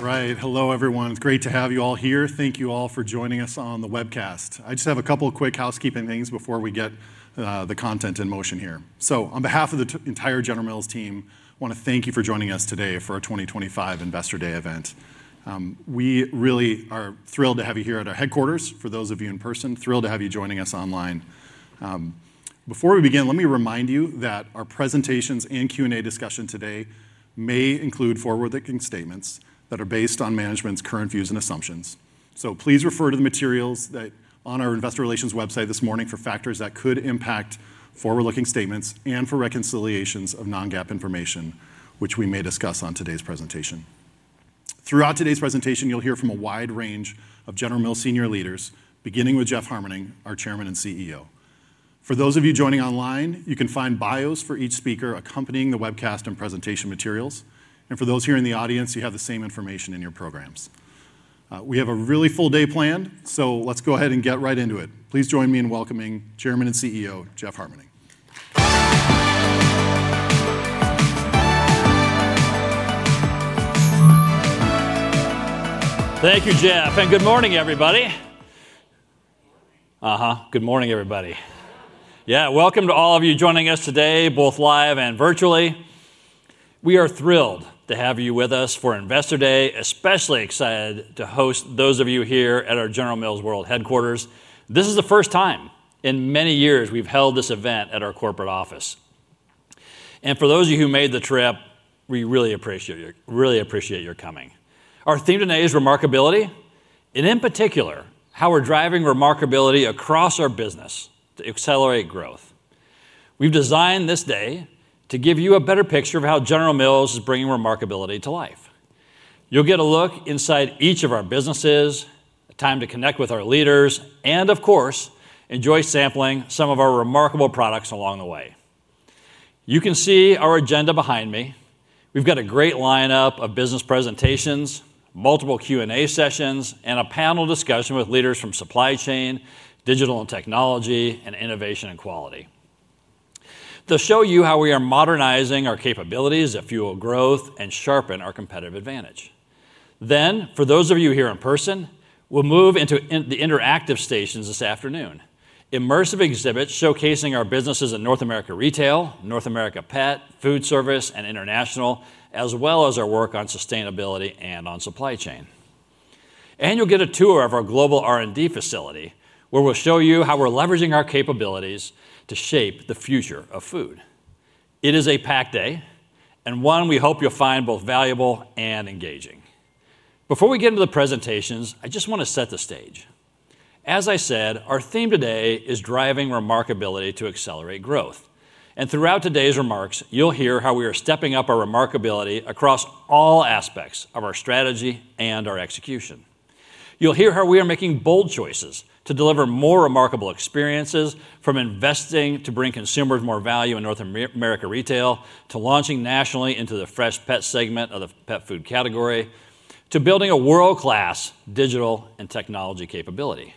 All right. Hello everyone. It's great to have you all here. Thank you all for joining us on the webcast. I just have a couple quick housekeeping things before we get the content in motion here. So on behalf of the entire General Mills team, I want to thank you for joining us today for our 2025 Investor Day event. We really are thrilled to have you here at our headquarters. For those of you in person, thrilled to have you joining us online. Before we begin, let me remind you that our presentations and Q&A discussion today may include forward looking statements that are based on management's current views and assumptions. So please refer to the materials on our investor relations website this morning for factors that could impact forward looking statements and for reconciliations of non GAAP information which we may discuss on today's presentation. Throughout today's presentation, you'll hear from a wide range of General Mill senior leaders, beginning with Jeff Harmening, our Chairman and CEO. For those of you joining online, you can find bios for each speaker accompanying the webcast and presentation materials. And for those here in the audience, you have the same information in your prog. We have a really full day planned, so let's go ahead and get right into it. Please join me in welcoming Chairman and CEO Jeff Harmening. Thank you, Jeff. Good morning everybody. Uh huh. Good morning everybody. Welcome to all of you joining us today, both live and virtually. We are thrilled to have you with us for Investor Day. Especially excited to host those of you here at our General Mills World Headquarters. This is the first time in many years we've held this event at our corporate office. For those of you who made the trip, we really appreciate your coming. Our theme today is remarkability and in particular how we're driving remarkability across our business to accelerate growth. We've designed this day to give you a better picture of how General Mills is bringing remarkability to life. You'll get a look inside each of our businesses, time to connect with our leaders, and of course, enjoy sampling some of our remarkable products. Along the way, you can see our agenda behind me. We've got a great lineup of business presentations, multiple Q&A sessions, and a panel discussion with leaders from supply chain, digital and technology, and innovation and quality. They'll show you how we are modernizing our capabilities that fuel growth and sharpen our competitive advantage. For those of you here in person, we'll move into the interactive stations this afternoon. Immersive exhibits showcasing our businesses in North America Retail, North America pet, food service, and international, as well as our work on sustainability and on supply chain. You'll get a tour of our global R&D facility where we'll show you how we're leveraging our capabilities to shape the future of food. It is a packed day and one we hope you'll find both valuable and engaging. Before we get into the presentations, I just want to set the stage. As I said, our theme today is driving remarkability to accelerate growth. Throughout today's remarks you'll hear how we are stepping up our remarkability across all aspects of our strategy and our execution. You'll hear how we are making bold choices to deliver more remarkable experiences, from investing to bring consumers more value in North America Retail, to launching nationally into the fresh pet segment of the pet food category, to building a world-class digital and technology capability.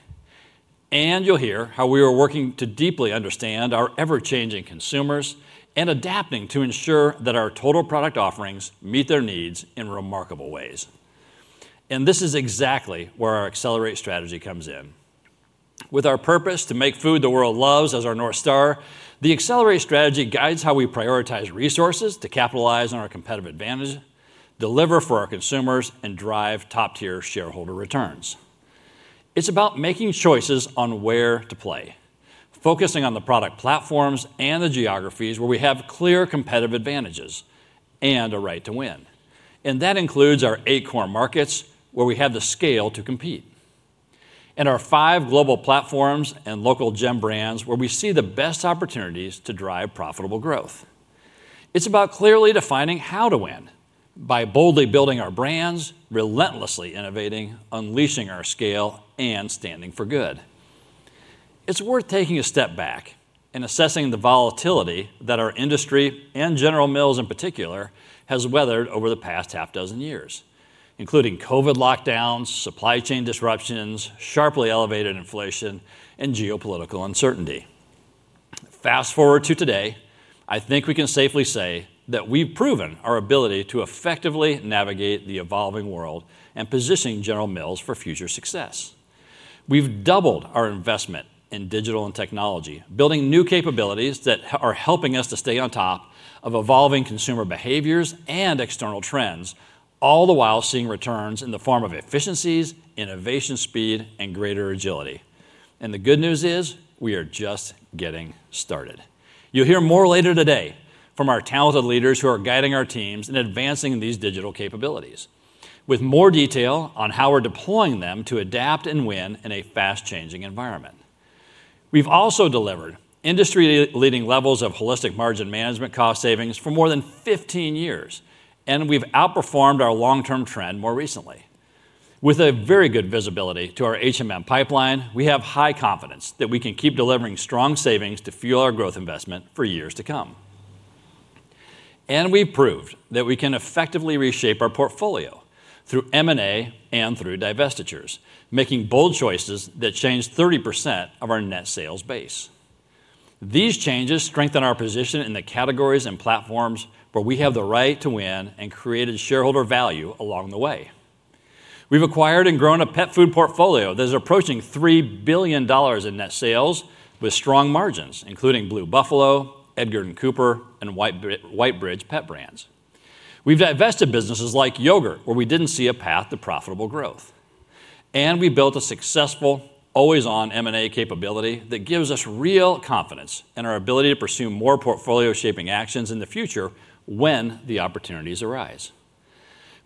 You'll hear how we are working to deeply understand our ever-changing consumers and adapting to ensure that our total product offerings meet their needs in remarkable ways. This is exactly where our Accelerate strategy comes in. With our purpose to make food the world loves as our North Star, the Accelerate strategy guides how we prioritize resources to capitalize on our competitive advantage, deliver for our consumers, and drive top tier shareholder returns. It's about making choices on where to play, focusing on the product platforms and the geographies where we have clear competitive advantages and a right to win. That includes our eight core markets where we have the scale to compete, and our five global platforms and local gem brands where we see the best opportunities to drive profitable growth. It's about clearly defining how to win by boldly building our brands, relentlessly innovating, unleashing our scale, and standing for good. It's worth taking a step back and assessing the volatility that our industry, and General Mills in particular, has weathered over the past half dozen years, including COVID lockdowns, supply chain disruptions, sharply elevated inflation, and geopolitical uncertainty. Fast forward to today, I think we can safely say that we've proven our ability to effectively navigate the evolving world and positioning General Mills for future success. We've doubled our investment in digital and technology, building new capabilities that are helping us to stay on top of evolving consumer behaviors and external trends, all the while seeing returns in the form of efficiencies, innovation speed, and greater agility. The good news is we are just getting started. You'll hear more later today from our talented leaders who are guiding our teams in advancing these digital capabilities with more detail on how we're deploying them to adapt and win in a fast changing environment. We've also delivered industry leading levels of holistic margin management cost savings for more than 15 years, and we've outperformed our long term trend more recently. With very good visibility to our HMM pipeline, we have high confidence that we can keep delivering strong savings to fuel our growth investment for years to come. We proved that we can effectively reshape our portfolio through M&A and through divestitures, making bold choices that change 30% of our net sales base. These changes strengthen our position in the categories and platforms where we have the right to win and created shareholder value. Along the way, we've acquired and grown a pet food portfolio that is approaching $3 billion in net sales with strong margins including Blue Buffalo, Edgard & Cooper, and Whitebridge Pet Brands. We've divested businesses like yogurt where we didn't see a path to profitable growth, and we built a successful always-on M&A capability that gives us real confidence in our ability to pursue more portfolio shaping actions in the future when the opportunities arise.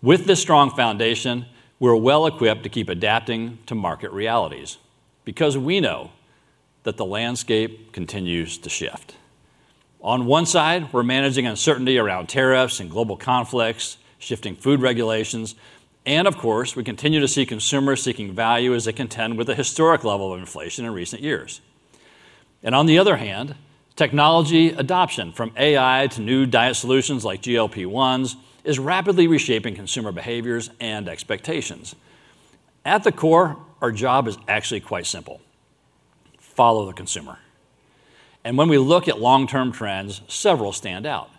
With this strong foundation, we're well equipped to keep adapting to market realities because we know that the landscape continues to shift. On one side, we're managing uncertainty around tariffs and global conflicts, shifting food regulations, and of course we continue to see consumers seeking value as they contend with the historic level of inflation in recent years. On the other hand, technology adoption from AI to new diet solutions like GLP-1s is rapidly reshaping consumer behaviors and expectations. At the core, our job is actually quite simple. Follow the consumer. When we look at long-term trends, several stand out.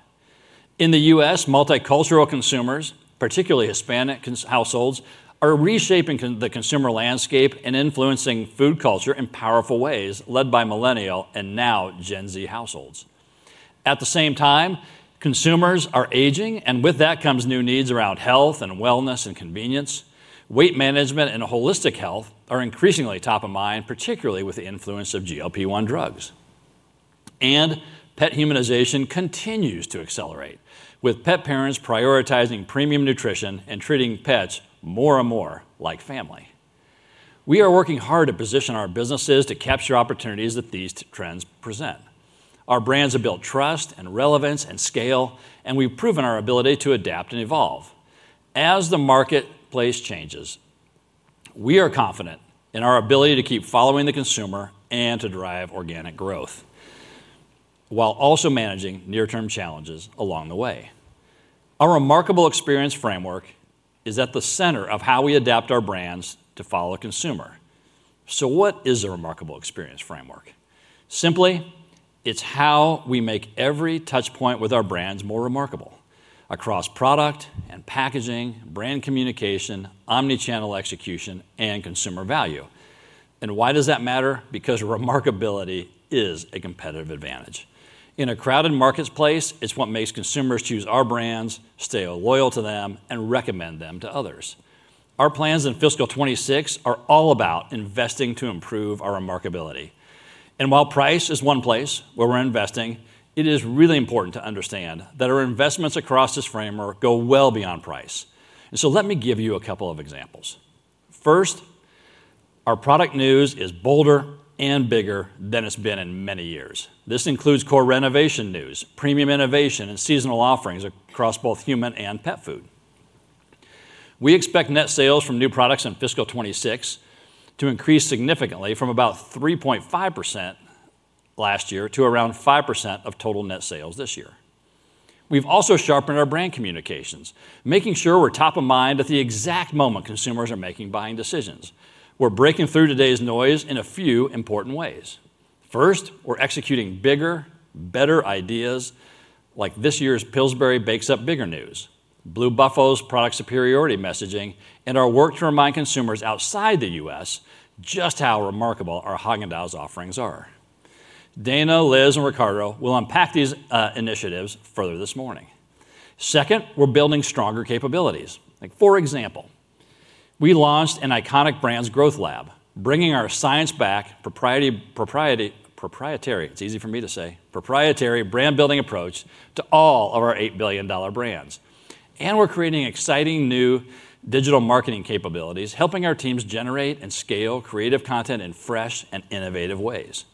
In the U.S., multicultural consumers, particularly Hispanic households, are reshaping the consumer landscape and influencing food culture in powerful ways, led by Millennial and now Gen Z households. At the same time, consumers are aging and with that comes new needs around health and wellness and convenience. Convenience, weight management, and holistic health are increasingly top of mind, particularly with the influence of GLP-1 drugs and pet. Humanization continues to accelerate with pet parents prioritizing premium nutrition and treating pets more and more like family. We are working hard to position our businesses to capture opportunities that these trends present. Our brands have built trust and relevance and scale, and we've proven our ability to adapt and evolve as the marketplace changes. We are confident in our ability to keep following the consumer and to drive organic growth while also managing near-term challenges along the way. Our remarkable experience framework is at the center of how we adapt our brands to follow consumer. So what is a remarkable experience framework? Simply, it's how we make every touchpoint with our brands more remarkable across product and packaging, brand communication, omnichannel execution, and consumer value. Why does that matter? Because remarkability is a competitive advantage in a crowded marketplace. It's what makes consumers choose our brands, stay loyal to them, and recommend them to others. Our plans in fiscal 2026 are all about investing to improve our remarkability. While price is one place where we're investing, it is really important to understand that our investments across this framework go well beyond price. Let me give you a couple of examples. First, our product news is bolder and bigger than it's been in many years. This includes core renovation news, premium innovation, and seasonal offerings across both human and pet food. We expect net sales from new products in fiscal 2026 to increase significantly, from about 3.5% last year to around 5% of total net sales this year. We've also sharpened our brand communications, making sure we're top of mind at the exact moment consumers are making buying decisions. We're breaking through today's noise in a few important ways. First, we're executing bigger, better ideas like this year's Pillsbury Bakes Up Bigger News, Blue Buffalo's Product Superiority messaging, and our work to remind consumers outside the U.S. just how remarkable our Haagen-Dazs offerings are. Dana, Liz, and Ricardo will unpack these initiatives further this morning. Second, we're building stronger capabilities. For example, we launched an Iconic Brands Growth Lab, bringing our science-backed proprietary—it's easy for me to say—proprietary brand building approach to all of our $8 billion brands. We're creating exciting new digital marketing capabilities, helping our teams generate and scale creative content in fresh and innovative ways.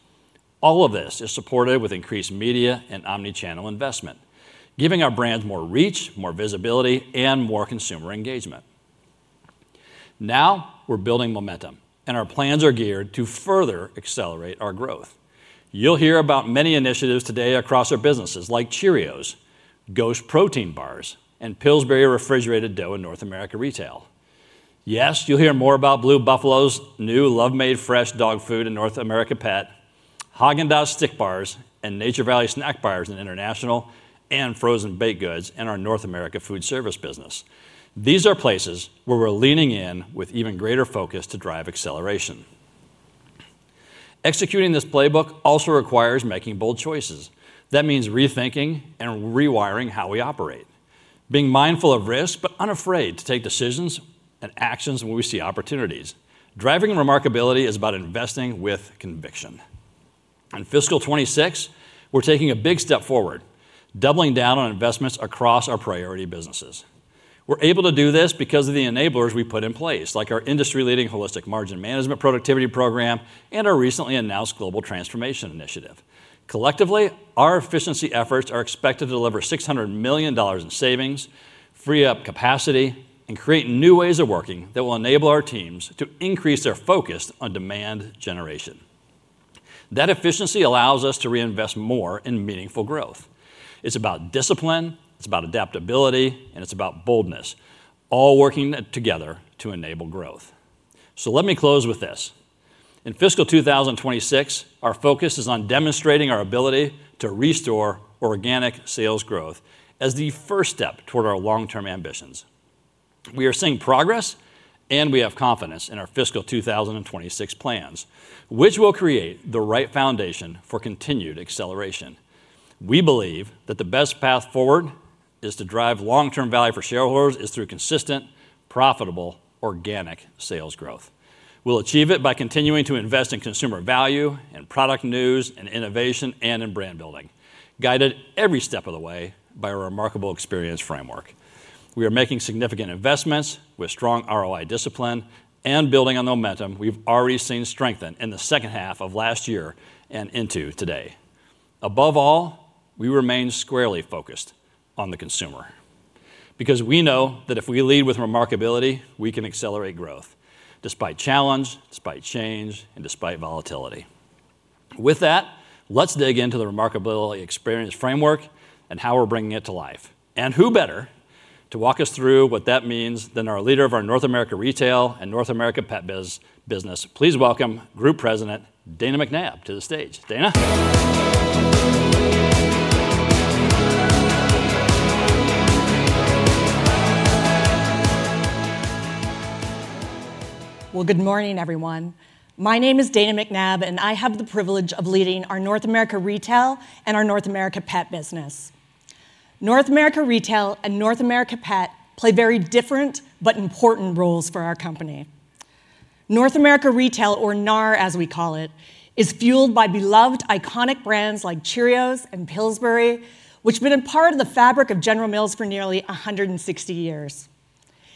All of this is supported with increased media and omnichannel investment, giving our brands more reach, more visibility, and more consumer engagement. Now we're building momentum and our plans are geared to further accelerate our growth. You'll hear about many initiatives today across our businesses like Cheerios, Ghost Protein Bars and Pillsbury Refrigerated Dough in North America Retail. Yes, you'll hear more about Blue Buffalo's new Love Made Fresh Dog Food in North America Pet, Haagen-Dazs Stick Bars and Nature Valley Snack Bars in International, and frozen baked goods in our North America food service business. These are places where we're leaning in with even greater focus to drive acceleration. Executing this playbook also requires making bold choices. That means rethinking and rewiring how we operate, being mindful of risk, but unafraid to take decisions and actions when we see opportunities. Driving remarkability is about investing with conviction. In fiscal 2026 we're taking a big step forward, doubling down on investments across our priority businesses. We're able to do this because of the enablers we put in place, like our industry-leading holistic margin management productivity program and our recently announced global transformation initiative. Collectively, our efficiency efforts are expected to deliver $600 million in savings, free up capacity, and create new ways of working that will enable our teams to increase their focus on demand generation. That efficiency allows us to reinvest more in meaningful growth. It's about discipline, it's about adaptability, and it's about boldness all working together to enable growth. Let me close with this. In fiscal 2026, our focus is on demonstrating our ability to restore organic net sales growth as the first step toward our long-term ambitions. We are seeing progress and we have confidence in our fiscal 2026 plans, which will create the right foundation for continued acceleration. We believe that the best path forward to drive long-term value for shareholders is through consistent, profitable organic net sales growth. We'll achieve it by continuing to invest in consumer value and product news and innovation and in brand building, guided every step of the way by a remarkability experience framework. We are making significant investments with strong ROI discipline and building on the momentum we've already seen strengthen in the second half of last year and into today. Above all, we remain squarely focused on the consumer because we know that if we lead with remarkability, we can accelerate growth despite challenge, despite change, and despite volatility. With that, let's dig into the remarkability experience framework and how we're bringing it to life. Who better to walk us through what that means than our leader of our North America Retail and North America Pet business. Please welcome Group President Dana McNabb to the stage. Dana. Good morning everyone. My name is Dana McNabb and I have the privilege of leading our North America Retail and our North America Pet business. North America Retail and North America Pet play very different but important roles for our company. North America Retail, or NAR as we call it, is fueled by beloved iconic brands like Cheerios and Pillsbury, which have been a part of the fabric of General Mills for nearly 160 years.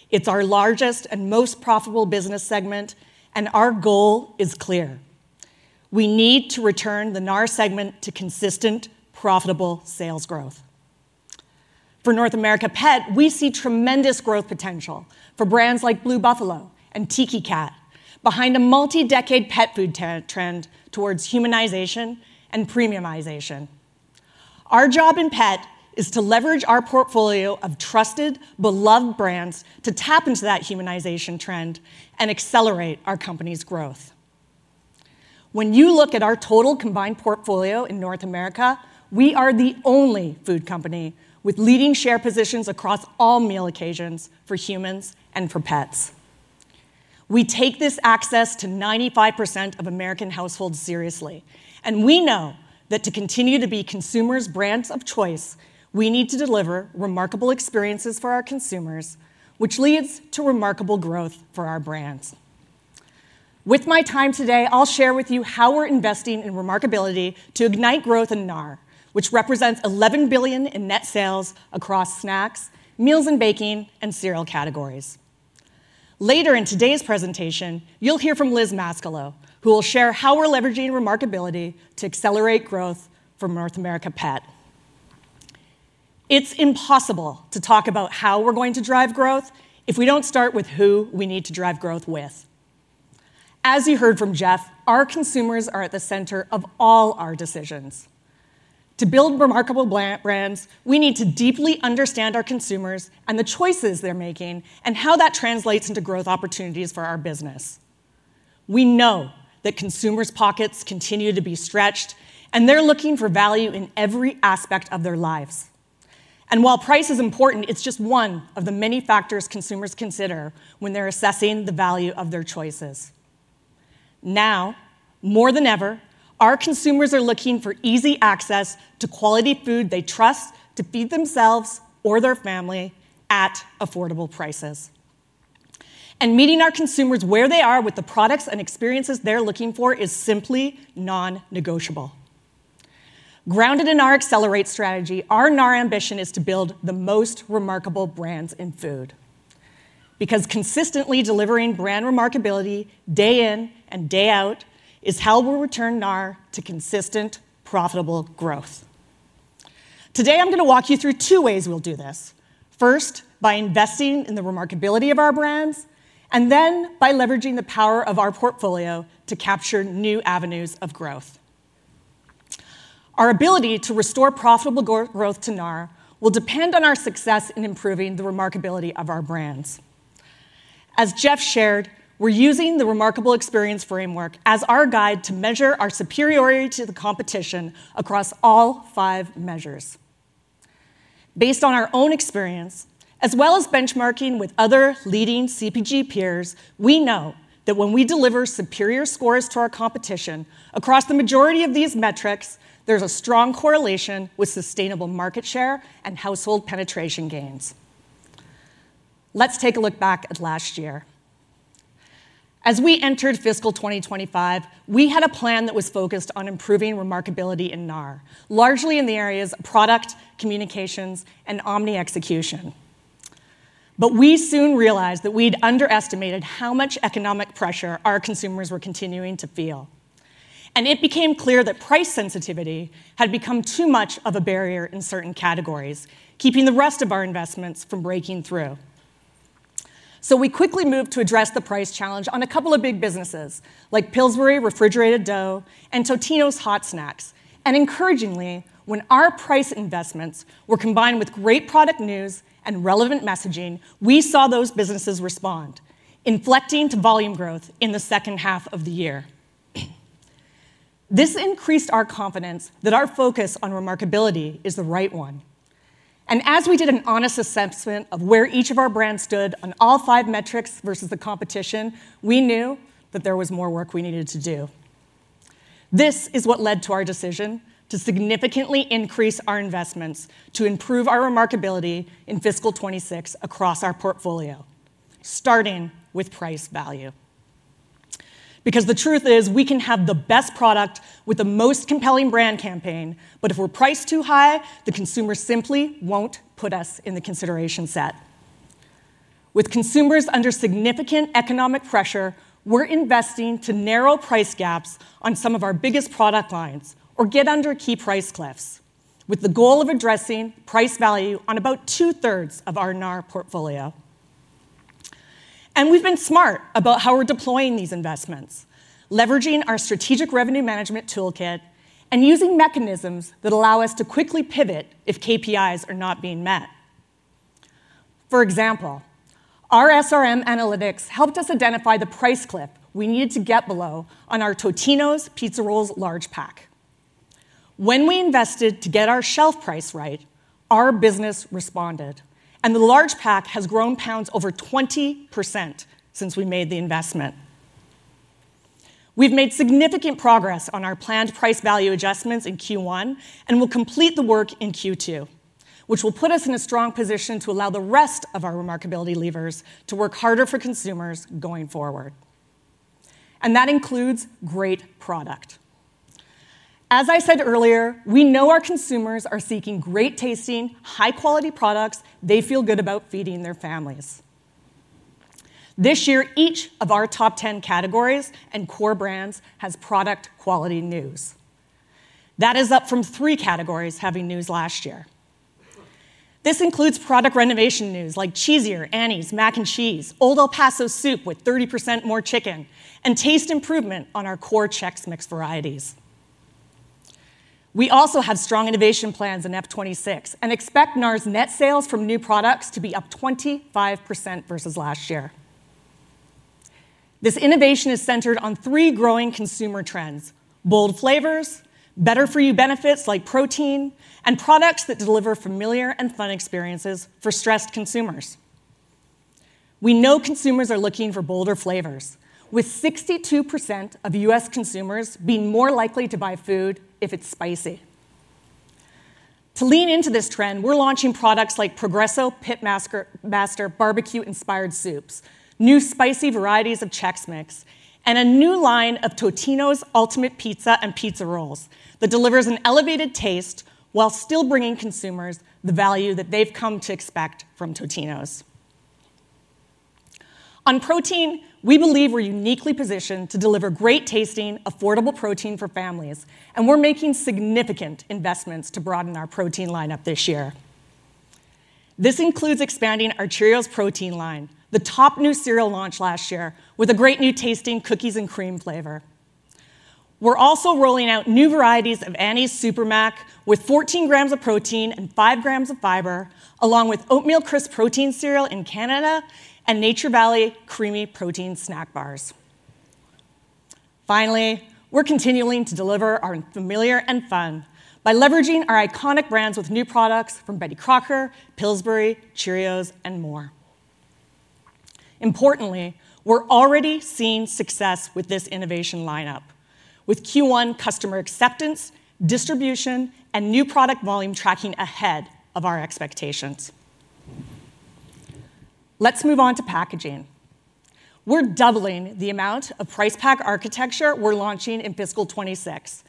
It's our largest and most profitable business segment, and our goal is clear. We need to return the NAR segment to consistent, profitable sales growth. For North America Pet, we see tremendous growth potential for brands like Blue Buffalo and Tiki Cat behind a multi-decade pet food trend towards humanization and premiumization. Our job in Pet is to leverage our portfolio of trusted, beloved brands to tap into that humanization trend and accelerate our company's growth. When you look at our total combined portfolio in North America, we are the only food company with leading share positions across all meal occasions for humans and for pets. We take this access to 95% of American households seriously, and we know that to continue to be consumers' brands of choice, we need to deliver remarkable experiences for our consumers, which leads to remarkable growth for our brands. With my time today, I'll share with you how we're investing in remarkability to ignite growth in NAR, which represents $11 billion in net sales across snacks, meals, and baking and cereal categories. Later in today's presentation, you'll hear from Liz Mascolo, who will share how we're leveraging remarkability to accelerate growth from North America Pet. It's impossible to talk about how we're going to drive growth if we don't start with who we need to drive growth with. As you heard from Jeff, our consumers are at the center of all our decisions. To build remarkable brands, we need to deeply understand our consumers and the choices they're making and how that translates into growth opportunities for our business. We know that consumers' pockets continue to be stretched and they're looking for value in every aspect of their lives. While price is important, it's just one of the many factors consumers consider when they're assessing the value of their choices. Now more than ever, our consumers are looking for easy access to quality food they trust to feed themselves or their family at affordable prices. Meeting our consumers where they are with the products and experiences they're looking for is simply non-negotiable. Grounded in our Accelerate strategy, our NAR ambition is to build the most remarkable brands in food because consistently delivering brand remarkability day in and day out is how we'll return NAR to consistent, profitable growth. Today, I'm going to walk you through two ways we'll do this: first by investing in the remarkability of our brands and then by leveraging the power of our portfolio to capture new avenues of growth. Our ability to restore profitable growth to NAR will depend on our success in improving the remarkability of our brands. As Jeff shared, we're using the Remarkable Experience Framework as our guide to measure our superiority to the competition across all five measures. Based on our own experience, as well as benchmarking with other leading CPG peers, we know that when we deliver superior scores to our competition across the majority of these metrics, there's a strong correlation with sustainable market share and household penetration gains. Let's take a look back at last year. As we entered fiscal 2025, we had a plan that was focused on improving remarkability in NAR, largely in the areas of product communications and omni execution. We soon realized that we'd underestimated how much economic pressure our consumers were continuing to feel, and it became clear that price sensitivity had become too much of a barrier in certain categories, keeping the rest of our investments from breaking through. We quickly moved to address the price challenge on a couple of big businesses like Pillsbury Refrigerated Dough and Totino’s Hot Snacks. Encouragingly, when our price investments were combined with great product news and relevant messaging, we saw those businesses respond, inflecting to volume growth in the second half of the year. This increased our confidence that our focus on remarkability is the right one. As we did an honest assessment of where each of our brands stood on all five metrics versus the competition, we knew that there was more work we needed to do. This is what led to our decision to significantly increase our investments to improve our remarkability in fiscal 2026 across our portfolio, starting with price value, because the truth is we can have the best product with the most compelling brand campaign, but if we're priced too high, the consumer simply won't put us in the consideration set. With consumers under significant economic pressure, we're investing to narrow price gaps on some of our biggest product lines or get under key price cliffs with the goal of addressing price value on about two thirds of our NAR portfolio. We've been smart about how we're deploying these investments, leveraging our Strategic Revenue Management toolkit and using mechanisms that allow us to quickly pivot if KPIs are not being met. For example, our SRM analytics helped us identify the price cliff we needed to get below on our Totino’s Pizza Rolls Large Pack. When we invested to get our shelf price right, our business responded and the large pack has grown pounds over 20% since we made the investment. We've made significant progress on our planned price value adjustments in Q1 and will complete the work in Q2, which will put us in a strong position to allow the rest of our remarkability levers to work harder for consumers going forward. That includes great product. As I said earlier, we know our consumers are seeking great tasting, high quality products they feel good about feeding their families. This year, each of our top 10 categories and core brands has product quality news that is up from three categories having news last year. This includes product renovation news like cheesier Annie's Mac and Cheese, Old El Paso soup with 30% more chicken, and taste improvement on our core Chex Mix varieties. We also have strong innovation plans in F26 and expect NAR's net sales from new products to be up 25% versus last year. This innovation is centered on three growing consumer trends: bold flavors, better for you benefits like protein, and products that deliver familiar and fun experiences for stressed consumers. We know consumers are looking for bolder flavors, with 62% of U.S. consumers being more likely to buy food if it's spicy. To lean into this trend, we're launching products like Progresso Pitmaster Barbecue Inspired Soups, new spicy varieties of Chex Mix, and a new line of Totino’s Ultimate Pizza and Pizza Rolls that delivers an elevated taste while still bringing consumers the value that they've come to expect from Totino’s. On protein, we believe we're uniquely positioned to deliver great tasting, affordable protein for families, and we're making significant investments to broaden our protein lineup this year. This includes expanding our Cheerios protein line, the top new cereal launch last year with a great new tasting cookies and cream flavor. We're also rolling out new varieties of Annie's Super Mac, which with 14 g of protein and 5 g of fiber, along with Oatmeal Crisp Protein Cereal in Canada and Nature Valley Creamy Protein Snack Bars. Finally, we're continuing to deliver our familiar and fun by leveraging our iconic brands with new products from Betty Crocker, Pillsbury, Cheerios, and more importantly, we're already seeing success with this innovation lineup with Q1 customer acceptance, distribution, and new product volume tracking ahead of our expectations. Let's move on to packaging. We're doubling the amount of price pack architecture we're launching in fiscal 2026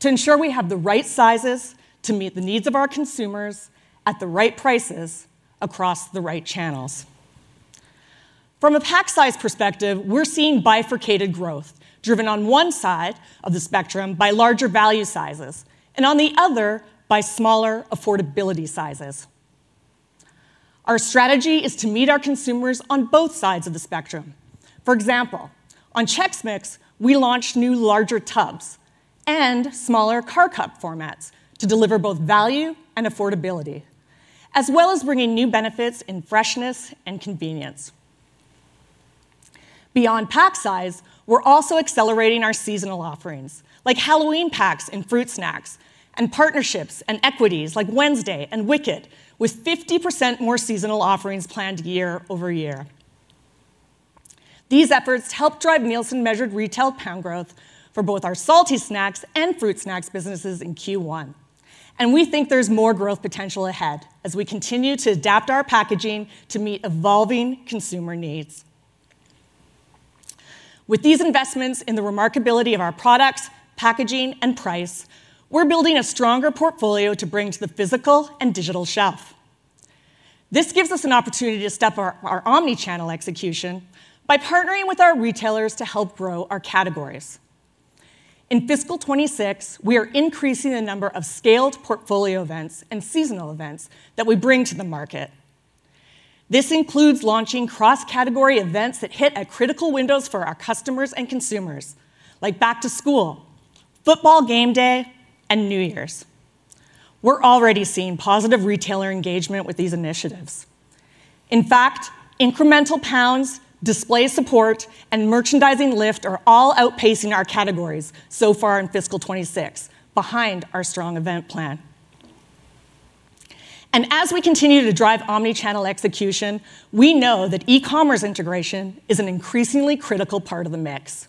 to ensure we have the right sizes to meet the needs of our consumers at the right prices across the right channels. From a pack size perspective, we're seeing bifurcated growth driven on one side of the spectrum by larger value sizes and on the other by smaller affordability sizes. Our strategy is to meet our consumers on both sides of the spectrum. For example, on Chex Mix, we launched new larger tubs and smaller car cup formats to deliver both value and affordability as well as bringing new benefits in freshness and convenience. Beyond pack size, we're also accelerating our seasonal offerings like Halloween packs in fruit snacks and partnerships and equities like Wednesday and Wicked, with 50% more seasonal offerings planned year over year. These efforts helped drive Nielsen measured retail pound growth for both our salty snacks and fruit snacks businesses in Q1, and we think there's more growth potential ahead as we continue to adapt our packaging to meet evolving consumer needs. With these investments in the remarkability of our products, packaging, and price, we're building a stronger portfolio to bring to the physical and digital shelf. This gives us an opportunity to step our omnichannel execution by partnering with our retailers to help grow our categories. In fiscal 2026, we are increasing the number of scaled portfolio events and seasonal events that we bring to the market. This includes launching cross category events that hit at critical windows for our customers and consumers like Back to School, Football Game Day, and New Year's. We're already seeing positive retailer engagement with these initiatives. In fact, incremental pounds, display support, and merchandising lift are all outpacing our categories so far in fiscal 2026. Behind our strong event plan and as we continue to drive omnichannel execution, we know that E-commerce integration is an increasingly critical part of the mix.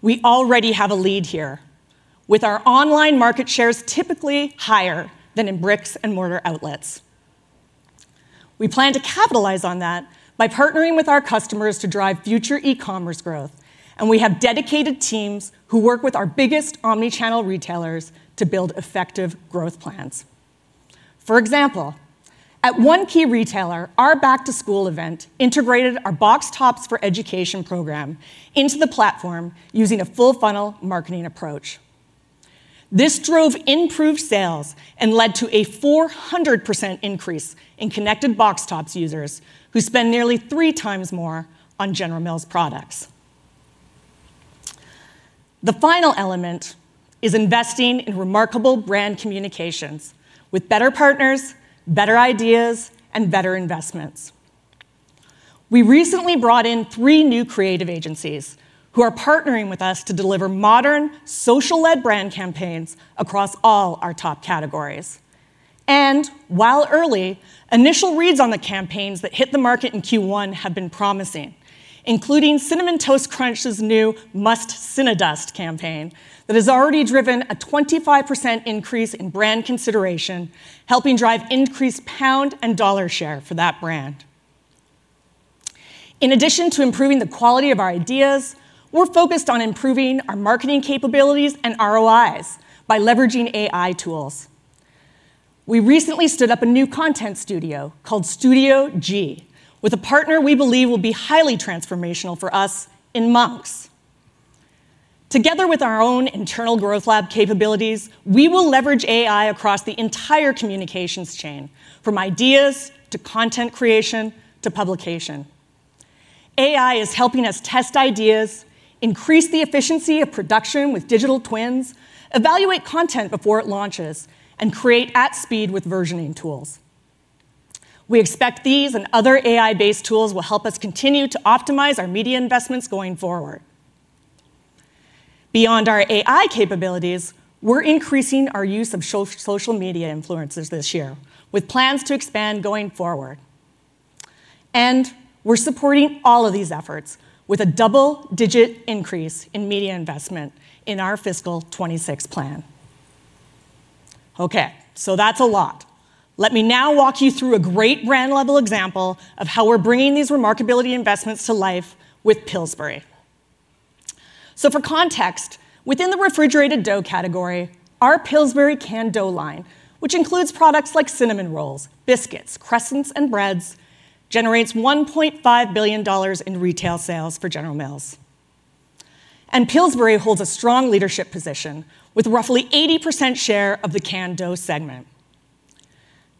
We already have a lead here, with our online market shares typically higher than in bricks-and-mortar outlets. We plan to capitalize on that by partnering with our customers to drive future E-commerce growth, and we have dedicated teams who work with our biggest omnichannel retailers to build effective growth plans. For example, at one key retailer, our Back to School event integrated our Box Tops for Education program into the platform using a full-funnel marketing approach. This drove improved sales and led to a 400% increase in connected Box Tops users who spend nearly three times more on General Mills products. The final element is investing in remarkable brand communications with better partners, better ideas, and better investments. We recently brought in three new creative agencies who are partnering with us to deliver modern social-led brand campaigns across all our top categories. While early initial reads on the campaigns that hit the market in Q1 have been promising, including Cinnamon Toast Crunch's new Must CINNADUST campaign that has already driven a 25% increase in brand consideration, helping drive increased pound and dollar share for that brand. In addition to improving the quality of our ideas, we're focused on improving our marketing capabilities and ROIs by leveraging AI tools. We recently stood up a new content studio called Studio G with a partner we believe will be highly transformational for us in Monks. Together with our own internal growth lab capabilities, we will leverage AI across the entire communications chain, from ideas to content creation to publication. AI is helping us test ideas, increase the efficiency of production with digital twins, evaluate content before it launches, and create at speed with versioning tools. We expect these and other AI-based tools will help us continue to optimize our media investments going forward. Beyond our AI capabilities, we're increasing our use of social media influencers this year with plans to expand going forward, and we're supporting all of these efforts with a double-digit increase in media investment in our fiscal 2026 plan. Let me now walk you through a great brand-level example of how we're bringing these remarkability investments to life with Pillsbury. For context, within the refrigerated dough category, our Pillsbury canned dough line, which includes products like cinnamon rolls, biscuits, crescents, and breads, generates $1.5 billion in retail sales for General Mills, and Pillsbury holds a strong leadership position with roughly 80% share of the canned dough segment.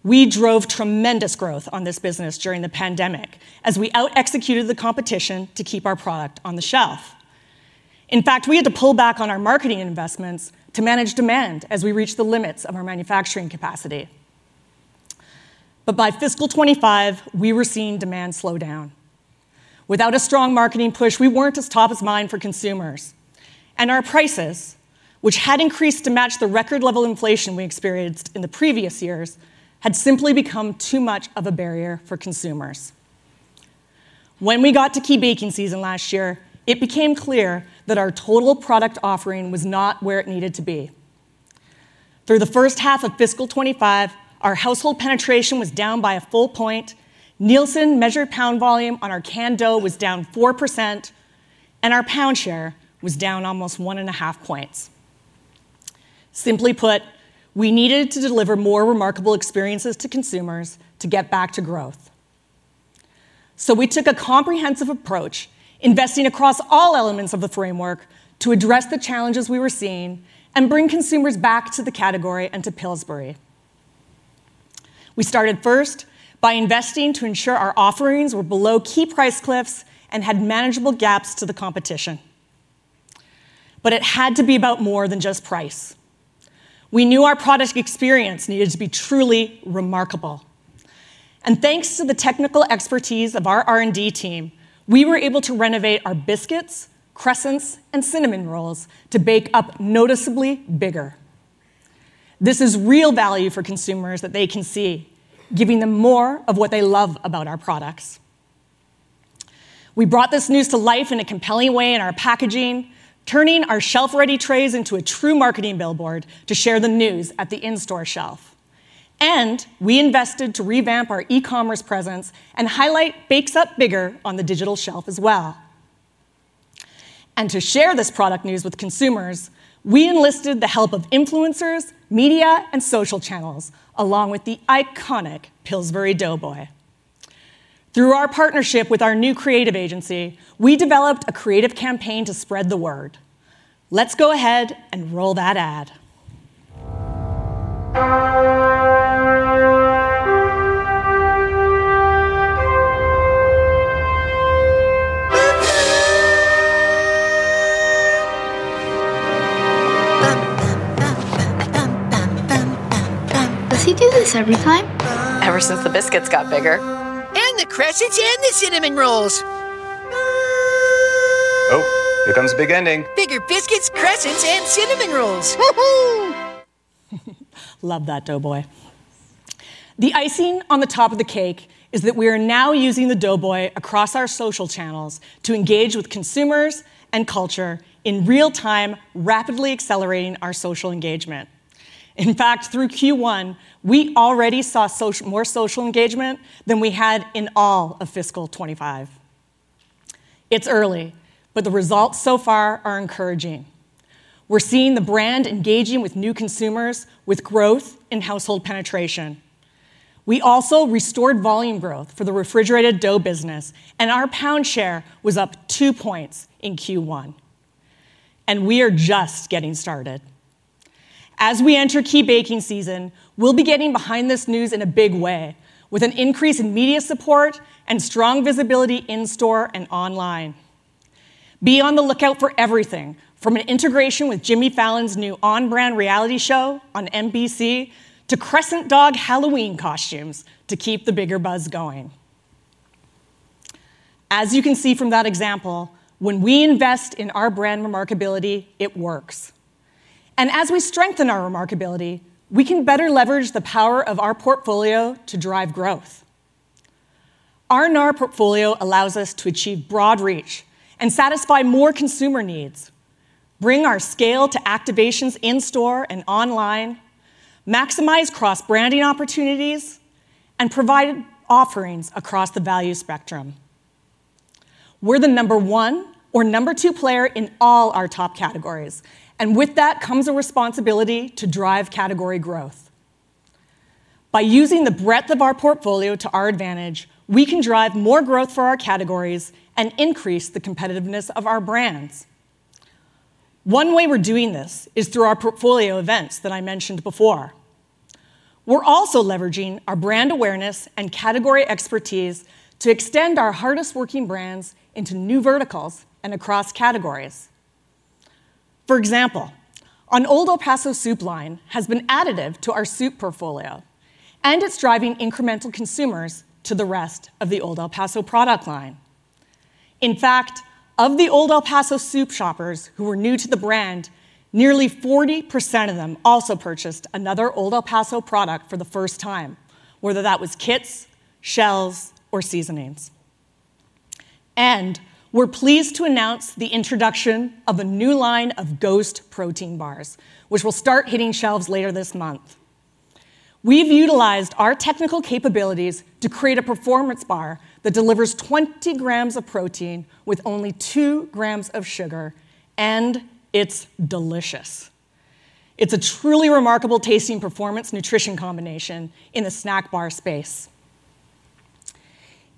We drove tremendous growth on this business during the pandemic as we out-executed the competition to keep our product on the shelf. In fact, we had to pull back on our marketing investments to manage demand as we reached the limits of our manufacturing capacity. By fiscal 2025, we were seeing demand slow down. Without a strong marketing push, we weren't as top of mind for consumers, and our prices, which had increased to match the record level inflation we experienced in the previous years, had simply become too much of a barrier for consumers. When we got to key baking season last year, it became clear that our total product offering was not where it needed to be. Through the first half of fiscal 2025, our household penetration was down by a full point. Nielsen measured pound volume on our canned dough was down 4%, and our pound share was down almost 1.5 points. Simply put, we needed to deliver more remarkable experiences to consumers to get back to growth. We took a comprehensive approach, investing across all elements of the framework to address the challenges we were seeing and bring consumers back to the category and to Pillsbury. We started first by investing to ensure our offerings were below key price cliffs and had manageable gaps to the competition. It had to be about more than just price. We knew our product experience needed to be truly remarkable, and thanks to the technical expertise of our R&D team, we were able to renovate our biscuits, crescents, and cinnamon rolls to bake up noticeably bigger. This is real value for consumers that they can see, giving them more of what they love about our products. We brought this news to life in a compelling way in our packaging, turning our shelf-ready trays into a true marketing billboard to share the news at the in-store shelf. We invested to revamp our e-commerce presence and highlight bakes up bigger on the digital shelf as well. To share this product news with consumers, we enlisted the help of influencers, media, and social channels along with the iconic Pillsbury Doughboy. Through our partnership with our new creative agency, we developed a creative campaign to spread the word. Let's go ahead and roll that ad. Does he do this every time? Ever since the biscuits got bigger. The crescents and the cinnamon rolls. Oh, here comes the big ending. Bigger biscuits, crescents and cinnamon rolls. Love that Doughboy. The icing on the top of the cake is that we are now using the Doughboy across our social channels to engage with consumers and culture in real time, rapidly accelerating our social engagement. In fact, through Q1 we already saw more social engagement than we had in all of fiscal 2025. It's early, but the results so far are encouraging. We're seeing the brand engaging with new consumers with growth in household penetration. We also restored volume growth for the refrigerated dough business and our pound share was up two points in Q1. We are just getting started. As we enter key baking season, we will be getting behind this news in a big way with an increase in media support and strong visibility in store and online. Be on the lookout for everything from an integration with Jimmy Fallon's new on brand reality show on NBC to Crescent dog Halloween costumes to keep the bigger buzz going. As you can see from that example, when we invest in our brand remarkability, it works. As we strengthen our remarkability, we can better leverage the power of our portfolio to drive growth. Our NAR portfolio allows us to achieve broad reach and satisfy more consumer needs. Bring our scale to activations in store and online, maximize cross branding opportunities and provide offerings across the value spectrum. We're the number one or number two player in all our top categories and with that comes a responsibility to drive category growth. By using the breadth of our portfolio to our advantage, we can drive more growth for our categories and increase the competitiveness of our brands. One way we're doing this is through our portfolio events that I mentioned before. We're also leveraging our brand awareness and category expertise to extend our hardest working brands into new verticals and across categories. For example, an Old El Paso soup line has been additive to our soup portfolio and it's driving incremental consumers to the rest of the Old El Paso product line. In fact, of the Old El Paso soup shoppers who were new to the brand, nearly 40% of them also purchased another Old El Paso product for the first time, whether that was kits, shells or seasonings. We're pleased to announce the introduction of a new line of Ghost protein bars which will start hitting shelves later this month. We've utilized our technical capabilities to create a performance bar that delivers 20 g of protein with only 2 g of sugar, and it's delicious. It's a truly remarkable tasting performance nutrition combination in the snack bar space.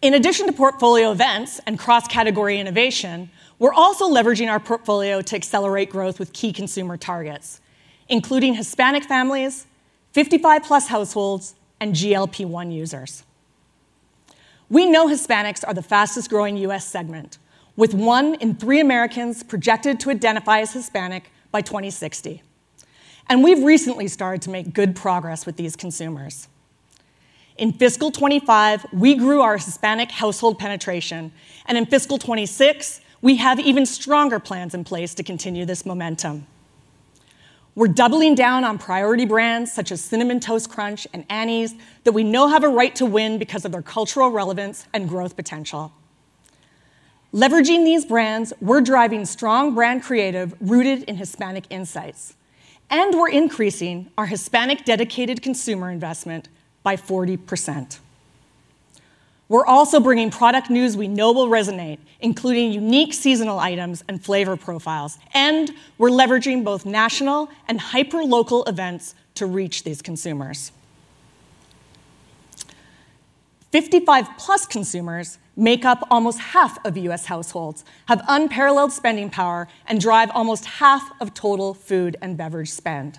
In addition to portfolio events and cross-category innovation, we're also leveraging our portfolio to accelerate growth with key consumer targets including Hispanic families, 55+ households, and GLP-1 users. We know Hispanics are the fastest growing U.S. segment with 1 in 3 Americans projected to identify as Hispanic participants by 2060, and we've recently started to make good progress with these consumers. In fiscal 2025, we grew our Hispanic household penetration, and in fiscal 2026, we have even stronger plans in place to continue this momentum. We're doubling down on priority brands such as Cinnamon Toast Crunch and Annie's that we know have a right to win because of their cultural relevance and growth potential. Leveraging these brands, we're driving strong brand creative rooted in Hispanic insights, and we're increasing our Hispanic-dedicated consumer investment by 40%. We're also bringing product news we know will resonate, including unique seasonal items and flavor profiles. We're leveraging both national and hyper-local events to reach these consumers. 55+ consumers make up almost half of U.S. households, have unparalleled spending power, and drive almost half of total food and beverage spend.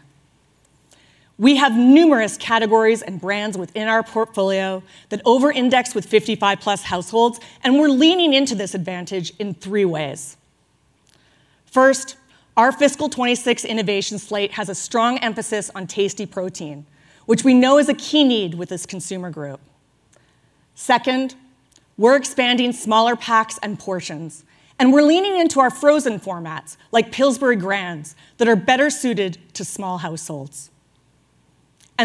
We have numerous categories and brands within our portfolio that over-index with 55+ households, and we're leaning into this advantage in three ways. First, our fiscal 2026 innovation slate has a strong emphasis on tasty protein, which we know is a key need with this consumer group. Second, we're expanding smaller packs and portions, and we're leaning into our frozen formats like Pillsbury Grands that are better suited to small households.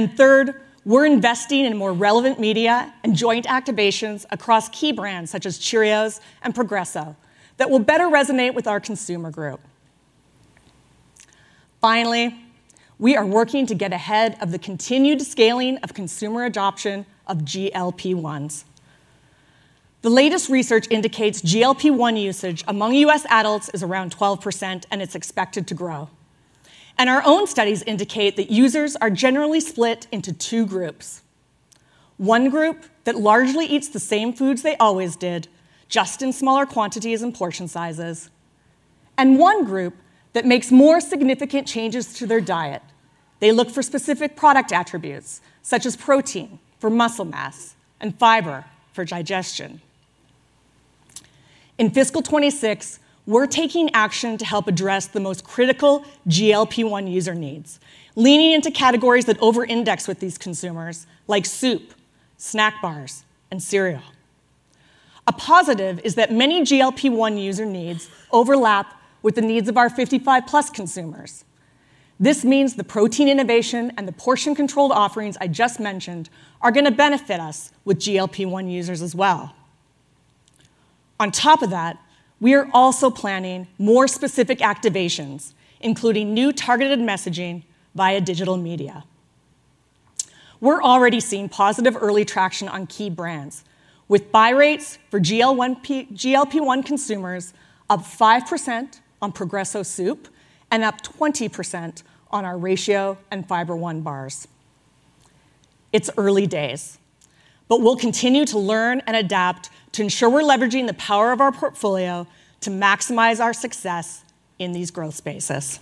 Third, we're investing in more relevant media and joint activations across key brands such as Cheerios and Progresso that will better resonate with our consumer group. Finally, we are working to get ahead of the continued scaling of consumer adoption of GLP-1s. The latest research indicates GLP-1 usage among U.S. adults is around 12%, and it's expected to grow. Our own studies indicate that users are generally split into two groups. One group that largely eats the same foods they always did, just in smaller quantities and portion sizes, and one group that makes more significant changes to their diet. They look for specific product attributes such as protein for muscle mass and fiber for digestion. In fiscal 2026, we're taking action to help address the most critical GLP-1 user needs, leaning into categories that over-index with these consumers like soup, snack bars, and cereal. A positive is that many GLP-1 user needs overlap with the needs of our 55+ consumers. This means the protein innovation and the portion-controlled offerings I just mentioned are going to benefit us with GLP-1 users as well. On top of that, we are also planning more specific activations, including new targeted messaging via digital media. We're already seeing positive early traction on key brands, with buy rates for GLP-1 consumers up 5% on Progresso soup and up 20% on our Ratio and Fiber One bars. It's early days, but we'll continue to learn and adapt to ensure we're leveraging the power of our portfolio to maximize our success in these growth spaces.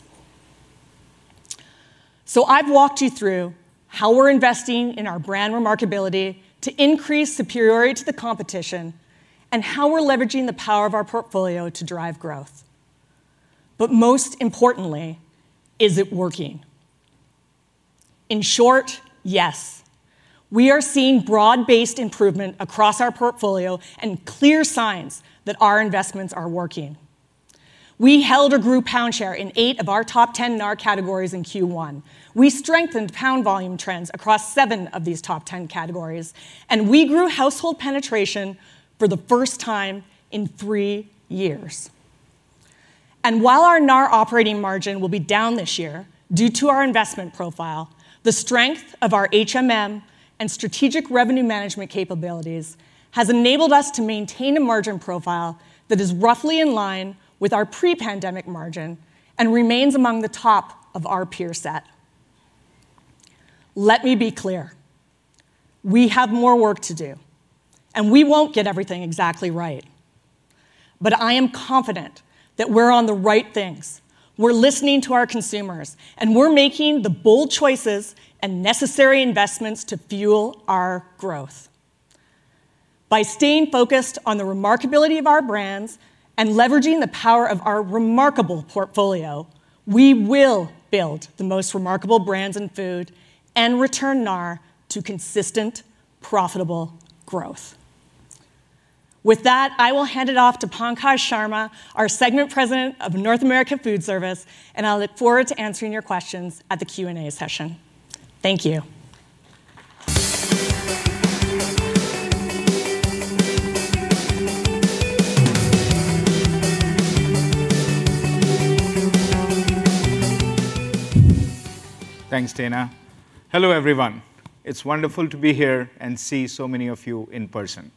I've walked you through how we're investing in our brand remarkability to increase superiority to the competition and how we're leveraging the power of our portfolio to drive growth. Most importantly, is it working? In short, yes, we are seeing broad-based improvement across our portfolio and clear signs that our investments are working. We held or grew pound share in 8 of our top 10 North America Retail categories in Q1, we strengthened pound volume trends across 7 of these top 10 categories, and we grew household penetration for the first time in three years. While our North America Retail operating margin will be down this year due to our investment profile, the strength of our holistic margin management and strategic revenue management capabilities has enabled us to maintain a margin profile that is roughly in line with our pre-pandemic margin and remains among the top of our peer set. Let me be clear, we have more work to do and we won't get everything exactly right, but I am confident that we're on the right things. We're listening to our consumers and we're making the bold choices and necessary investments to fuel our growth. By staying focused on the remarkability of our brands and leveraging the power of our remarkable portfolio, we will build the most remarkable brands in food and return North America Retail to consistent, profitable growth. With that, I will hand it off to Pankaj Sharma, our Segment President of North America Food Service, and I look forward to answering your questions at the Q&A session. Thank you. Thanks Dana. Hello everyone. It's wonderful to be here and see so many of you in person.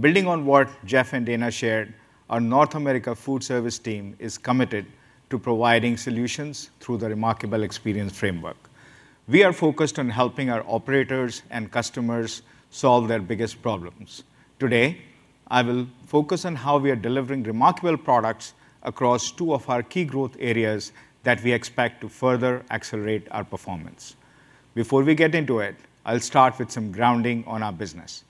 Building on what Jeff and Dana shared, our North America Food Service team is committed to providing solutions through the Remarkable Experience Framework. We are focused on helping our operators and customers solve their biggest problems. Today, I will focus on how we are delivering remarkable products across two of our key growth areas that we expect to further accelerate our performance. Before we get into it, I'll start with some grounding on our business.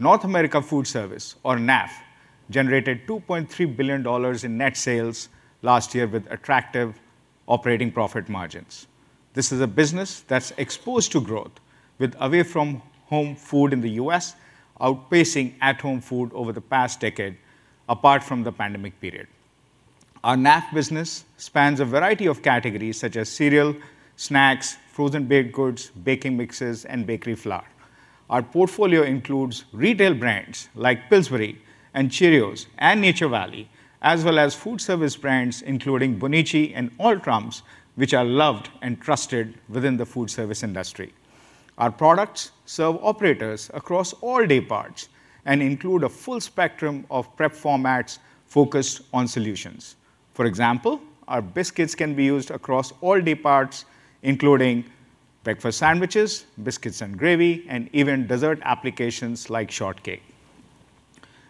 North America Food Service, or NAF, generated $2.3 billion in net sales last year with attractive operating profit margins. This is a business that's exposed to growth with away from home food in the U.S. outpacing at home food over the past decade. Apart from the pandemic period, our NAF business spans a variety of categories such as cereal, snacks, frozen baked goods, baking mixes, and bakery flour. Our portfolio includes retail brands like Pillsbury, Cheerios, and Nature Valley as well as food service brands including BONICI and All Trumps, which are loved and trusted within the food service industry. Our products serve operators across all day parts and include a full spectrum of prep formats focused on solutions. For example, our biscuits can be used across all day parts including breakfast sandwiches, biscuits and gravy, and even dessert applications like shortcake.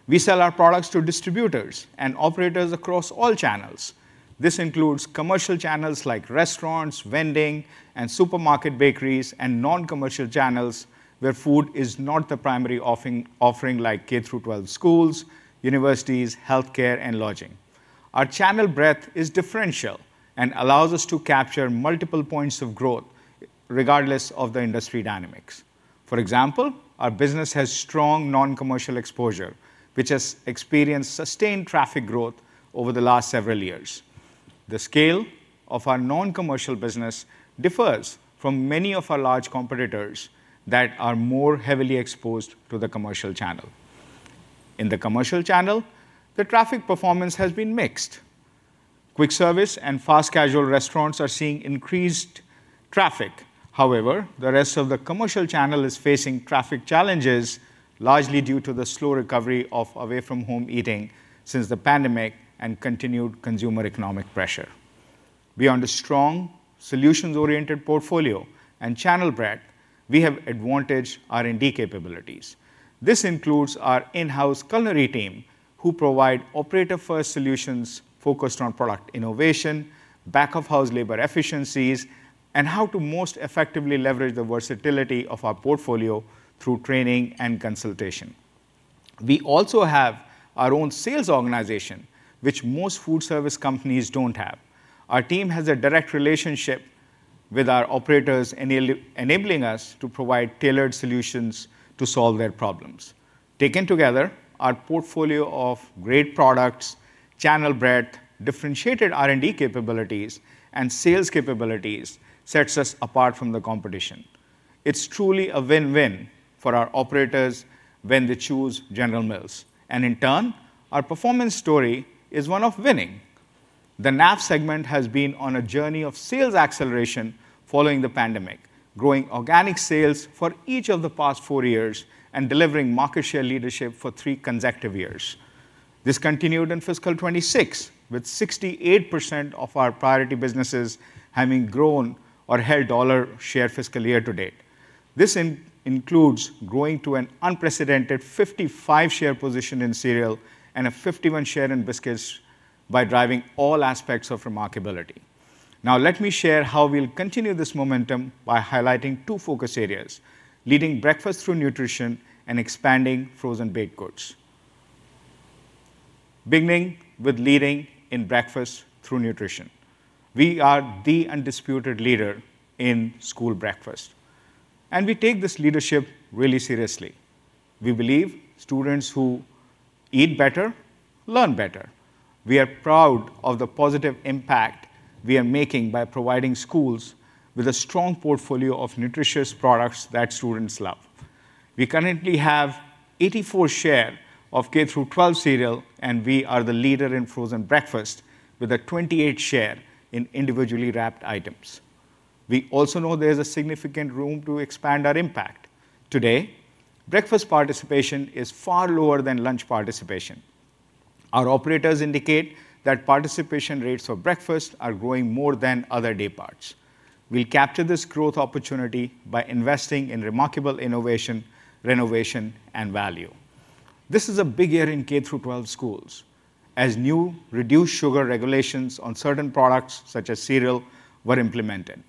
We sell our products to distributors and operators across all channels. This includes commercial channels like restaurants, vending, and supermarket bakeries, and non-commercial channels where food is not the primary offering like K-12 schools, universities, health care, and lodging. Our channel breadth is differential and allows us to capture multiple points of growth regardless of the industry dynamics. For example, our business has strong non-commercial exposure, which has experienced sustained traffic growth over the last several years. The scale of our non-commercial business differs from many of our large competitors that are more heavily exposed to the commercial channel. In the commercial channel, the traffic performance has been mixed. Quick service and fast casual restaurants are seeing increased traffic. However, the rest of the commercial channel is facing traffic challenges largely due to the slow recovery of away from home eating since the pandemic and continued consumer economic pressure. Beyond a strong solutions-oriented portfolio and channel breadth, we have advantaged R&D capabilities. This includes our in-house culinary team who provide operator-first solutions focused on product innovation, back-of-house labor efficiencies, and how to most effectively leverage the versatility of our portfolio through training and consultation. We also have our own sales organization, which most food service companies don't have. Our team has a direct relationship with our operators, enabling us to provide tailored solutions to solve their problems. Taken together, our portfolio of great products, channel breadth, differentiated R&D capabilities, and sales capabilities sets us apart from the competition. It's truly a win-win for our operators when they choose General Mills, and in turn, our performance story is one of winning. The NAV segment has been on a journey of sales acceleration following the pandemic, growing organic sales for each of the past four years and delivering market share leadership for three consecutive years. This continued in fiscal 2026 with 68% of our priority businesses having grown or held dollar share fiscal year to date. This includes growing to an unprecedented 55% share position in cereal and a 51% share in biscuits by driving all aspects of remarkability. Now let me share how we'll continue this momentum by highlighting two focus areas: leading breakfast through nutrition and expanding frozen baked goods. Beginning with leading in breakfast through nutrition, we are the undisputed leader in school breakfast, and we take this leadership really seriously. We believe students who eat better learn better. We are proud of the positive impact we are making by providing schools with a strong portfolio of nutritious products that students love. We currently have 84% share of K-12 cereal, and we are the leader in frozen breakfast with a 28% share in individually wrapped items. We also know there's significant room to expand our impact. Today, breakfast participation is far lower than lunch participation. Our operators indicate that participation rates of breakfast are growing more than other dayparts. We capture this growth opportunity by investing in remarkable innovation, renovation, and value. This is a big year in K-12 schools as new reduced sugar regulations on certain products such as cereal were implemented.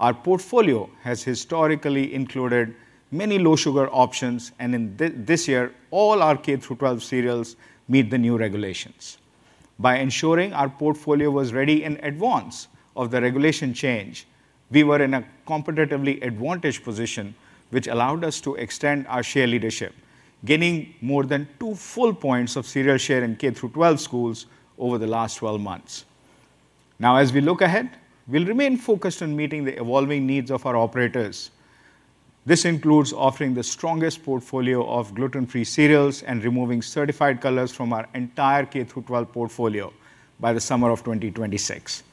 Our portfolio has historically included many low sugar options and this year all our K12 cereals meet the new regulations. By ensuring our portfolio was ready in advance of the regulation change, we were in a competitively advantaged position, which allowed us to extend our share leadership, gaining more than two full points of cereal share in K12 schools over the last 12 months. Now as we look ahead, we'll remain focused on meeting the evolving needs of our operators. This includes offering the strongest portfolio of gluten free cereals and removing certified colors from our entire K12 portfolio by the summer of 2026.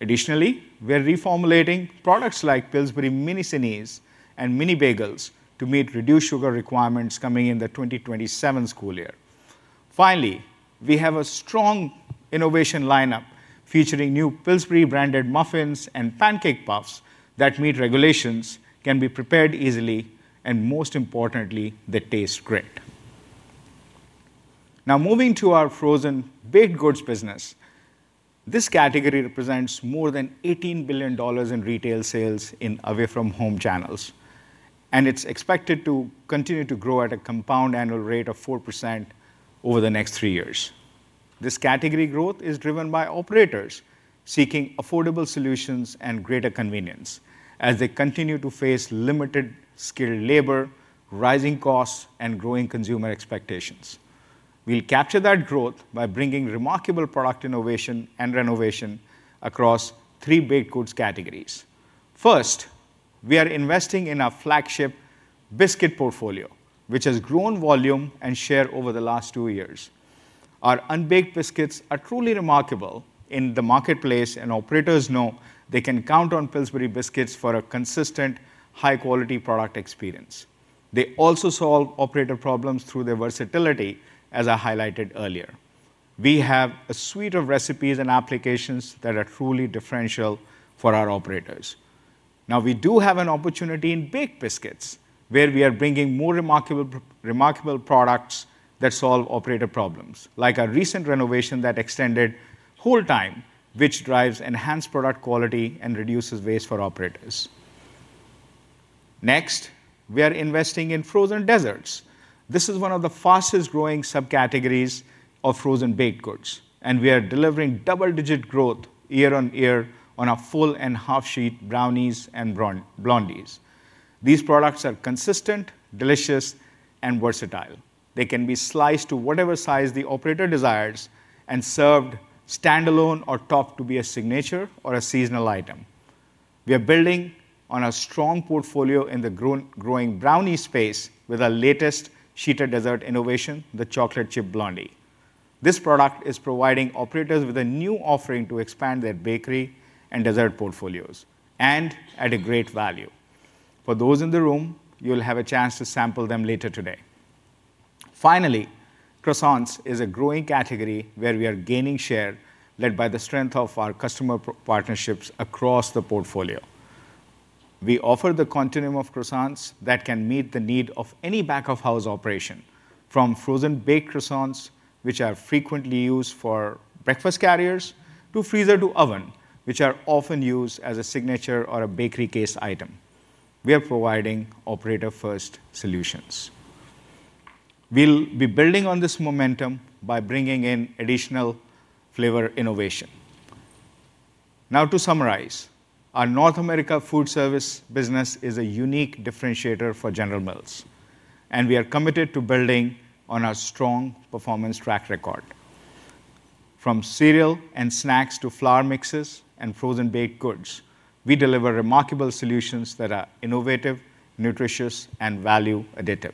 Additionally, we're reformulating products like Pillsbury Minisinnis and Mini Bagels to meet reduced sugar requirements coming in the 2027 school year. Finally, we have a strong innovation lineup featuring new Pillsbury branded muffins and pancake puffs that meet regulations, can be prepared easily, and most importantly, they taste great. Now moving to our frozen baked goods business. This category represents more than $18 billion in retail sales in away from home channels and it's expected to continue to grow at a compound annual rate of 4% over the next three years. This category growth is driven by operators seeking affordable solutions and greater convenience as they continue to face limited skilled labor, rising costs, and growing consumer expectations. We'll capture that growth by bringing remarkable product innovation and renovation across three baked goods categories. First, we are investing in our flagship biscuit portfolio, which has grown volume and share over the last two years. Our unbaked biscuits are truly remarkable in the marketplace and operators know they can count on Pillsbury Biscuits for a consistent, high quality product experience. They also solve operator problems through their versatility. As I highlighted earlier, we have a suite of recipes and applications that are truly differential for our operators. We do have an opportunity in baked biscuits where we are bringing more remarkable products that solve operator problems, like our recent renovation that extended hold time, which drives enhanced product quality and reduces waste for operators. Next, we are investing in frozen desserts. This is one of the fastest growing subcategories of frozen baked goods and we are delivering double digit growth year on year on a full and half sheet. Brownies and Blondies, these products are consistent, delicious, and versatile. They can be sliced to whatever size the operator desires and served standalone or topped to be a signature or a seasonal item. We are building on a strong portfolio in the growing brownie space with our latest sheeted dessert innovation, the Chocolate Chip Blondie. This product is providing operators with a new offering to expand their bakery and dessert portfolios and at a great value for those in the room. You'll have a chance to sample them later today. Finally, croissants is a growing category where we are gaining share. Led by the strength of our customer partnerships across the portfolio, we offer the continuum of croissants that can meet the need of any back of house operation. From frozen baked croissants, which are frequently used for breakfast carriers, to freezer to oven, which are often used as a signature or a bakery case item, we are providing operator first solutions. We'll be building on this momentum by bringing in additional flavor innovation. Now to summarize, our North America Food Service business is a unique differentiator for General Mills and we are committed to building on our strong performance track record. From cereal and snacks to flour mixes and frozen baked goods, we deliver remarkable solutions that are innovative, nutritious and value additive.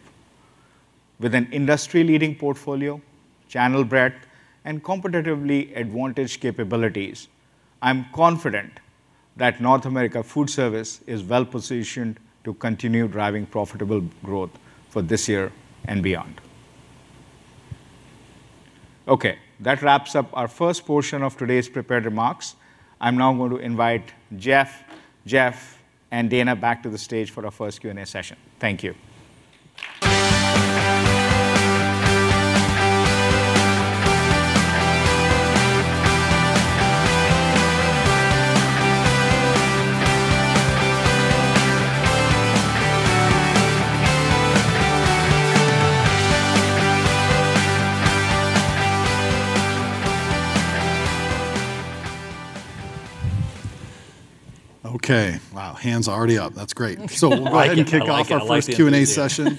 With an industry leading portfolio, channel, breadth and competitively advantaged capabilities, I'm confident that North America Food Service is well positioned to continue driving profitable growth for this year and beyond. Okay, that wraps up our first portion of today's prepared remarks. I'm now going to invite Jeff, Jeff and Dana back to the stage for our first Q&A session. Thank you. Okay. Wow. Hands already up. That's great. We'll go ahead and kick off our first Q&A session.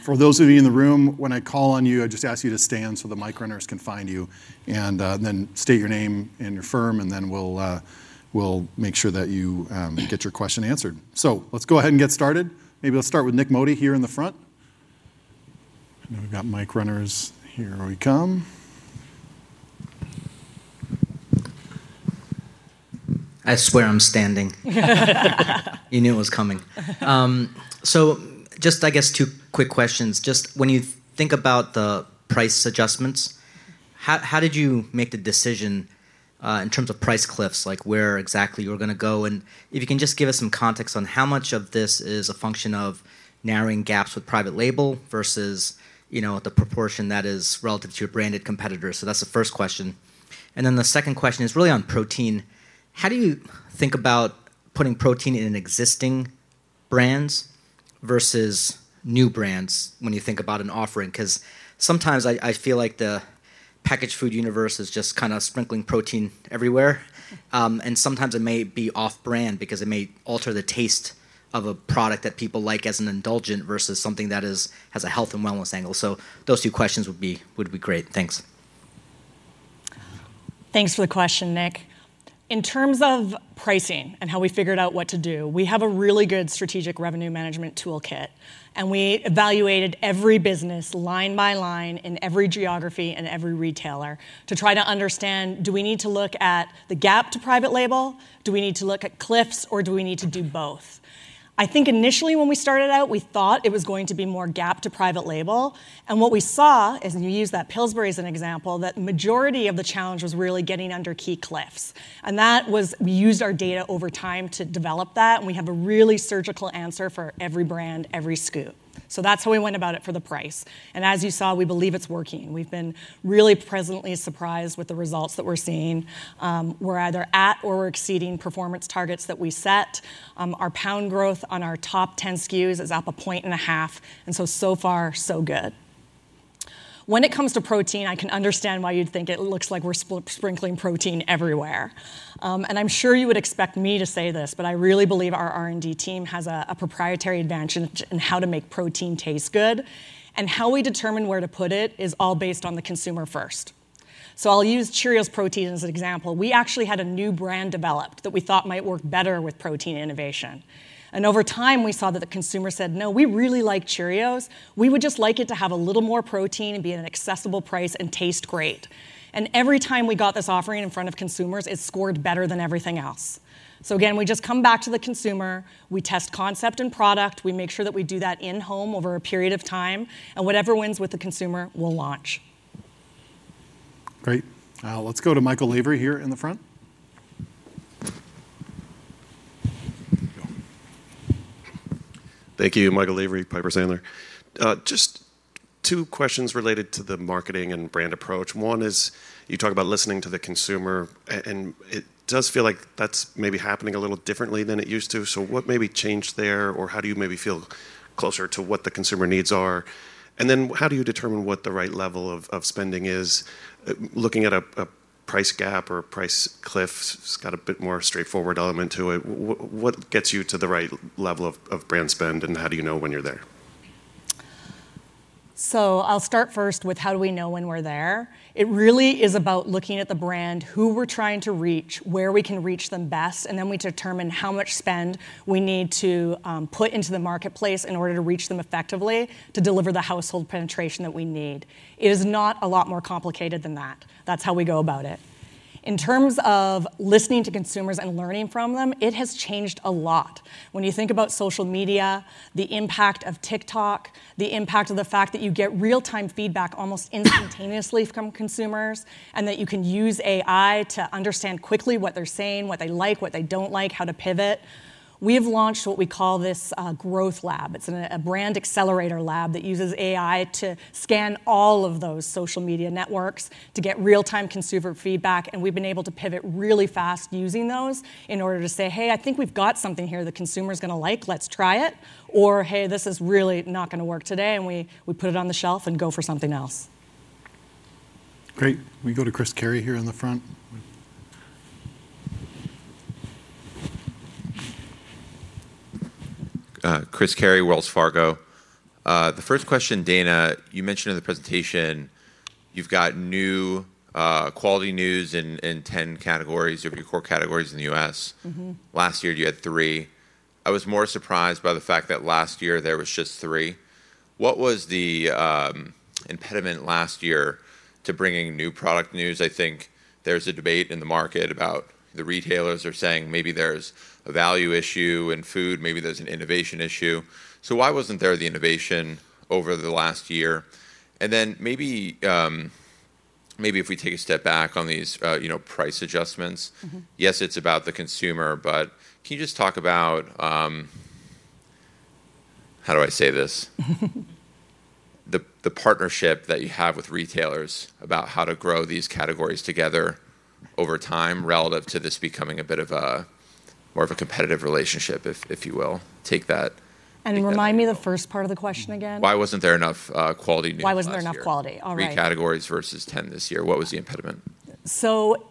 For those of you in the room, when I call on you, I just ask you to stand so the mic runners can find you and then state your name and your firm. We'll make sure that you get your question answered. Let's go ahead and get started. Maybe let's start with Nik Modi here in the front. We've got mic runners here. Here we come. I swear I'm standing. You knew it was coming. I guess two quick questions. When you think about the price adjustments, how did you make the decision in terms of price cliffs, like where exactly you're going to go? If you can just give us. Some context on how much of this is a function of narrowing gaps with private label versus the proportion that is relative to your branded competitors. That's the first question. The second question is really on protein. How do you think about putting protein in existing brands versus new brands when. You think about an offering? Because sometimes I feel like the packaged food universe is just kind of sprinkling protein everywhere, and sometimes it may be off brand because it may also alter the taste of a product that people like as an indulgent versus something that has a health and wellness angle. Those two questions would be great. Thanks. Thanks for the question, Nik. In terms of pricing and how we figured out what to do, we have a really good strategic revenue management toolkit, and we evaluated every business line by line in every geography and every retailer to try to understand do we need to look at the gap to private label, do we need to look at cliffs, or do we need to do both? I think initially when we started out, we thought it was going to be more gap to private label. What we saw is, and you used Pillsbury as an example, that the majority of the challenge was really getting under key cliffs. We used our data over time to develop that, and we have a really surgical answer for every brand, every scoop. That's how we went about it for the price. As you saw, we believe it's working. We've been really, really pleasantly surprised with the results that we're seeing. We're either at or exceeding performance targets that we set our pound growth on. Our top 10 SKUs is up a point and a half, and so far, so good. When it comes to protein, I can understand why you'd think it looks like we're sprinkling protein everywhere, and I'm sure you would expect me to say this, but I really believe our R&D team has a proprietary advantage in how to make protein taste good. How we determine where to put it is all based on the consumer first. I'll use Cheerios Protein as an example. We actually had a new brand developed that we thought might work better with protein innovation, and over time we saw that the consumer said, no, we really like Cheerios. We would just like it to have a little more protein and be at an accessible price and taste great. Every time we got this offering in front of consumers, it scored better than everything else. Again, we just come back to the consumer. We test concept and product, we make sure that we do that in home over a period of time, and whatever wins with the consumer will launch. Great. Let's go to Michael Lavery here in the front. Thank you, Michael Avery, Piper Sandler. Just two questions related to the marketing and brand approach. One is you talk about listening to the consumer, and it does feel like that's maybe happening a little differently than it used to. What maybe changed there? How do you maybe feel closer. To what the consumer needs are, and then how do you determine what. The right level of spending is? Looking at a price gap or price. Cliffs, it's got a bit more straightforward element to it. What gets you to the right level. Of brand spend, and how do you know when you're there? I'll start first with how do we know when we're there? It really is about looking at the brand, who we're trying to reach, where we can reach them best. Then we determine how much spend we need to put into the marketplace in order to reach them effectively to deliver the household penetration that we need. It is not a lot more complicated than that. That's how we go about it in terms of listening to consumers and learning from them. It has changed a lot when you think about social media, the impact of TikTok, the impact of the fact that you get real time feedback almost instantaneously from consumers and that you can use AI to understand quickly what they're saying, what they like, what they don't like, how to pivot. We have launched what we call this growth Lab. It's a brand accelerator lab that uses AI to scan all of those social media networks to get real time consumer feedback. We've been able to pivot really fast using those in order to say, hey, I think we've got something here the consumer's going to like, let's try it, or hey, this is really not going to work today. We put it on the shelf and go for something else. Great. We go to Chris Carey here on the front. Chris Carey, Wells Fargo, the first question. Dana, you mentioned in the presentation you've got new quality news in 10 categories of your core categories in the U.S. Last year you had three. I was more surprised by the fact that last year there was just three. What was the impediment last year to bringing new product news? I think there's a debate in the market about the retailers are saying maybe there's a value issue in food, maybe there's an innovation issue. Why wasn't there the innovation over the last year? If we take a step back on these price adjustments, yes, it's about the consumer, but can you just talk about, how do I say. This. The partnership that you have with retailers about how to grow these categories together over time relates to this becoming. A bit more of a competitive relationship, if you will. Take that and remind me the first. Part of the question again, why wasn't there enough quality? Why wasn't there enough quality? Three categories versus take this year, what was the impediment?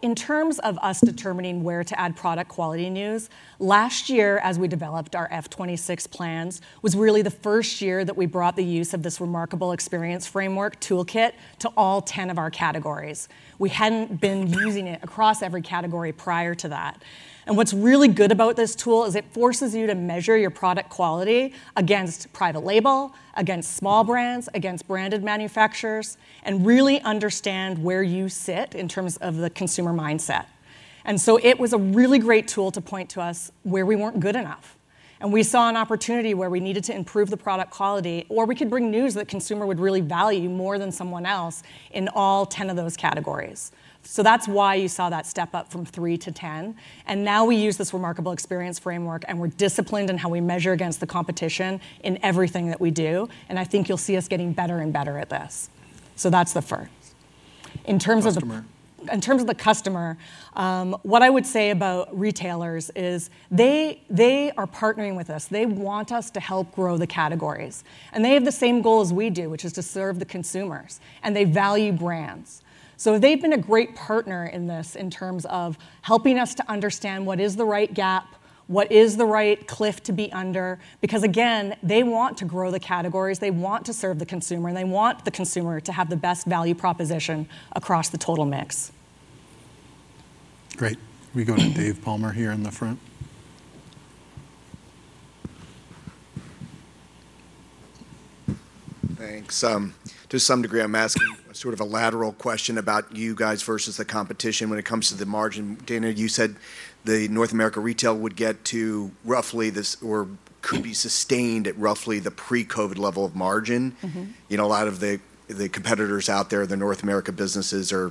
In terms of us determining where to add product quality news, last year as we developed our F2026 plans, it was really the first year that we brought the use of this Remarkable Experience framework toolkit to all 10 of our categories. We hadn't been using it across every category prior to that. What's really good about this tool is it forces you to measure your product quality against private label, against small brands, against branded manufacturers, and really understand where you sit in terms of the consumer mindset. It was a really great tool to point to us where we weren't good enough and we saw an opportunity where we needed to improve the product quality, or we could bring news that the consumer would really value more than someone else in all 10 of those categories. That's why you saw that step up from 3 to 10. Now we use this Remarkable Experience framework and we're disciplined in how we measure against the competition and in everything that we do. I think you'll see us getting better and better at this. That's the first in terms of the customer. What I would say about retailers is they are partnering with us. They want us to help grow the categories, and they have the same goal as we do, which is to serve the consumers and they value brands. They've been a great partner in this in terms of helping us to understand what is the right gap, what is the right cliff to be under, because again, they want to grow the categories, they want to serve the consumer, and they want the consumer to have the best value proposition across the total mix. Great. We go to Dave Palmer here in the front. Thanks. To some degree I'm asking. A lateral question about you guys versus. The competition when it comes to the margin. Dana, you said the North America Retail would get to roughly this or could. Be sustained at roughly the pre-COVID level of margin. You know, a lot of the competitors. Out there, the North America businesses are.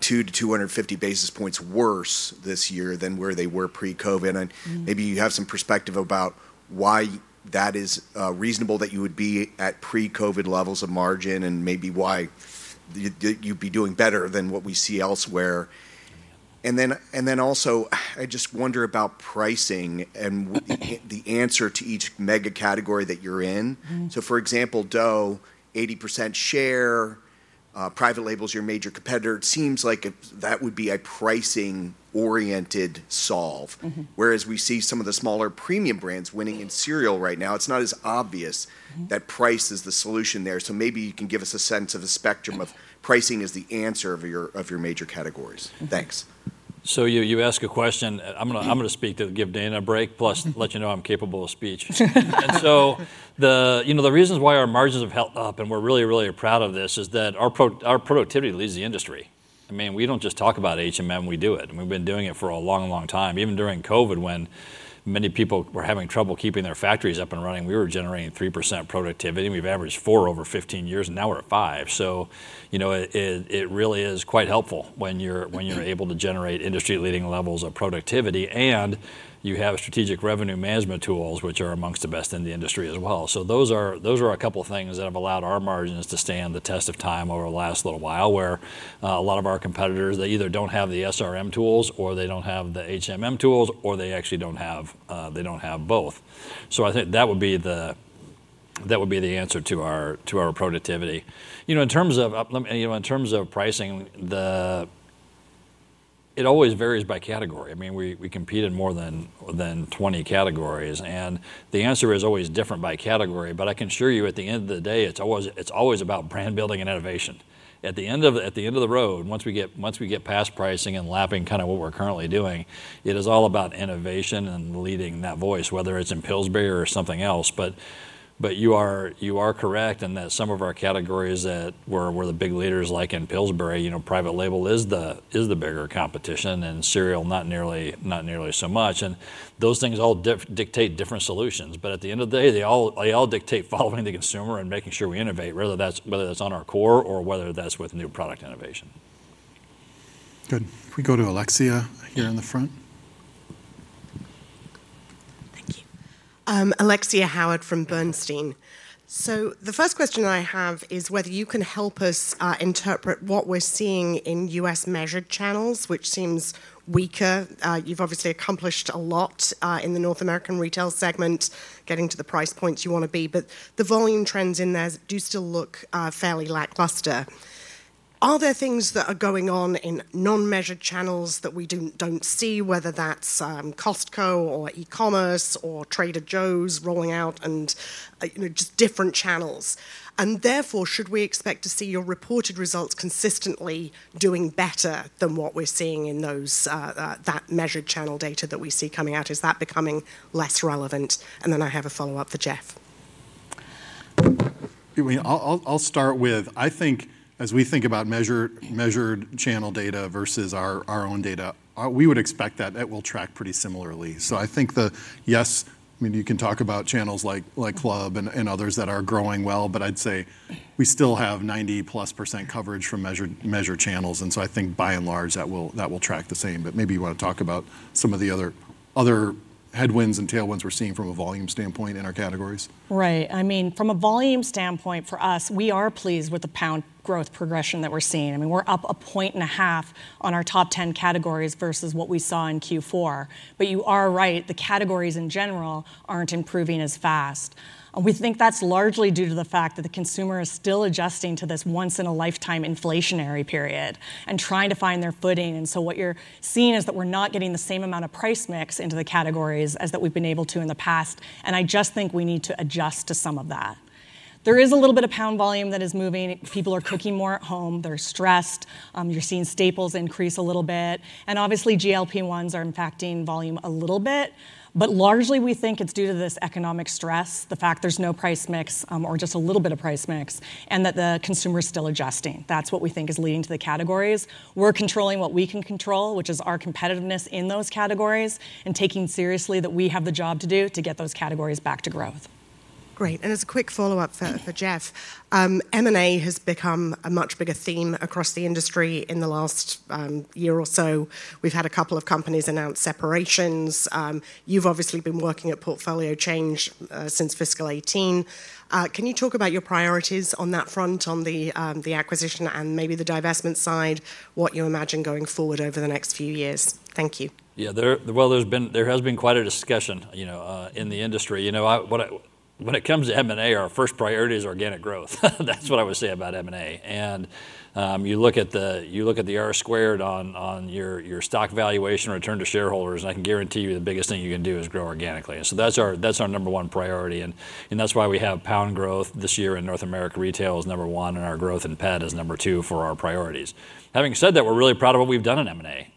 2 to 250 basis points worse this. Year than where they were pre-COVID. You have some perspective about why that is reasonable that you would. Be at pre-COVID levels of margin. Maybe why you'd be doing better. Than what we see elsewhere. I just wonder about pricing and the answer to each mega. Category that you're in. For example, dough, 80% share, private label is your major competitor. It seems like that would be a pricing oriented solve, whereas we see some of the smaller. Premium brands winning in cereal right now. It's not as obvious that price is the solution there. Maybe you can give us a. Second sense of a spectrum of pricing. Is that true of your major categories? Thanks. You ask a question. I'm going to speak to give Dana a break, plus let you know I'm capable of speech. The reasons why our margins have held up, and we're really, really proud of this, is that our productivity leads the industry. I mean, we don't just talk about HMM, we do it, and we've been doing it for a long, long time. Even during COVID, when many people were having trouble keeping their factories up and running, we were generating 3% productivity. We've averaged 4% over 15 years, and now we're at 5%. It really is quite helpful when you're able to generate industry-leading levels of productivity and you have strategic revenue management tools, which are amongst the best in the industry as well. Those are a couple things that have allowed our margins to stand the test of time over the last little while. Where a lot of our competitors either don't have the SRM tools or they don't have the HMM tools, or they actually don't have both. I think that would be the answer to our productivity. In terms of pricing, it always varies by category. I mean, we compete in more than 20 categories, and the answer is always different by category. I can assure you at the end of the day, it's always about brand building and innovation. At the end of the road, once we get past pricing and lapping, kind of what we're currently doing, it is all about innovation and leading that voice, whether it's in Pillsbury or something else. You are correct in that some of our categories that were the big leaders, like in Pillsbury, private label is the bigger competition, and cereal not nearly so much. Those things all dictate different solutions, but at the end of the day they all dictate following the consumer and making sure we innovate, whether that's on our core or whether that's with new product. Innovation. Innovation good. If we go to Alexia here in the front. Thank you, Alexia Howard from Bernstein. The first question I have is whether you can help us interpret what we're seeing in U.S. measured channels, which seems weaker. You've obviously accomplished a lot in the North America Retail segment getting to the price points you want to be, but the volume trends in there do still look fairly lackluster. Are there things that are going on in non-measured channels that we don't see, whether that's Costco or e-commerce or Trader Joe's rolling out and just different channels? Therefore, should we expect to see your reported results consistently doing better than what we're seeing in that measured channel data that we see coming out? Is that becoming less relevant? I have a follow up for Jeff. I'll start with, I think as we think about measured channel data versus our own data, we would expect that it will track pretty similarly. I think yes, you can talk about channels like Club and others that are growing well. I'd say we still have 90+% coverage from measured channels, and I think by and large that will track the same. Maybe you want to talk about some of the other headwinds and tailwinds we're seeing from a volume standpoint in our categories. Right? I mean from a volume standpoint for us, we are pleased with the pound growth progression that we're seeing. I mean we're up a point and a half on our top 10 categories versus what we saw in Q4. You are right, the categories in general aren't improving as fast. We think that's largely due to the fact that the consumer is still adjusting to this once in a lifetime inflationary period and trying to find their footing. What you're seeing is that we're not getting the same amount of price mix into the categories as we've been able to in the past and I just think we need to adjust to some of that. There is a little bit of pound volume that is moving. People are cooking more at home, they're stressed. You're seeing staples increase a little bit and obviously GLP-1 drugs are impacting volume a little bit. Largely we think it's due to this economic stress, the fact there's no price mix or just a little bit of price mix, and that the consumer is still adjusting. That's what we think is leading to the categories. We're controlling what we can control, which is our competitiveness in those categories and taking seriously that we have the job to do to get those categories back to growth. Great. As a quick follow up for Jeff, M&A has become a much bigger theme across the industry. In the last year or so, we've had a couple of companies announce separations. You've obviously been working at portfolio shaping since fiscal 2018. Can you talk about your priorities on that front on the acquisition and maybe the divestitures side, what you imagine going forward over the next few years? Thank you. Yeah, there has been quite a discussion in the industry when it comes to M&A. Our first priority is organic growth. That's what I would say about M&A. You look at the R squared on your stock valuation, return to shareholders, and I can guarantee you the biggest thing you can do is grow organically. That's our number one priority and that's why we have pound growth this year in North America. Retail is number one and our growth in pet is number two for our priorities. Having said that, we're really proud of what we've done in M&A.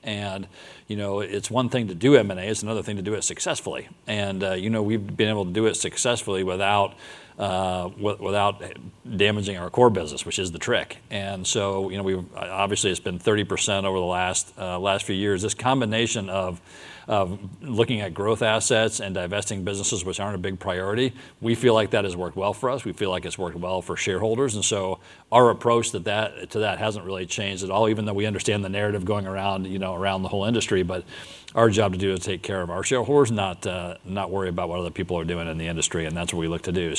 You know, it's one thing to do M&A, it's another thing to do it successfully. We've been able to do it successfully without damaging our core business, which is the trick. Obviously, it's been 30% over the last few years, this combination of looking at growth assets and divesting businesses which aren't a big priority. We feel like that has worked well for us. We feel like it's worked well for shareholders. Our approach to that hasn't really changed at all, even though we understand the narrative going around the whole industry. Our job to do is take care of our shareholders, not worry about what other people are doing in the industry. That's what we look to do.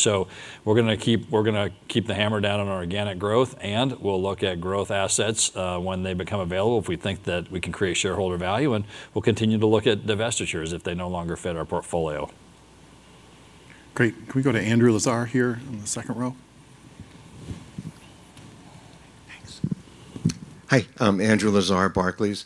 We're going to keep the hammer down on organic growth and we'll look at growth assets when they become available if we think that we can create shareholder value. We'll continue to look at divestitures if they no longer fit our portfolio. Great. Can we go to Andrew Lazar here in the second row? Hi, I'm Andrew Lazar, Barclays.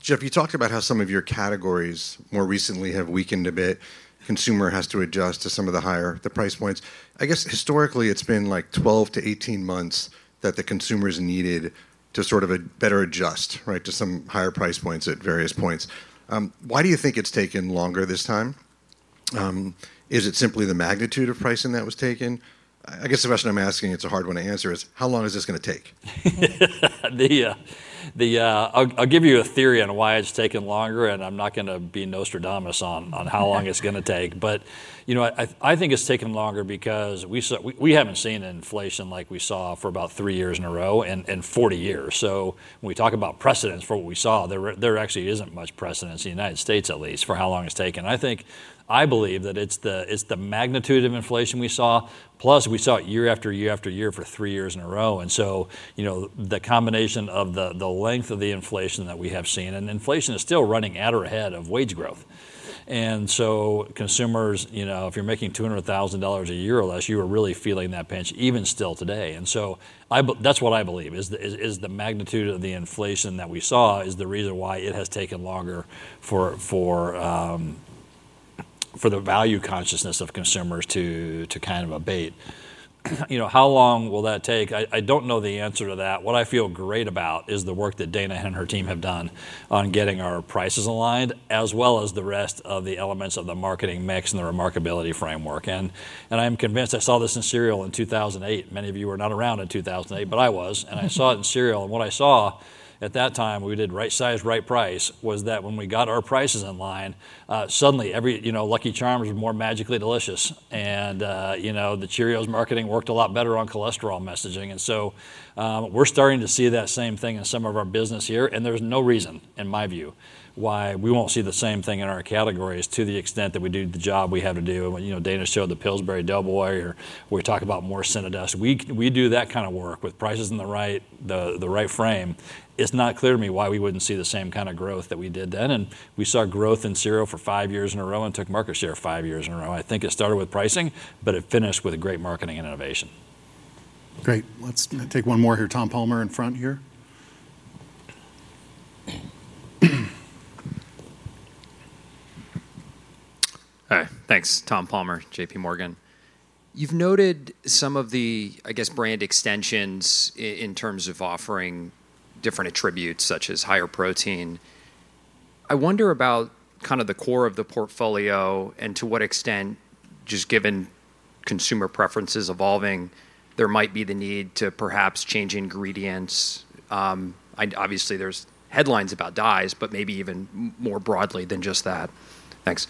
Jeff, you talked about how some of. Your categories more recently have weakened a bit. Consumer has to adjust to some of. The higher the price points. I guess historically it's been like 12. To 18 months that the consumers needed. To better adjust. Right. To some higher price points at various points. Why do you think it's taken longer this time? Is it simply the magnitude of pricing that was taken? I guess the question I'm asking is. A hard one to answer is how. long is this going to take? I'll give you a theory on why it's taken longer, and I'm not going to be Nostradamus. I. On how long it's going to take. I think it's taken longer because we haven't seen inflation like we saw for about three years in a row in 40 years. When we talk about precedence for what we saw, there actually isn't much precedence in the United States, at least for how long it's taken. I believe that it's the magnitude of inflation we saw, plus we saw it year after year after year for three years in a row. The combination of the length of the inflation that we have seen and inflation is still running at or ahead of wage growth. Consumers, if you're making $200,000 a year or less, you are really feeling that pinch even still today. That's what I believe is the magnitude of the inflation that we saw is the reason why it has taken longer for the value consciousness of consumers to kind of abate. How long will that take? I don't know the answer to that. What I feel great about is the work that Dana and her team have done on getting our prices aligned, as well as the rest of the elements of the marketing mix and the remarkability framework. I'm convinced I saw this in cereal in 2008. Many of you were not around in 2008, but I was, and I saw it in cereal. What I saw at that time, we did right size, right price, was that when we got our prices in line, suddenly every, you know, Lucky Charms were more magically delicious. The Cheerios marketing worked a lot better on cholesterol message. We're starting to see that same thing in some of our business here. There's no reason in my view why we won't see the same thing in our categories to the extent that we do the job we have to do. Dana showed the Pillsbury Doughboy or we talk about more CINNADUST. We do that kind of work with prices in the right frame. It's not clear to me why we wouldn't see the same kind of growth that we did then. We saw growth in cereal for five years in a row and took market share five years in a row. I think it started with probably pricing, but it finished with great marketing and innovation. Great. Let's take one more here. Tom Palmer in front here. Thanks. Tom Palmer, JPMorgan. You've noted some of the, I guess, brand extensions in terms of offering different attributes, such as higher protein. I wonder about kind of the core of the portfolio and to what extent, just given consumer preferences evolving, there might be the need to perhaps change ingredients. Obviously there's headlines about dyes, but maybe even more broadly than just that. Thanks.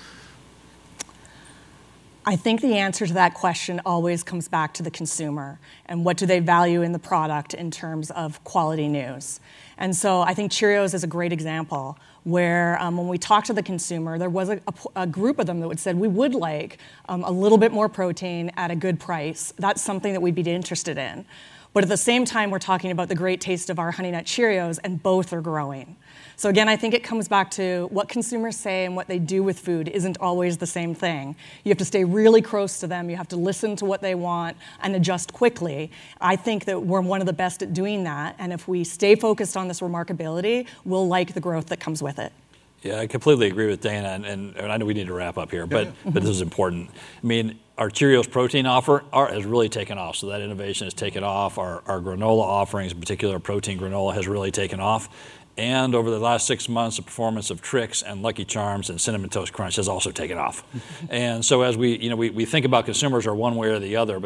I think the answer to that question always comes back to the consumer and what do they value in the product in terms of quality news? I think Cheerios is a great example where when we talked to the consumer, there was a group of them that said we would like a little bit more protein at a good price. That's something that we'd be interested in. At the same time, we're talking about the great taste of our Honey Nut Cheerios, and both are growing. I think it comes back to what consumers say. What they do with food isn't always the same thing. You have to stay really close to them. You have to listen to what they want and adjust quickly. Quickly. I think that we're one of the best at doing that. If we stay focused on this remarkability, we'll like the growth that comes with it. Yeah, I completely agree with Dana and I know we need to wrap up here, but this is important. I mean, our Cheerios protein offer has really taken off, so that innovation has taken off. Our granola offerings, in particular protein granola, have really taken off. Over the last six months, the performance of Trix, Lucky Charms, and Cinnamon Toast Crunch has also taken off. As we think about consumers, they are one way or the other.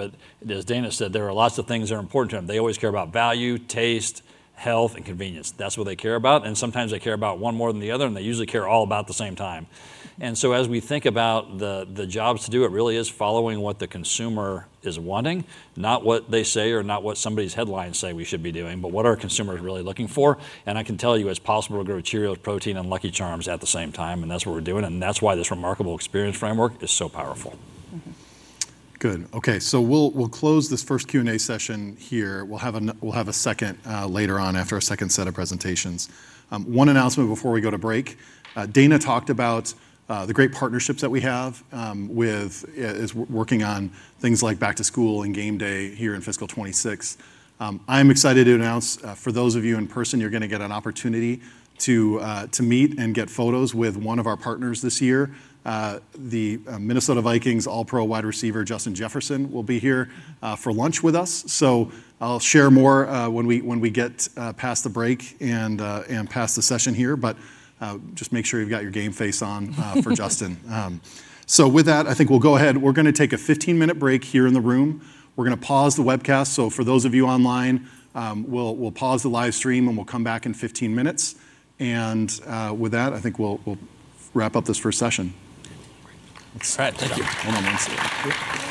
As Dana said, there are lots of things that are important to them. They always care about value, taste, health, and convenience. That's what they care about. Sometimes they care about one more than the other and they usually care about all at the same time. As we think about the jobs to do, it really is following what the consumer is wanting, not what they say or what somebody's headlines say we should be doing, but what our consumer is really looking for. I can tell you it's possible to grow Cheerios protein and light Lucky Charms at the same time. That's what we're doing and that's why this remarkability experience framework is so. Good. Okay, we'll close this first Q&A session here. We'll have a second later on after a second set of presentations. One announcement before we go to break. Dana talked about the great partnerships that we have with is working on things like back-to-school and game day here in fiscal 2026. I'm excited to announce for those of you in person, you're going to get an opportunity to meet and get photos with one of our partners this year, the Minnesota Vikings All-Pro wide receiver Justin Jefferson will be here for lunch with us. I'll share more when we get past the break and pass the session here. Just make sure you've got your game face on for Justin. With that, I think we'll go ahead. We're going to take a 15 minute break here in the room. We're going to pause the webcast. For those of you online, we'll pause the live stream and we'll come back in 15 minutes. With that, I think we'll wrap up this first session. Something's happening, happening to me. My friends say I'm acting pearly. Yeah, come on baby, we better make a start, you.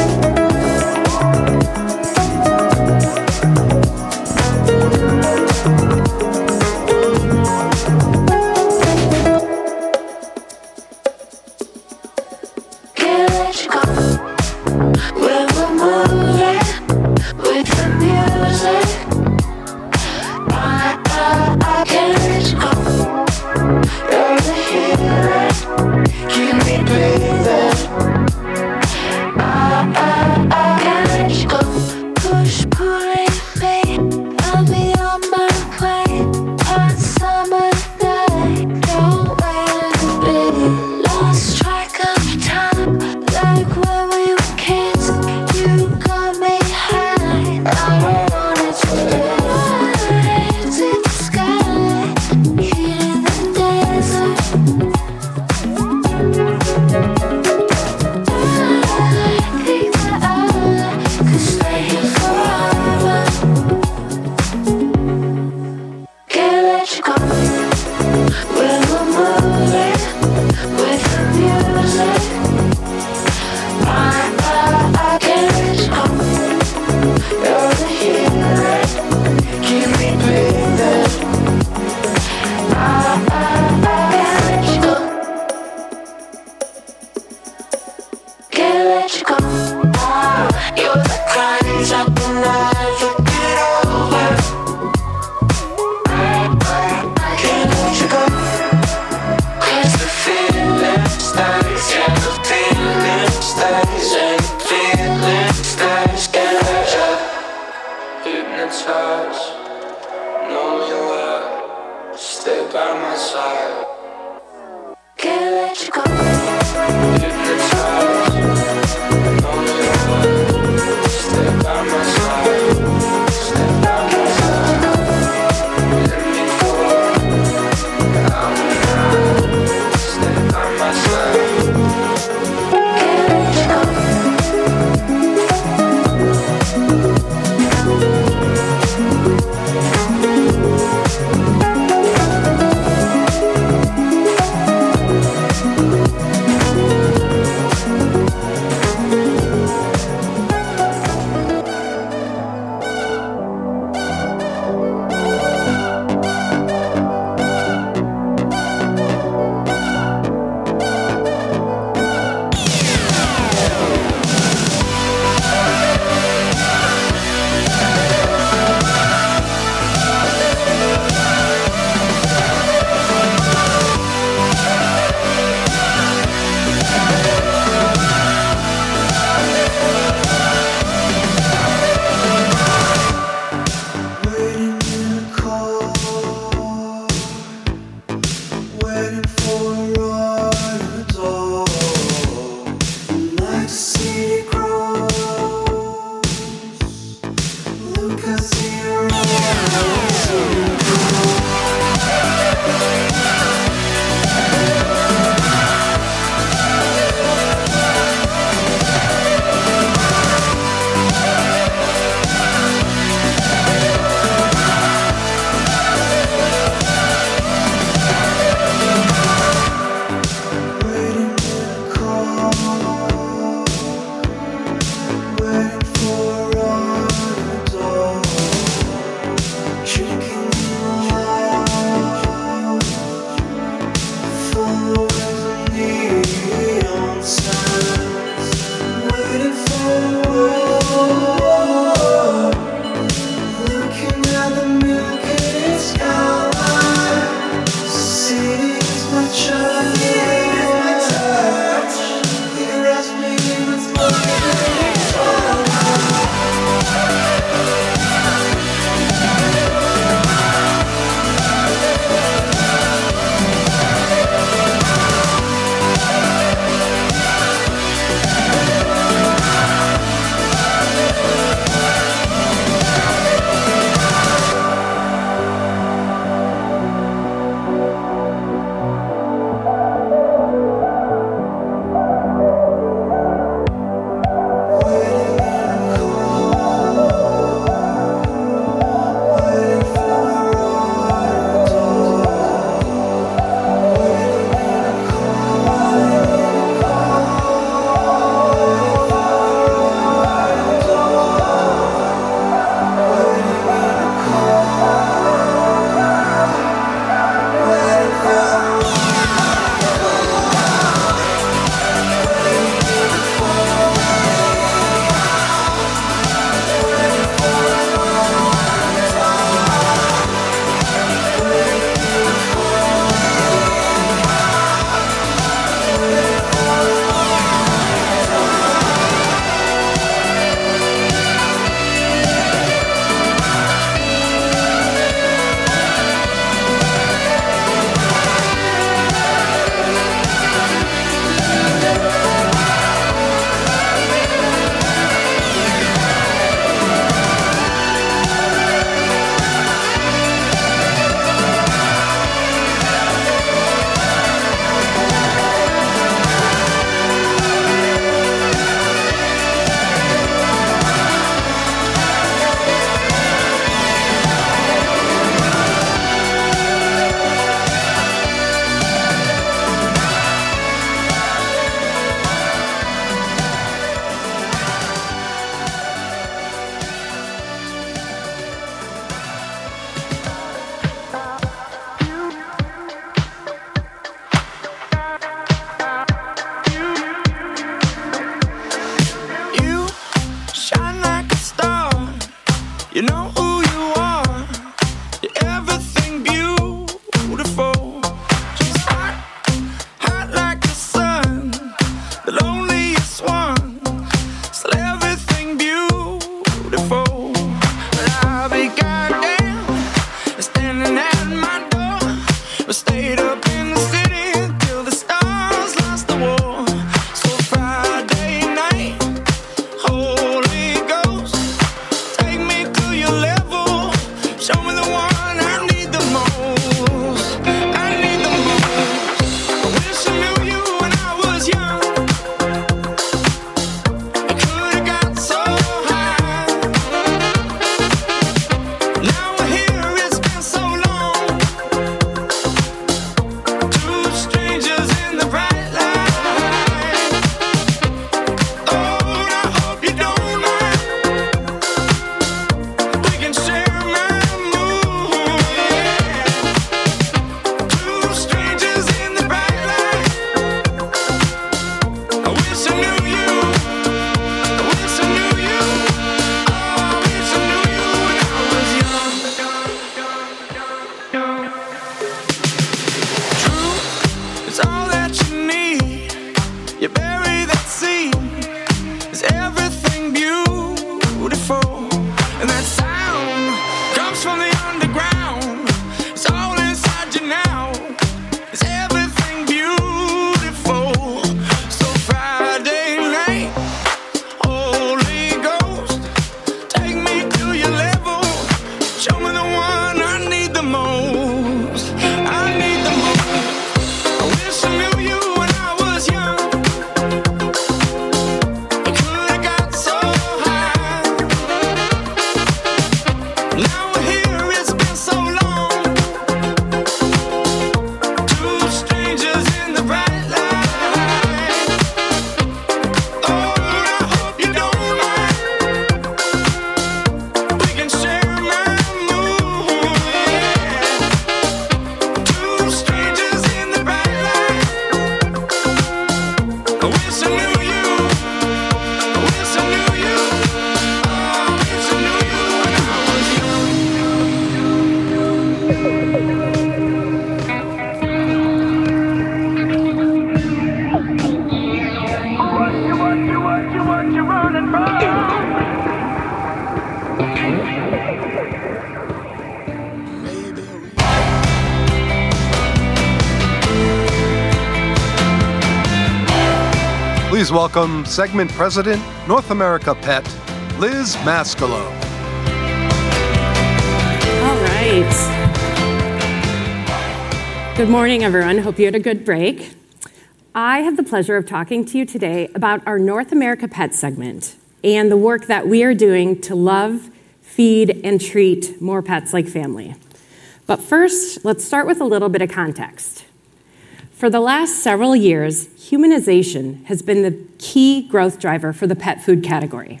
key growth driver for the pet food category.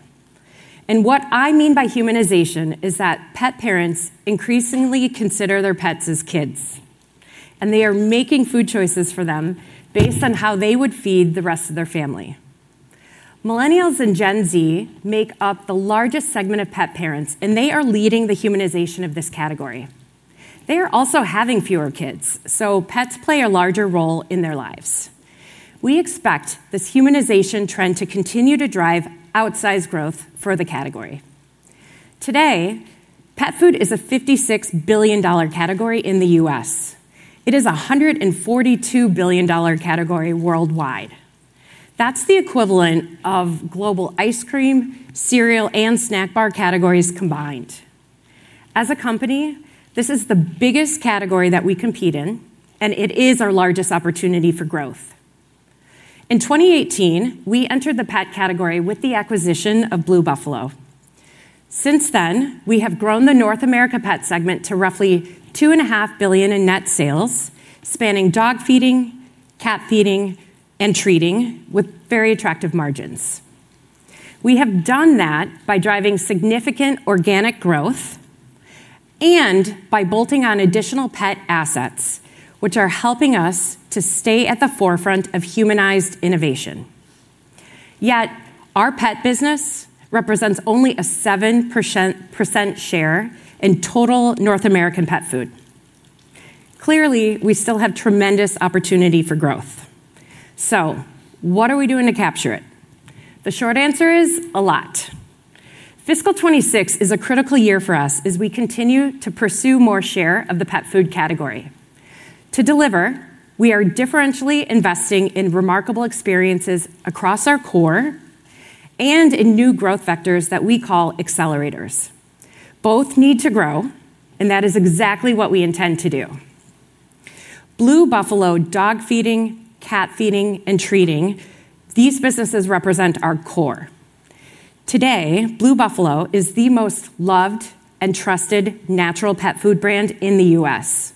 What I mean by humanization is that pet parents increasingly consider their pets as kids and they are making food choices for them based on how they would feed the rest of their family. Millennials and Gen Z make up the largest segment of pet parents and they are leading the humanization of this category. They are also having fewer kids, so pets play a larger role in their lives. We expect this humanization trend to continue to drive outsized growth for the category. Today, pet food is a $56 billion category in the U.S. It is a $142 billion category worldwide. That's the equivalent of global ice cream, cereal, and snack bar categories combined. As a company, this is the biggest category that we compete in and it is our largest opportunity for growth. In 2018, we entered the pet category with the acquisition of Blue Buffalo. Since then, we have grown the North America Pet segment to roughly $2.5 billion in net sales spanning dog feeding, cat feeding, and treating with very attractive margins. We have done that by driving significant organic growth and by bolting on additional pet assets which are helping us to stay at the forefront of humanized innovation. Yet our pet business represents only a 7% share in total North American pet food. Clearly, we still have tremendous opportunity for growth. What are we doing to capture it? The short answer is a lot. Fiscal 2026 is a critical year for us as we continue to pursue more share of the pet food category to deliver. We are differentially investing in remarkable experiences across our core and in new growth vectors that we call accelerators. Both need to grow and that is exactly what we intend to do. Blue Buffalo, dog feeding, cat feeding, and treating. These businesses represent our core. Today, Blue Buffalo is the most loved and trusted natural pet food brand in the U.S.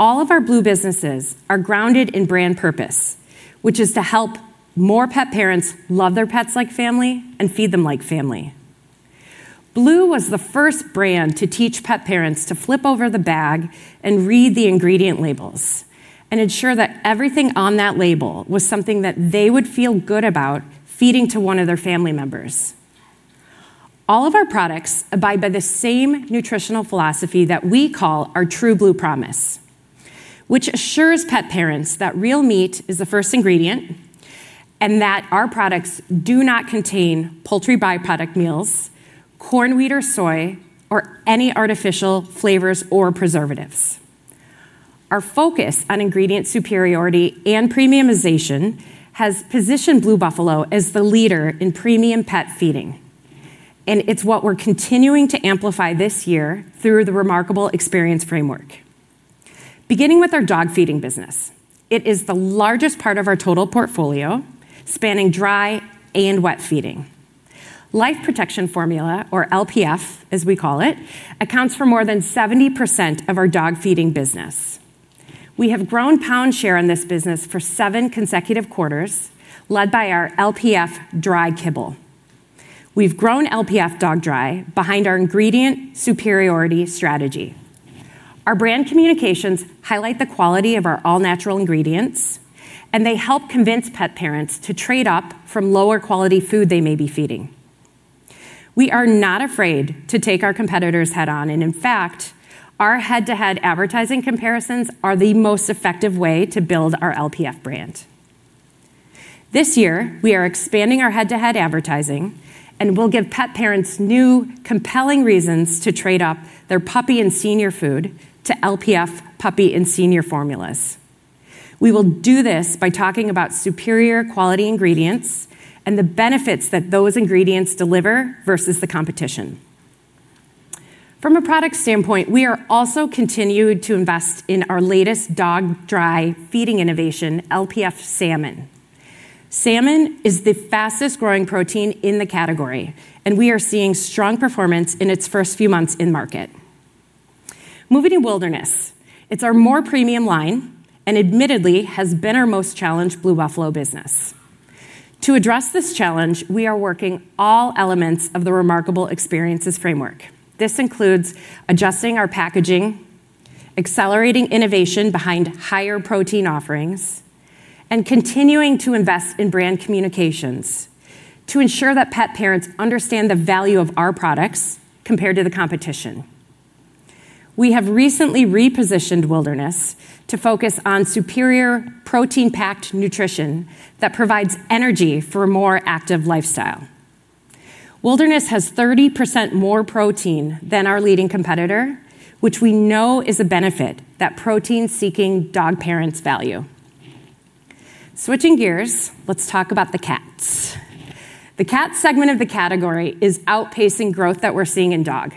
All of our Blue businesses are grounded in brand purpose, which is to help more pet parents love their pets like family and feed them like family. Blue was the first brand to teach pet parents to flip over the bag and read the ingredient labels and ensure that everything on that label was something that they would feel good about feeding to one of their family members. All of our products abide by the same nutritional philosophy that we call our True Blue Promise, which assures pet parents that real meat is the first ingredient and that our products do not contain poultry byproduct meals, corn, wheat or soy or any artificial flavors or preservatives. Our focus on ingredient superiority and premiumization has positioned Blue Buffalo as the leader in premium pet feeding and it's what we're continuing to amplify this year through the Remarkable Experience Framework beginning with our dog feeding business. It is the largest part of our total portfolio spanning dry and wet feeding. Life Protection Formula, or LPF as we call it, accounts for more than 70% of our dog feeding business. We have grown pound share in this business for seven consecutive quarters. Led by our LPF Dry Kibble, we've grown LPF Dog Dry behind our ingredient superiority strategy. Our brand communications highlight the quality of our all natural ingredients and they help convince pet parents to trade up from lower quality food they may be feeding. We are not afraid to take our competitors head on and in fact our head to head advertising comparisons are the most effective way to build our LPF brand. This year we are expanding our head to head advertising and we'll give pet parents new compelling reasons to trade up their puppy and senior food to LPF puppy and senior formulas. We will do this by talking about superior quality ingredients and the benefits that those ingredients deliver versus the competition from a product standpoint. We are also continuing to invest in our latest dog dry feeding innovation, LPF Salmon. Salmon is the fastest growing protein in the category and we are seeing strong performance in its first few months in market. Moving to Wilderness, it's our more premium line and admittedly has been our most challenged Blue Buffalo business. To address this challenge, we are working all elements of the Remarkable Experiences framework. This includes adjusting our packaging, accelerating innovation behind higher protein offerings and continuing to invest in brand communications to ensure that pet parents understand the value of our products compared to the competition. We have recently repositioned Wilderness to focus on superior protein-packed nutrition that provides energy for a more active lifestyle. Wilderness has 30% more protein than our leading competitor, which we know is a benefit that protein-seeking dog parents value. Switching gears, let's talk about the cats. The cat segment of the category is outpacing growth that we're seeing in dog.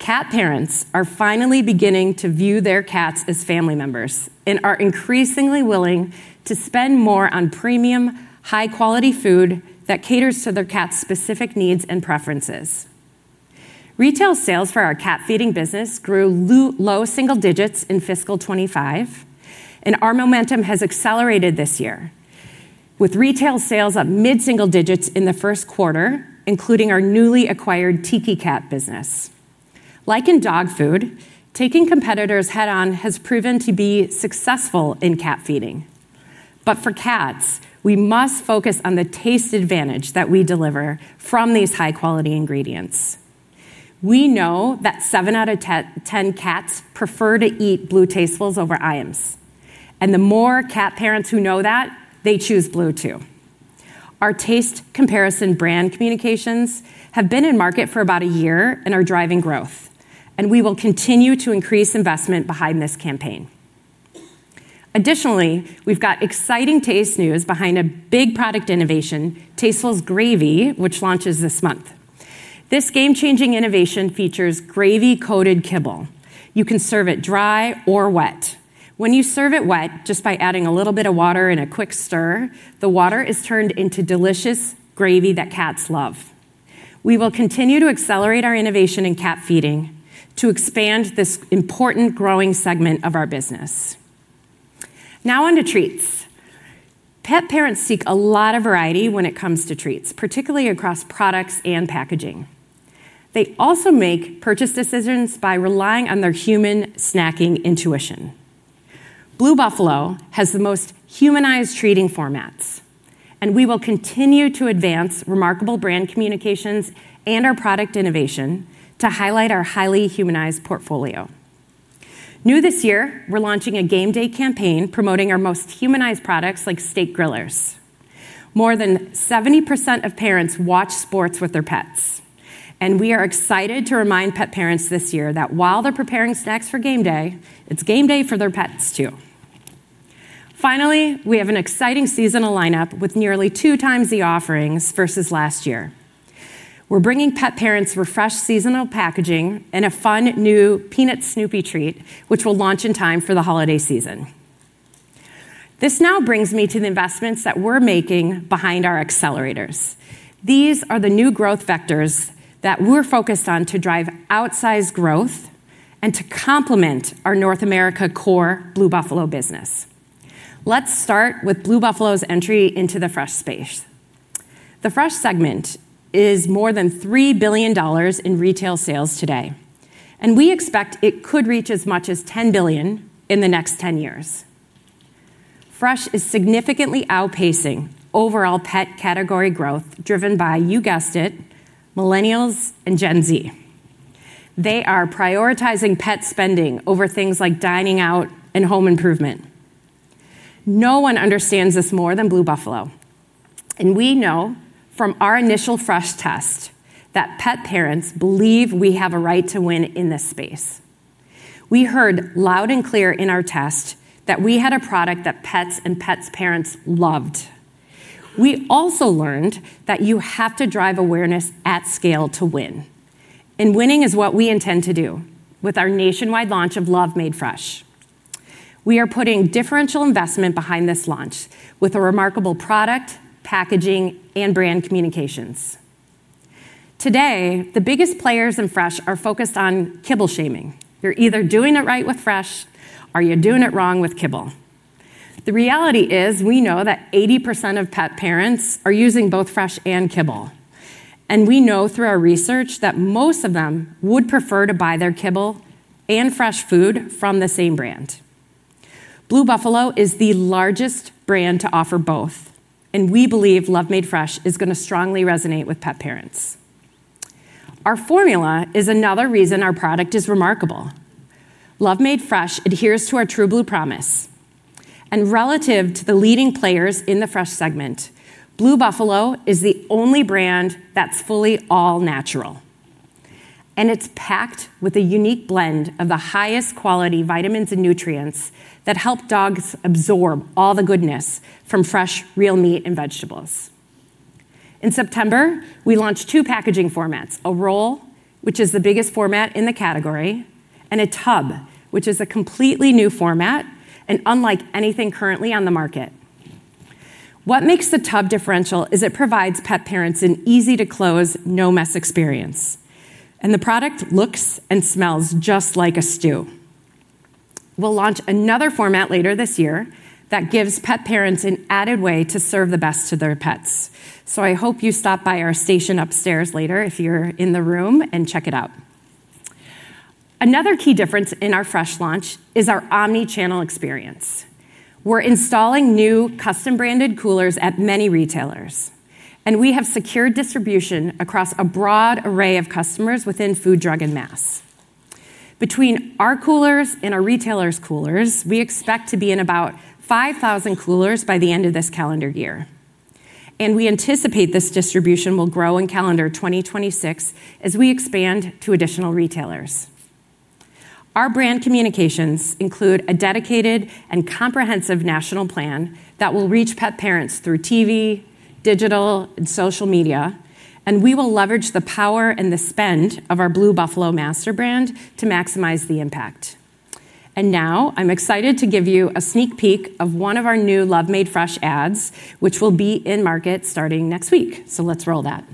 Cat parents are finally beginning to view their cats as family members and are increasingly willing to spend more on premium, high-quality food that caters to their cats' specific needs and preferences. Retail sales for our cat feeding business grew low single digits in fiscal 2025, and our momentum has accelerated this year with retail sales up mid single digits in the first quarter, including our newly acquired Tiki Cat business. Like in dog food, taking competitors head on has proven to be successful in cat feeding, but for cats we must focus on the taste advantage that we deliver from these high-quality ingredients. We know that 7 out of 10 cats prefer to eat Blue Tastefuls over Iams, and the more cat parents who know that, they choose Blue too. Our taste comparison brand communications have been in market for about a year and are driving growth, and we will continue to increase investment behind this campaign. Additionally, we've got exciting taste news behind a big product innovation, Tastefuls Gravy, which launches this month. This game-changing innovation features gravy-coated kibble. You can serve it dry or wet. When you serve it wet, just by adding a little bit of water and a quick stir, the water is turned into delicious gravy that cats love. We will continue to accelerate our innovation in cat feeding to expand this important, growing segment of our business. Now onto treats. Pet parents seek a lot of variety when it comes to treats, particularly across products and packaging. They also make purchase decisions by relying on their human snacking intuition. Blue Buffalo has the most humanized treating formats, and we will continue to advance remarkable brand communications and our product innovation to highlight our highly humanized portfolio. New this year, we're launching a Game Day campaign promoting our most humanized products like steak grillers. More than 70% of parents watch sports with their pets, and we are excited to remind pet parents this year that while they're preparing snacks for Game Day, it's Game Day for their pets too. Finally, we have an exciting seasonal lineup with nearly two times the offerings versus last year. We're bringing pet parents refreshed seasonal packaging and a fun new Peanut Snoopy treat, which will launch in time for the holiday season. This now brings me to the investments that we're making behind our accelerators. These are the new growth vectors that we're focused on to drive outsized growth and to complement our North America core Blue Buffalo business. Let's start with Blue Buffalo's entry into the fresh space. The Fresh segment is more than $3 billion in retail sales today and we expect it could reach as much as $10 billion in the next 10 years. Fresh is significantly outpacing overall pet category growth, driven by, you guessed it, millennials and Gen Z. They are prioritizing pet spending over things like dining out and home improvement. No one understands this more than Blue Buffalo and we know from our initial fresh test that pet parents believe we have a right to win in this space. We heard loud and clear in our test that we had a product that pets and pet parents loved. We also learned that you have to drive awareness at scale to win. Winning is what we intend to do with our nationwide launch of Blue Buffalo Love Made Fresh. We are putting differential investment behind this launch with a remarkable product, packaging, and brand communications. Today, the biggest players in Fresh are focused on kibble shaming. You're either doing it right with Fresh or you're doing it wrong with kibble. The reality is we know that 80% of pet parents are using both Fresh and kibble. We know through our research that most of them would prefer to buy their kibble and fresh food from the same brand. Blue Buffalo is the largest brand to offer both and we believe Blue Buffalo Love Made Fresh is going to strongly resonate with pet parents. Our formula is another reason our product is remarkable. Blue Buffalo Love Made Fresh adheres to our True Blue Promise. Relative to the leading players in the Fresh segment, Blue Buffalo is the only brand that's fully all natural. It's packed with a unique blend of the highest quality vitamins and nutrients that help dogs absorb all the goodness from fresh real meat and vegetables. In September, we launched two packaging formats: a roll, which is the biggest format in the category, and a tub, which is a completely new format and unlike anything currently on the market. What makes the tub differential is it provides pet parents an easy-to-close, no-mess experience, and the product looks and smells just like a stew. We'll launch another format later this year that gives pet parents an added way to serve the best to their pets. I hope you stop by our station upstairs later if you're in the room and check it out. Another key difference in our Fresh launch is our omnichannel experience. We're installing new custom-branded coolers at many retailers, and we have secured distribution across a broad array of customers within food, drug, and mass. Between our coolers and our retailers' coolers, we expect to be in about 5,000 coolers by the end of this calendar year. We anticipate this distribution will grow in calendar 2026 as we expand to additional retailers. Our brand communications include a dedicated and comprehensive national plan that will reach pet parents through TV, digital, and social media. We will leverage the power and the spend of our Blue Buffalo master brand to maximize the impact. Now I'm excited to give you a sneak peek of one of our new Love Made Fresh ads, which will be in market starting next week. Let's roll that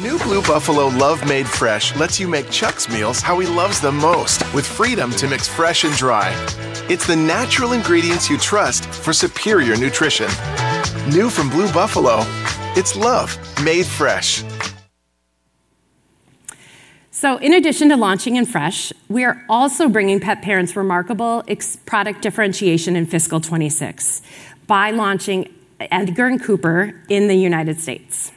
new Blue Buffalo. Love Made Fresh lets you make choices. Meals how he loves them most, with. Freedom to mix fresh and dry. It's the natural ingredients you trust for superior nutrition. New from Blue Buffalo, it's Love Made Fresh. In addition to launching In Fresh, we are also bringing pet parents remarkable product differentiation in fiscal 2026 by launching Edgard & Cooper in the United States.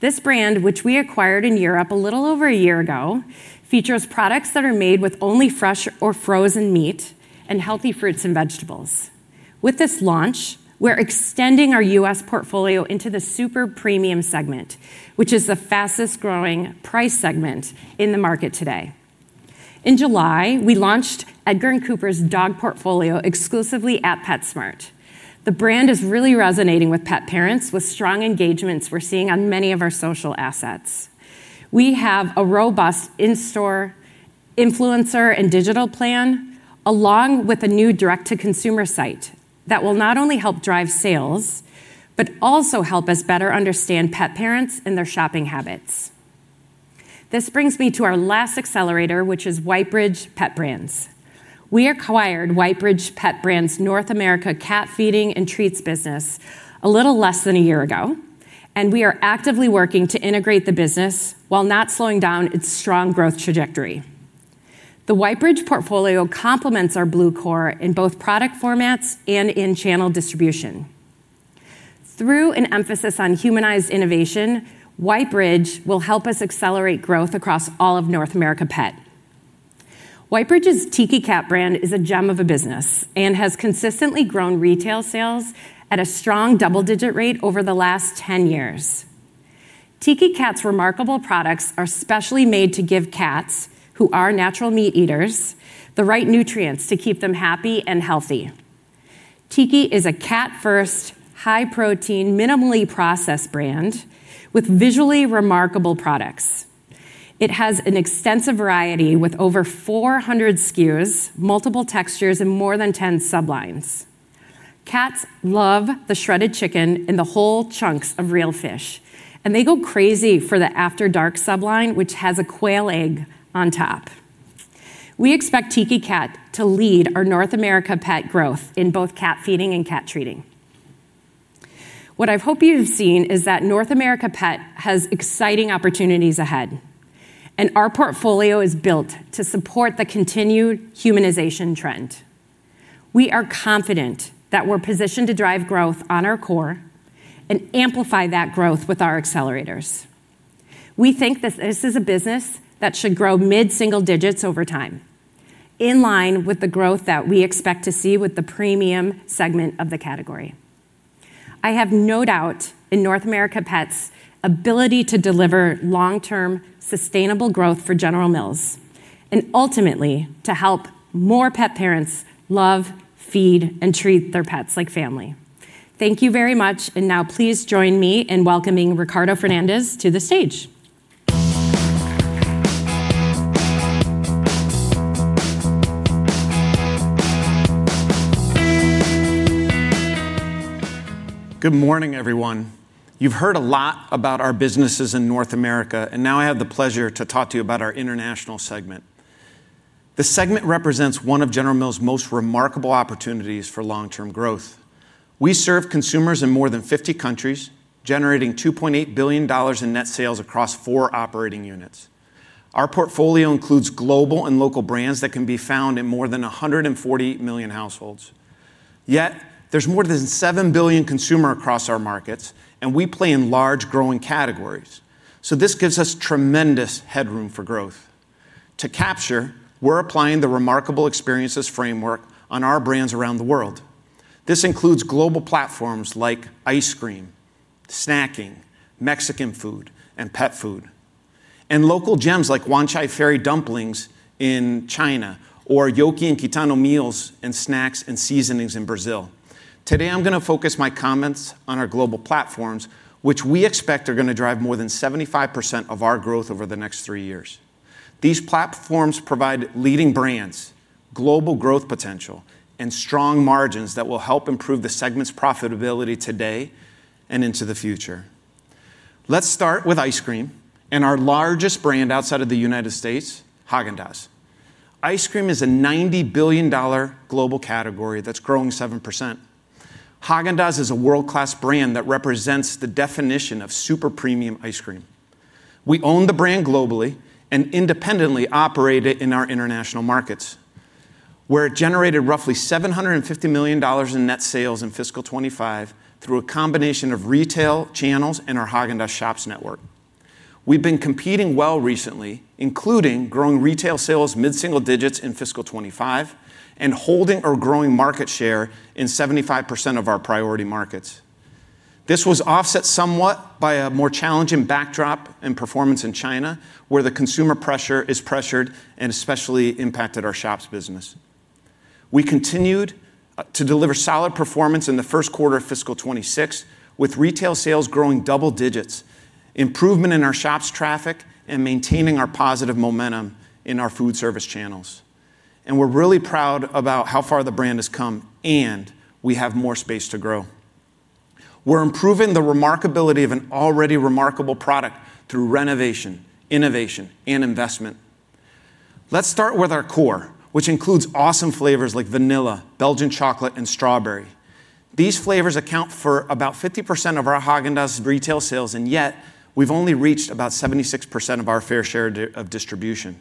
This brand, which we acquired in Europe a little over a year ago, features products that are made with only fresh or frozen meat and healthy fruits and vegetables. With this launch, we're extending our U.S. portfolio into the super premium segment, which is the fastest growing price segment in the market today. In July, we launched Edgard & Cooper's dog portfolio exclusively at PetSmart. The brand is really resonating with pet parents, with strong engagements we're seeing on many of our social assets. We have a robust in-store, influencer, and digital plan along with a new direct-to-consumer site that will not only help drive sales but also help us better understand pet parents and their shopping habits. This brings me to our last accelerator, which is Whitebridge Pet Brands. We acquired Whitebridge Pet Brands' North America cat feeding and treats business a little less than a year ago, and we are actively working to integrate the business while not slowing down its strong growth trajectory. The Whitebridge portfolio complements our Blue core in both product formats and in channel distribution. Through an emphasis on humanized innovation, Whitebridge will help us accelerate growth across all of North America Pet. Whitebridge's Tiki Cat brand is a gem of a business and has consistently grown retail sales at a strong double-digit rate over the last 10 years. Tiki Cat's remarkable products are specially made to give cats, who are natural meat eaters, the right nutrients to keep them happy and healthy. Tiki is a cat-first, high-protein, minimally processed brand with visually remarkable products. It has an extensive variety with over 400 SKUs, multiple textures, and more than 10 sublines. Cats love the shredded chicken and the whole chunks of real fish, and they go crazy for the After Dark subline, which has a quail egg on top. We expect Tiki Cat to lead our North America Pet growth in both cat feeding and cat treating. What I hope you've seen is that North America Pet has exciting opportunities ahead, and our portfolio is built to support the continued humanization trend. We are confident that we're positioned to drive growth on our core and amplify that growth with our accelerators. We think that this is a business that should grow mid-single digits over time, in line with the growth that we expect to see with the premium segment of the category. I have no doubt in North America Pet's ability to deliver long-term sustainable growth for General Mills and ultimately to help more pet parents love, feed, and treat their pets like family. Thank you very much. Now please join me in welcoming Ricardo Fernandez to the stage. Good morning everyone. You've heard a lot about our businesses in North America and now I have the pleasure to talk to you about our international segment. The segment represents one of General Mills' most remarkable opportunities for long term growth. We serve consumers in more than 50 countries, generating $2.8 billion in net sales across four operating units. Our portfolio includes global and local brands that can be found in more than 140 million households. Yet there's more than 7 billion consumers across our markets and we play in large, growing categories. This gives us tremendous headroom for growth to capture. We're applying the remarkability Experiences framework on our brands around the world. This includes global platforms like ice cream, snacking, Mexican food, and pet food, and local gems like Wan Chai Fairy Dumplings in China or Yoki and Kitano meals and snacks and seasonings in Brazil. Today I'm going to focus my comments on our global platforms, which we expect are going to drive more than 75% of our growth over the next three years. These platforms provide leading brands, global growth potential, and strong margins that will help improve the segment's profitability today and into the future. Let's start with ice cream and our largest brand outside of the United States, Haagen-Dazs. Ice cream is a $90 billion global category that's growing 7%. Haagen-Dazs is a world class brand that represents the definition of super premium ice cream. We own the brand globally and independently operate it in our international markets where it generated roughly $750 million in net sales in fiscal 2025 through a combination of retail channels and our Haagen-Dazs shops network. We've been competing well recently, including growing retail sales mid single digits in fiscal 2025 and holding or growing market share in 75% of our priority markets. This was offset somewhat by a more challenging backdrop and performance in China, where the consumer is pressured and especially impacted our shops business. We continued to deliver solid performance in the first quarter of fiscal 2026 with retail sales growing double digits, improvement in our shops traffic, and maintaining our positive momentum in our food service channels. We're really proud about how far the brand has come and we have more space to grow. We're improving the remarkability of an already remarkable product through renovation, innovation, and investment. Let's start with our core, which includes awesome flavors like vanilla, Belgian chocolate, and strawberry. These flavors account for about 50% of our Haagen-Dazs retail sales, and yet we've only reached about 76% of our fair share of distribution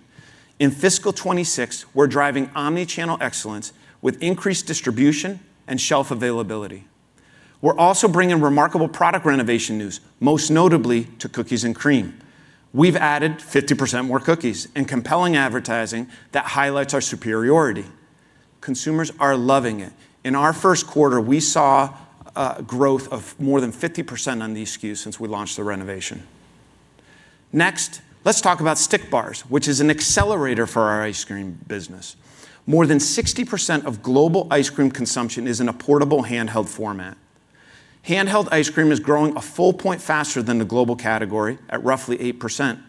in fiscal 2026. We're driving omnichannel excellence with increased distribution and shelf availability. We're also bringing remarkable product renovation news, most notably to cookies and cream. We've added 50% more cookies and compelling advertising that highlights our superiority. Consumers are loving it. In our first quarter, we saw growth of more than 50% on these SKUs since we launched the renovation. Next, let's talk about stick bars, which is an accelerator for our ice cream business. More than 60% of global ice cream consumption is in a portable handheld format. Handheld ice cream is growing a full point faster than the global category at roughly 8%.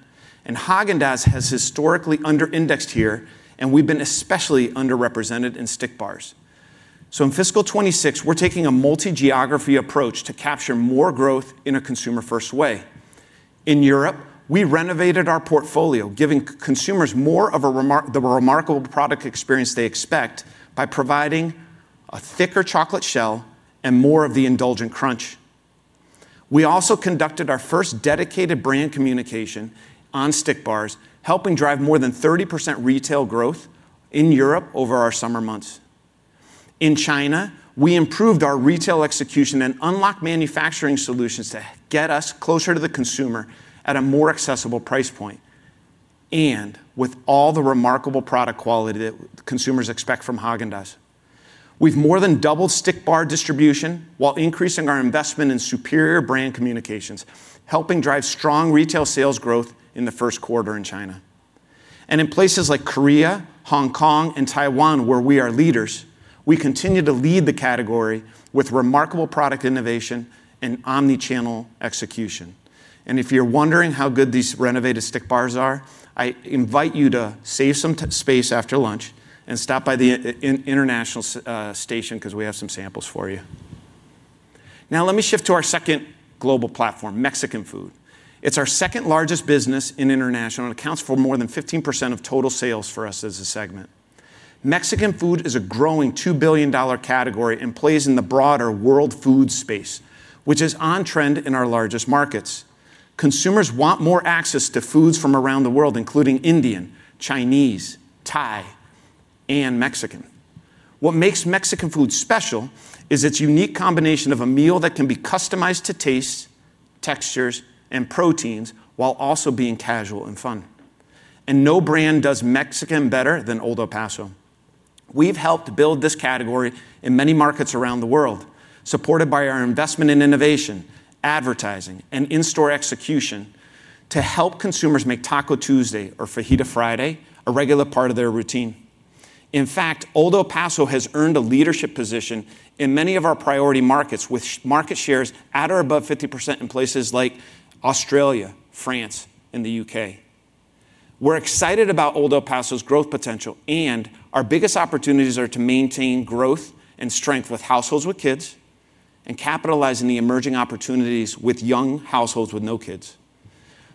Haagen-Dazs has historically under-indexed here, and we've been especially underrepresented in stick bars. In fiscal 2026, we're taking a multi-geography approach to capture more growth in a consumer-first way. In Europe, we renovated our portfolio, giving consumers more of the remarkable product experience they expect by providing a thicker chocolate shell and more of the indulgent crunch. We also conducted our first dedicated brand communication on stick bars, helping drive more than 30% retail growth in Europe over our summer months. In China, we improved our retail execution and unlocked manufacturing solutions to get us closer to the consumer at a more accessible price point. With all the remarkable product quality that consumers expect from Haagen-Dazs, we've more than doubled stick bar distribution while increasing our investment in superior brand communications, helping drive strong retail sales growth in the first quarter. In China and in places like Korea, Hong Kong, and Taiwan, where we are leaders, we continue to lead the category with remarkable product innovation and omnichannel execution. If you're wondering how good these renovated stick bars are, I invite you to save some space after lunch and stop by the International station because we have some samples for you. Now let me shift to our second global platform, Mexican Food. It's our second largest business in International and accounts for more than 15% of total sales for us as a segment. Mexican food is a growing $2 billion category and plays in the broader world food space, which is on trend in our largest markets. Consumers want more access to foods from around the world, including Indian, Chinese, Thai, and Mexican. What makes Mexican food special is its unique combination of a meal that can be customized to taste, textures, and proteins while also being casual and fun. No brand does Mexican better than Old El Paso. We've helped build this category in many markets around the world, supported by our investment in innovation, advertising, and in-store execution to help consumers make Taco Tuesday or Fajita Friday a regular part of their routine. In fact, Old El Paso has earned a leadership position in many of our priority markets, with market shares at or above 50% in places like Australia, France, and the U.K.. Today we're excited about Old El Paso's growth potential and our biggest opportunities are to maintain growth and strength with households with kids and capitalizing the emerging opportunities with young households with no kids.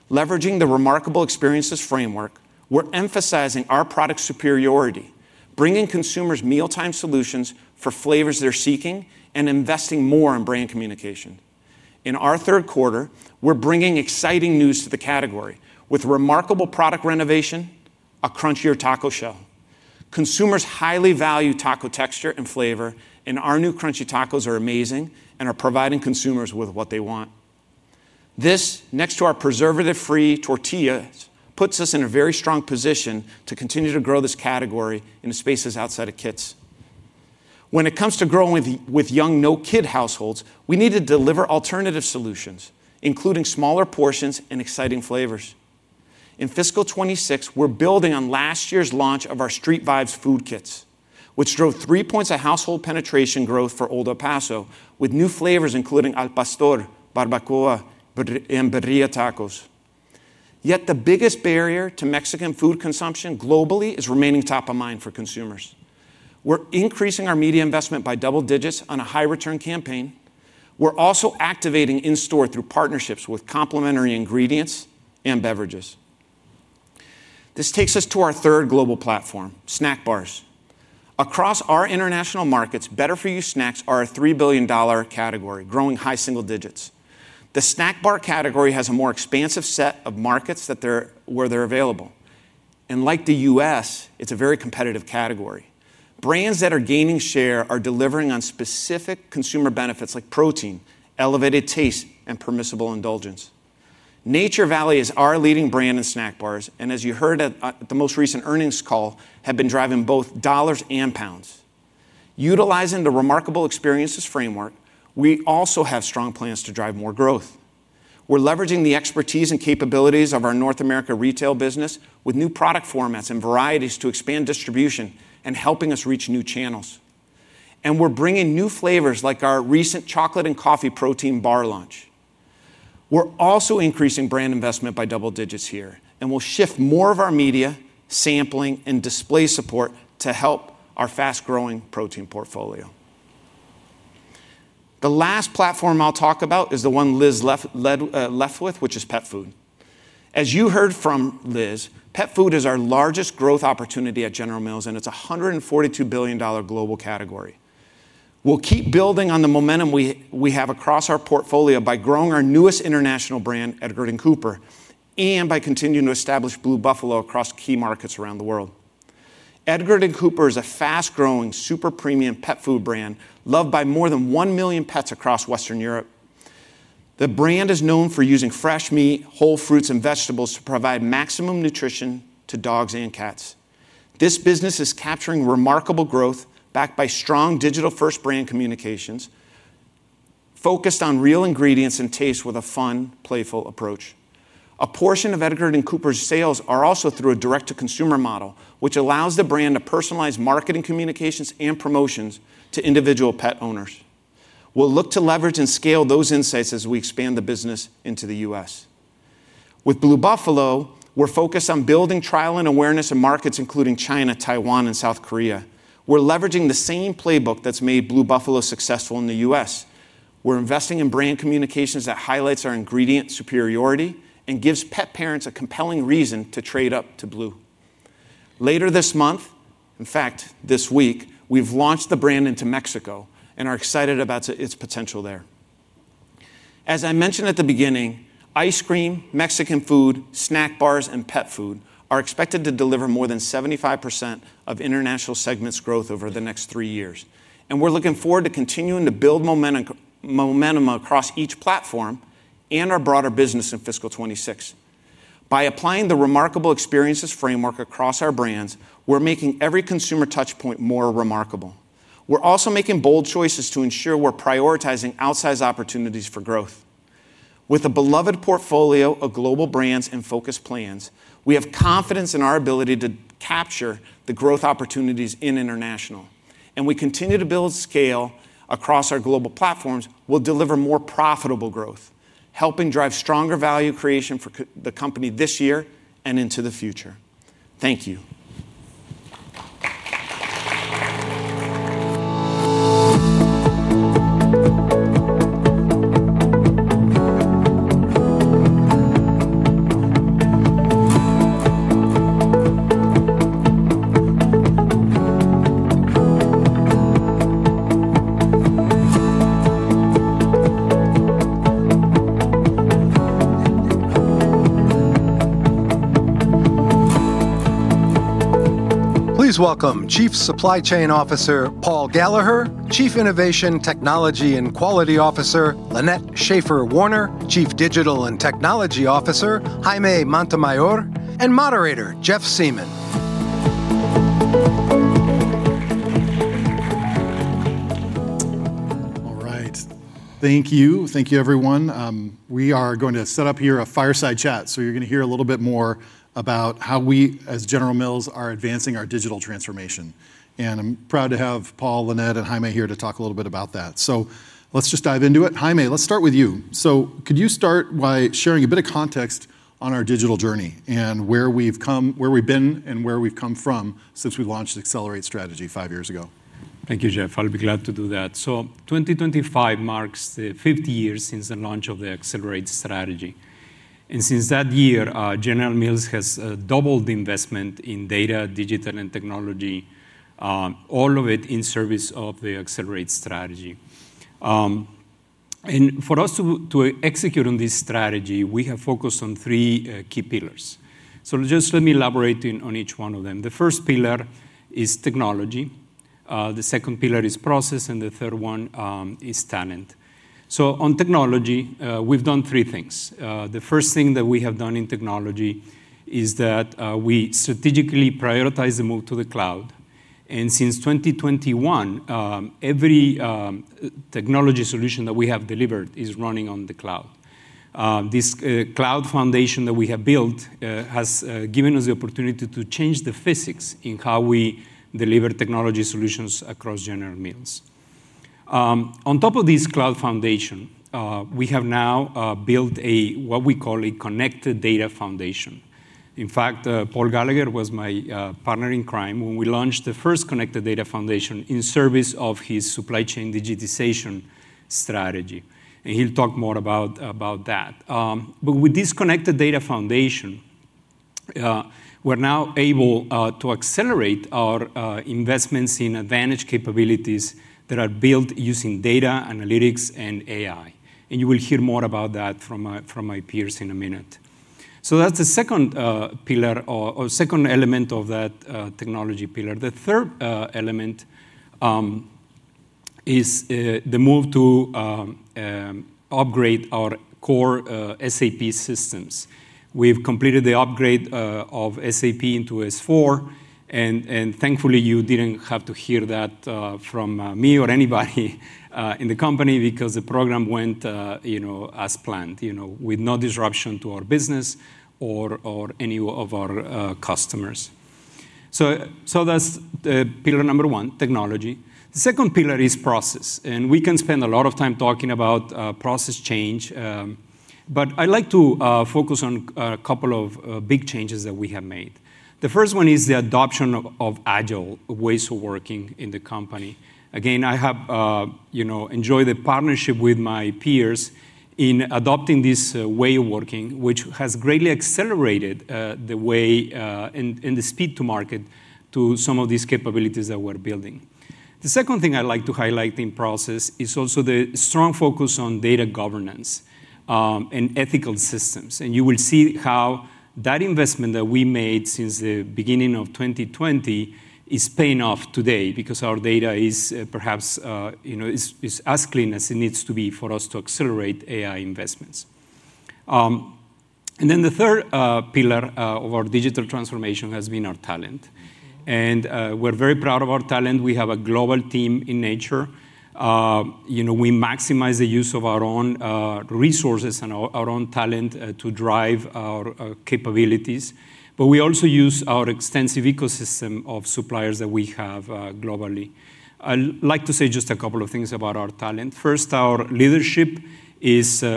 Leveraging the Remarkable Experiences framework, we're emphasizing our product superiority, bringing consumers mealtime solutions for flavors they're seeking, and investing more in brand communication. In our third quarter, we're bringing exciting news to the category with remarkable product renovation. A crunchier taco shell, consumers highly value taco texture and flavor, and our new crunchy tacos are amazing and are providing consumers with what they want. This next to our preservative-free tortillas puts us in a very strong position to continue to grow this category in spaces outside of kits. When it comes to growing with young no kid households, we need to deliver alternative solutions including smaller portions and exciting flavors. In fiscal 2026, we're building on last year's launch of our Street Vibes food kits, which drove three points of household penetration growth for Old El Paso with new flavors including Al Pastor, Barbacoa, and Birria Tacos. Yet the biggest barrier to Mexican food consumption globally is remaining top of mind for consumers. We're increasing our media investment by double digits on a high return campaign. We're also activating in-store through partnerships with complementary ingredients and beverages. This takes us to our third global platform, snack bars across our international markets. Better-for-you snacks are a $3 billion category growing high single digits. The snack bar category has a more expansive set of markets that there are where they're available, and like the U.S., it's a very competitive category. Brands that are gaining share are delivering on specific consumer benefits like protein, elevated taste, and permissible indulgence. Nature Valley is our leading brand in snack bars, and as you heard at the most recent earnings call, have been driving both dollars and pounds. Utilizing the Remarkable Experiences framework, we also have strong plans to drive more growth. We're leveraging the expertise and capabilities of our North America Retail business with new product formats and varieties to expand distribution and helping us reach new channels. We're bringing new flavors like our recent chocolate and coffee protein bar launch. We're also increasing brand investment by double digits here, and we'll shift more of our media, sampling, and display support to help our fast-growing protein portfolio. The last platform I'll talk about is the one Liz left with, which is Pet Food. As you heard from Liz, Pet Food is our largest growth opportunity at General Mills, and it's a $142 billion global category. We'll keep building on the momentum we have across our portfolio by growing our newest international brand, Edgard & Cooper, and by continuing to establish Blue Buffalo across key markets around the world. Edgard & Cooper is a fast-growing super premium pet food brand loved by more than 1 million pets across Western Europe. The brand is known for using fresh meat, whole fruits, and vegetables to provide maximum nutrition to dogs and cats. This business is capturing remarkable growth backed by strong digital-first brand communications focused on real ingredients and taste with a fun, playful approach. A portion of Edgard & Cooper's sales are also through a direct-to-consumer model, which allows the brand to personalize marketing, communications, and promotions to individual pet owners. We'll look to leverage and scale those insights as we expand the business into the U.S. With Blue Buffalo, we're focused on building trial and awareness in markets including China, Taiwan, and South Korea. We're leveraging the same playbook that's made Blue Buffalo successful in the U.S. We're investing in brand communications that highlight our ingredient superiority and give pet parents a compelling reason to trade up to Blue later this month. In fact, this week we've launched the brand into Mexico and are excited about its potential there. As I mentioned at the beginning, ice cream, Mexican food, snack bars, and pet food are expected to deliver more than 75% of International segment's growth over the next three years. We are looking forward to continuing to build momentum across each platform and our broader business in fiscal 2026. By applying the Remarkable Experiences framework across our brands, we're making every consumer touchpoint more remarkable. We're also making bold choices to ensure we're prioritizing outsize opportunities for growth. With a beloved portfolio of global brands and focused plans, we have confidence in our ability to deliver and capture the growth opportunities in International, and we continue to build scale across our global platforms. We'll deliver more profitable growth, helping drive stronger value creation for the company this year and into the future. Thank you. Please welcome Chief Supply Chain Officer Paul Gallagher. Gallagher, Chief Innovation, Technology and Quality Officer Lanette Shaffer Werner, Chief Digital and Technology Officer Jaime Montemayor, and Moderator Jeff Siemon. All right, thank you. Thank you everyone. We are going to set up here a fireside chat, so you're going to hear a little bit more about how we as General Mills are advancing our digital transformation. I'm proud to have Paul, Lanette, and Jaime here to talk a little bit about that. Let's just dive into it. Jaime, let's start with you. Could you start by sharing a bit of context on our digital journey and where we've been and where we've come from since we launched Accelerate strategy five years ago? Thank you, Jeff. I'll be glad to do that. 2025 marks the 50 years since the launch of the Accelerate strategy. Since that year, General Mills has doubled investment in data, digital, and technology, all of it in service of the Accelerate strategy. For us to execute on this strategy, we have focused on three key pillars. Let me elaborate on each one of them. The first pillar is technology. The second pillar is process. The third one is talent. On technology, we've done three things. The first thing that we have done in technology is that we strategically prioritize the move to the cloud. Since 2021, every technology solution that we have delivered is running on the cloud. This cloud foundation that we have built has given us the opportunity to change the physics in how we deliver technology solutions across General Mills. On top of this cloud foundation, we have now built what we call a Connected Data Foundation. In fact, Paul Gallagher was my partner in crime when we launched the first Connected Data Foundation in service of his supply chain digitization strategy, and he'll talk more about that. With this Connected Data Foundation, we're now able to accelerate our investments in advantage capabilities that are built using data analytics and AI. You will hear more about that from my peers in a minute. That's the second element of that technology pillar. The third element is the move to upgrade our core SAP systems. We've completed the upgrade of SAP into S4, and thankfully, you didn't have to hear that from me or anybody in the company because the program went as planned with no disruption to our business or any of our customers. That's pillar number one, technology. The second pillar is process. We can spend a lot of time talking about process change, but I'd like to focus on a couple of big changes that we have made. The first one is the adoption of agile ways of working in the company. I have enjoyed the partnership with my peers in adopting this way of working, which has greatly accelerated the way and the speed to market to some of these capabilities that we're building. The second thing I'd like to highlight in process is also the strong focus on data governance, governance, and ethical systems. You will see how that investment that we made since the beginning of 2020 is paying off today because our data is perhaps as clean as it needs to be for us to accelerate AI investments. The third pillar of our digital transformation has been our talent. We're very proud of our talent. We have a global team in nature. You know, we maximize the use of our own resources and our own talent to drive our capabilities. We also use our extensive ecosystem of suppliers that we have globally. I like to say just a couple of things about our talent. First, our leadership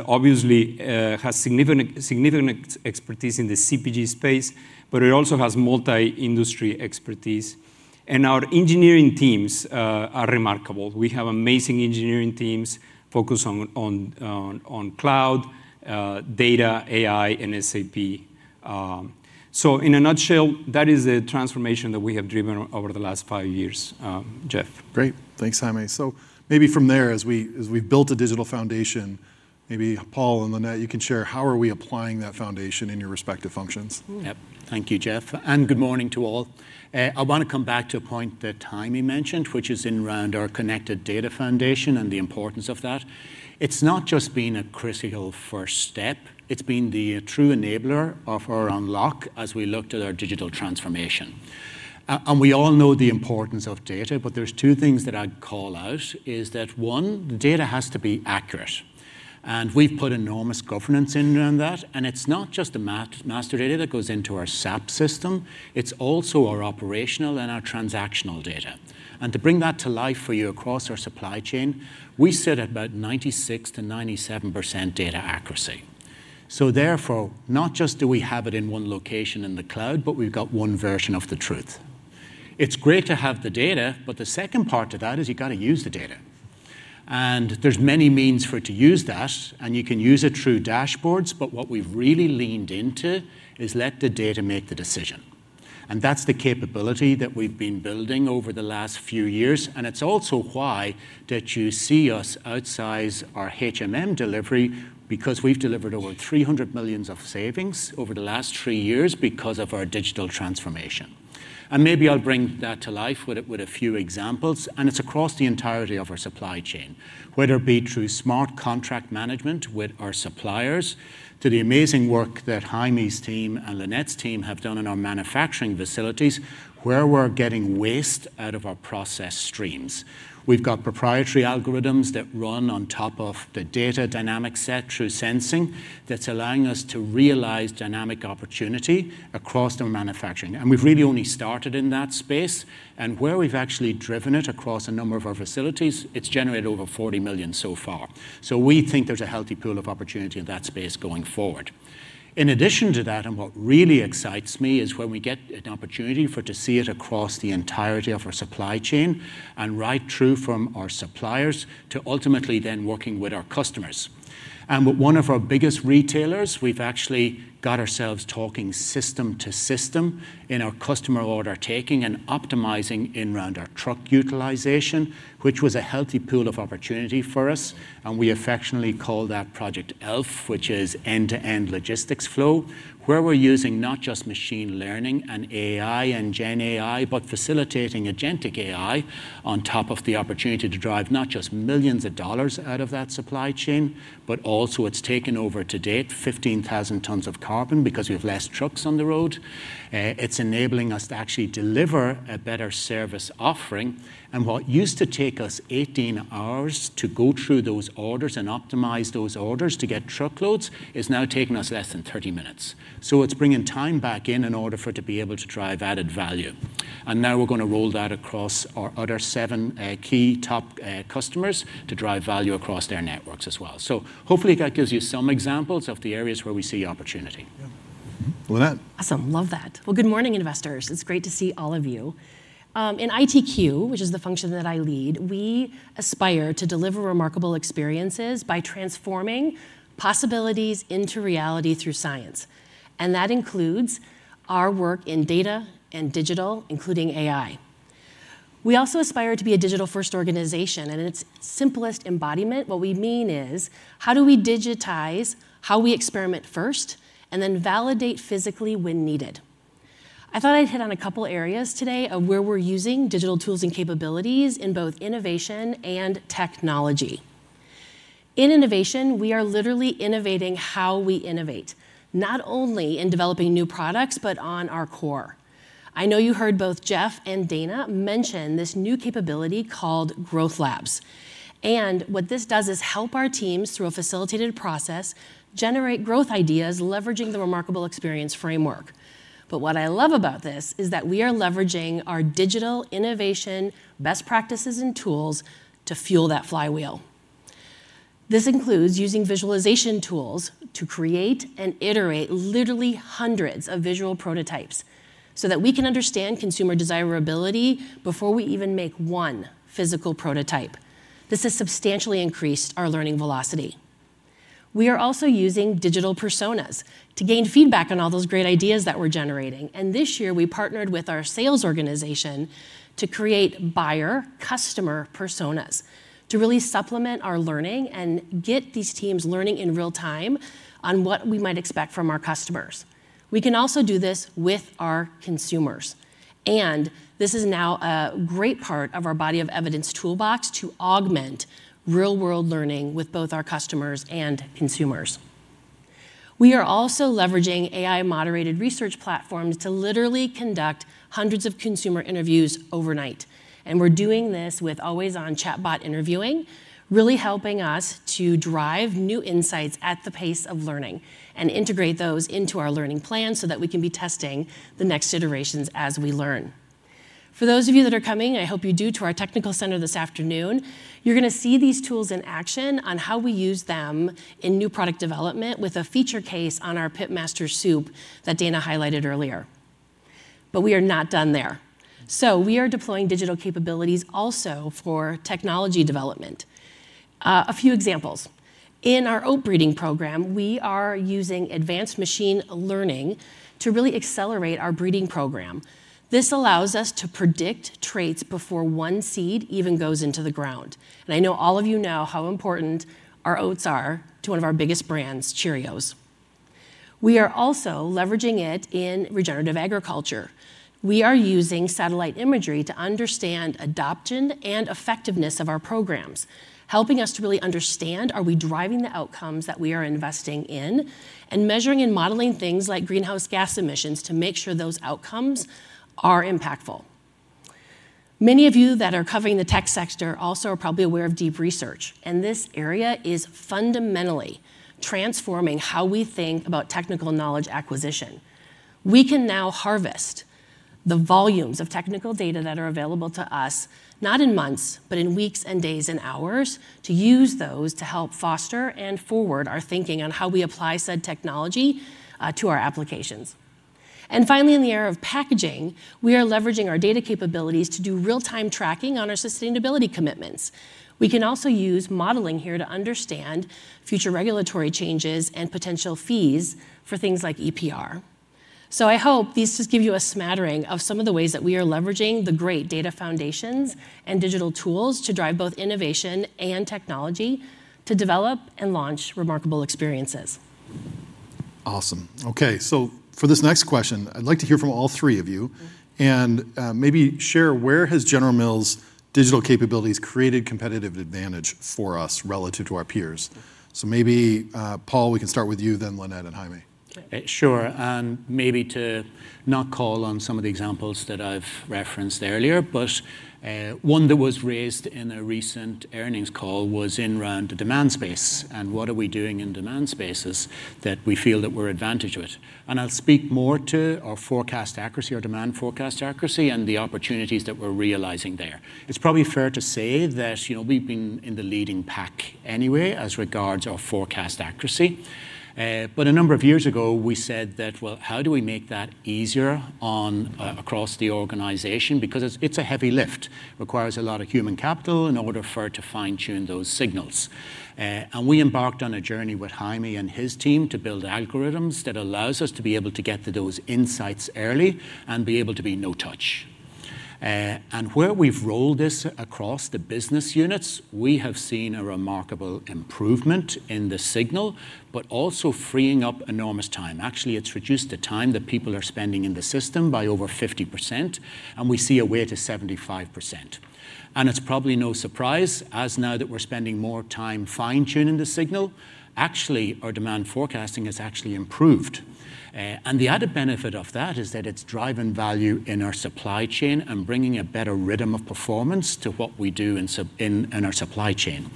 obviously has significant, significant expertise in the CPG space, but it also has multi-industry expertise and our engineering teams are remarkable. We have amazing engineering teams focused on cloud, data, AI, and SAP. In a nutshell, that is the transformation that we have driven over the last five years. Jeff, Great. Thanks, Jaime. As we built a digital foundation, maybe Paul and Lanette, you can share how are we applying that foundation in your respect? Thank you Jeff and good morning to all. I want to come back to a point that Jaime mentioned, which is in round our connected data foundation and the importance of that. It's not just been a critical first step, it's been the true enabler of our unlock. As we looked at our digital transformation and we all know the importance of data. But there's two things that I call out is that one data has to be accurate and we've put enormous governance in on that. And it's not just the master data that goes into our SAP system, it's also our operational and our transactional data. And to bring that to life for you across our supply chain, we sit at about 96%-97% data accuracy. So therefore not just do we have it in one location in the cloud, but we've got one version of the truth. It's great to have the data, but the second part to that is you got to use the data and there's many means for it to use that and you can use it through dashboards. But what we've really leaned into is let the data make the decision and that's the capability that we've been building over the last few years. And it's also why that you see us outsize our, hmm, delivery because We've delivered over 300 millions of savings over the last three years because of our digital transition transformation. And maybe I'll bring that to life with a few Examples and it's across the entirety of our supply chain, whether it be through smart contract management with our suppliers, to the amazing work that Jaime's team and Lanette's team have done in our manufacturing facilities where we're getting waste out of our process streams. We've got proprietary algorithms that run on top of the data dynamic set through sensing. That's allowing us to realize dynamic opportunity across our manufacturing. And we've really only started in that space and where we've actually driven it across a number of our facilities, it's generated over 40 million so far. So we think there's a healthy pool of opportunity in that space going forward in addition to that. And what really excites me is when we get an opportunity to see it across the entirety of our supply chain and right through from our suppliers to ultimately then working with our customers and with one of our biggest retailers, we've actually got ourselves talking system to system in our customer order taking and optimizing in round our truck utilization, which was a healthy pool of opportunity for us. We affectionately call that Project ELF, which is end-to-end logistics flow, where we're using not just machine learning and AI and GenAI, but facilitating agentic AI on top of the opportunity to drive not just millions of dollars out of that supply chain, but also it's taken over to date 15,000 tons of carbon because we have less trucks on the road. It's enabling us to actually deliver a better service offering. What used to take us 18 hours to go through those orders and optimize those orders to get truckloads is now taking us less than 30 minutes. It's bringing time back in in order for it to be able to drive added value. Now we're going to roll that across our other seven key top customers to drive value across their networks as well. Hopefully that gives you some examples of the areas where we see opportunity. Lunette. Awesome. Love that. Good morning investors. It's great to see all of you in ITQ, which is the function that I lead. We aspire to deliver remarkable experiences by transforming possibilities into reality through science. That includes our work in data and digital, including AI. We also aspire to be a digital-first organization. In its simplest embodiment, what we mean is how do we digitize how we experiment first and then validate physically when needed. I thought I'd hit on a couple areas today of where we're using digital tools and capabilities in both innovation and technology. In innovation, we are literally innovating how we innovate, not only in developing new products, but on our core. I know you heard both Jeff and Dana mention this new capability called Growth Labs. What this does is help our teams through a facilitated process generate growth ideas, leveraging the remarkability experience framework. What I love about this is that we are leveraging our digital innovation best practices and tools to fuel that flywheel. This includes using visualization tools to create and iterate literally hundreds of visual prototypes so that we can understand consumer desirability before we even make one physical prototype. This has substantially increased our learning velocity. We are also using digital Persona to gain feedback on all those great ideas that we're generating. This year we partnered with our sales organization to create buyer customer Personas to really supplement our learning and get these teams learning in real time on what we might expect from our customers. We can also do this with our consumers and this is now a great part of our body of evidence toolbox to augment real world learning with both our customers and consumers. We are also leveraging AI-moderated research platforms to literally conduct hundreds of consumer interviews overnight. We're doing this with always-on chatbot interviewing, really helping us to drive new insights at the pace of learning and integrate those into our learning plan so that we can be testing the next iterations as we learn. For those of you that are coming, I hope you do, to our technical center this afternoon. You're going to see these tools in action on how we use them in new product development with a feature case on our Pitmaster soup that Dana highlighted earlier. We are not done there. We are deploying digital capabilities also for technology development. A few examples in our oat breeding program, we are using advanced machine learning to really accelerate our breeding program. This allows us to predict traits before one seed even goes into the ground. I know all of you know how important our oats are to one of our biggest brands, Cheerios. We are also leveraging it in regenerative agriculture. We are using satellite imagery to understand adoption and effectiveness of our prog, helping us to really understand if we are driving the outcomes that we are investing in and measuring and modeling things like greenhouse gas emissions to make sure those outcomes are impactful. Many of you that are covering the tech sector also are probably aware of deep research, and this area is fundamentally transforming how we think about technical knowledge acquisition. We can now harvest the volumes of technical data that are available to us not in months, but in weeks and days and hours, to use those to help foster and forward our thinking on how we apply said technology to our applications. Finally, in the era of packaging, we are leveraging our data capabilities to do real-time tracking on our sustainability commitments. We can also use modeling here to understand future regulatory changes and potential fees for things like EPR. I hope these just give you a smattering of some of the ways that we are leveraging the great data foundations and digital tools to drive both innovation and technology to develop and launch remarkable experiences. Awesome. Okay, for this next question, I'd like to hear from all three of you and maybe share where has General Mills digital capabilities created competitive advantage for us relative to our peers? Maybe Paul, we can start with you, then Lanette and Jaime. Sure. And maybe to not call on some of the examples that I've referenced earlier, but one that was raised in a recent earnings call was in round the demand space. And what are we doing in demand spaces that we feel that we're advantage with. And I'll speak more to our forecast accuracy, our demand forecast accuracy, and the opportunities that we're realizing there. It's probably fair to say that, you know, we've been in the leading pack anyway as regards our forecast accuracy, but a number of years ago we, we said that, well, how do we make that easier across the organization because it's a heavy lift, requires a lot of human capital in order for it to fine tune those signals. And we embarked on a journey with Jaime and his team to build algorithms that allows us to be able to get to those insights early and be able to be no touch. And where we've rolled this across the business units, we have seen a remarkable improvement in the signal, but also freeing up enormous time. Actually it's reduced the time that people are spending in the System by over 50% and we see a way to 75%. And it's probably no surprise as now that we're spending more time fine tuning the signal, actually our demand forecasting has actually improved. And the added benefit of that is that it's driving value in our supply chain and bringing a better rhythm of performance to what we do in our supply chain.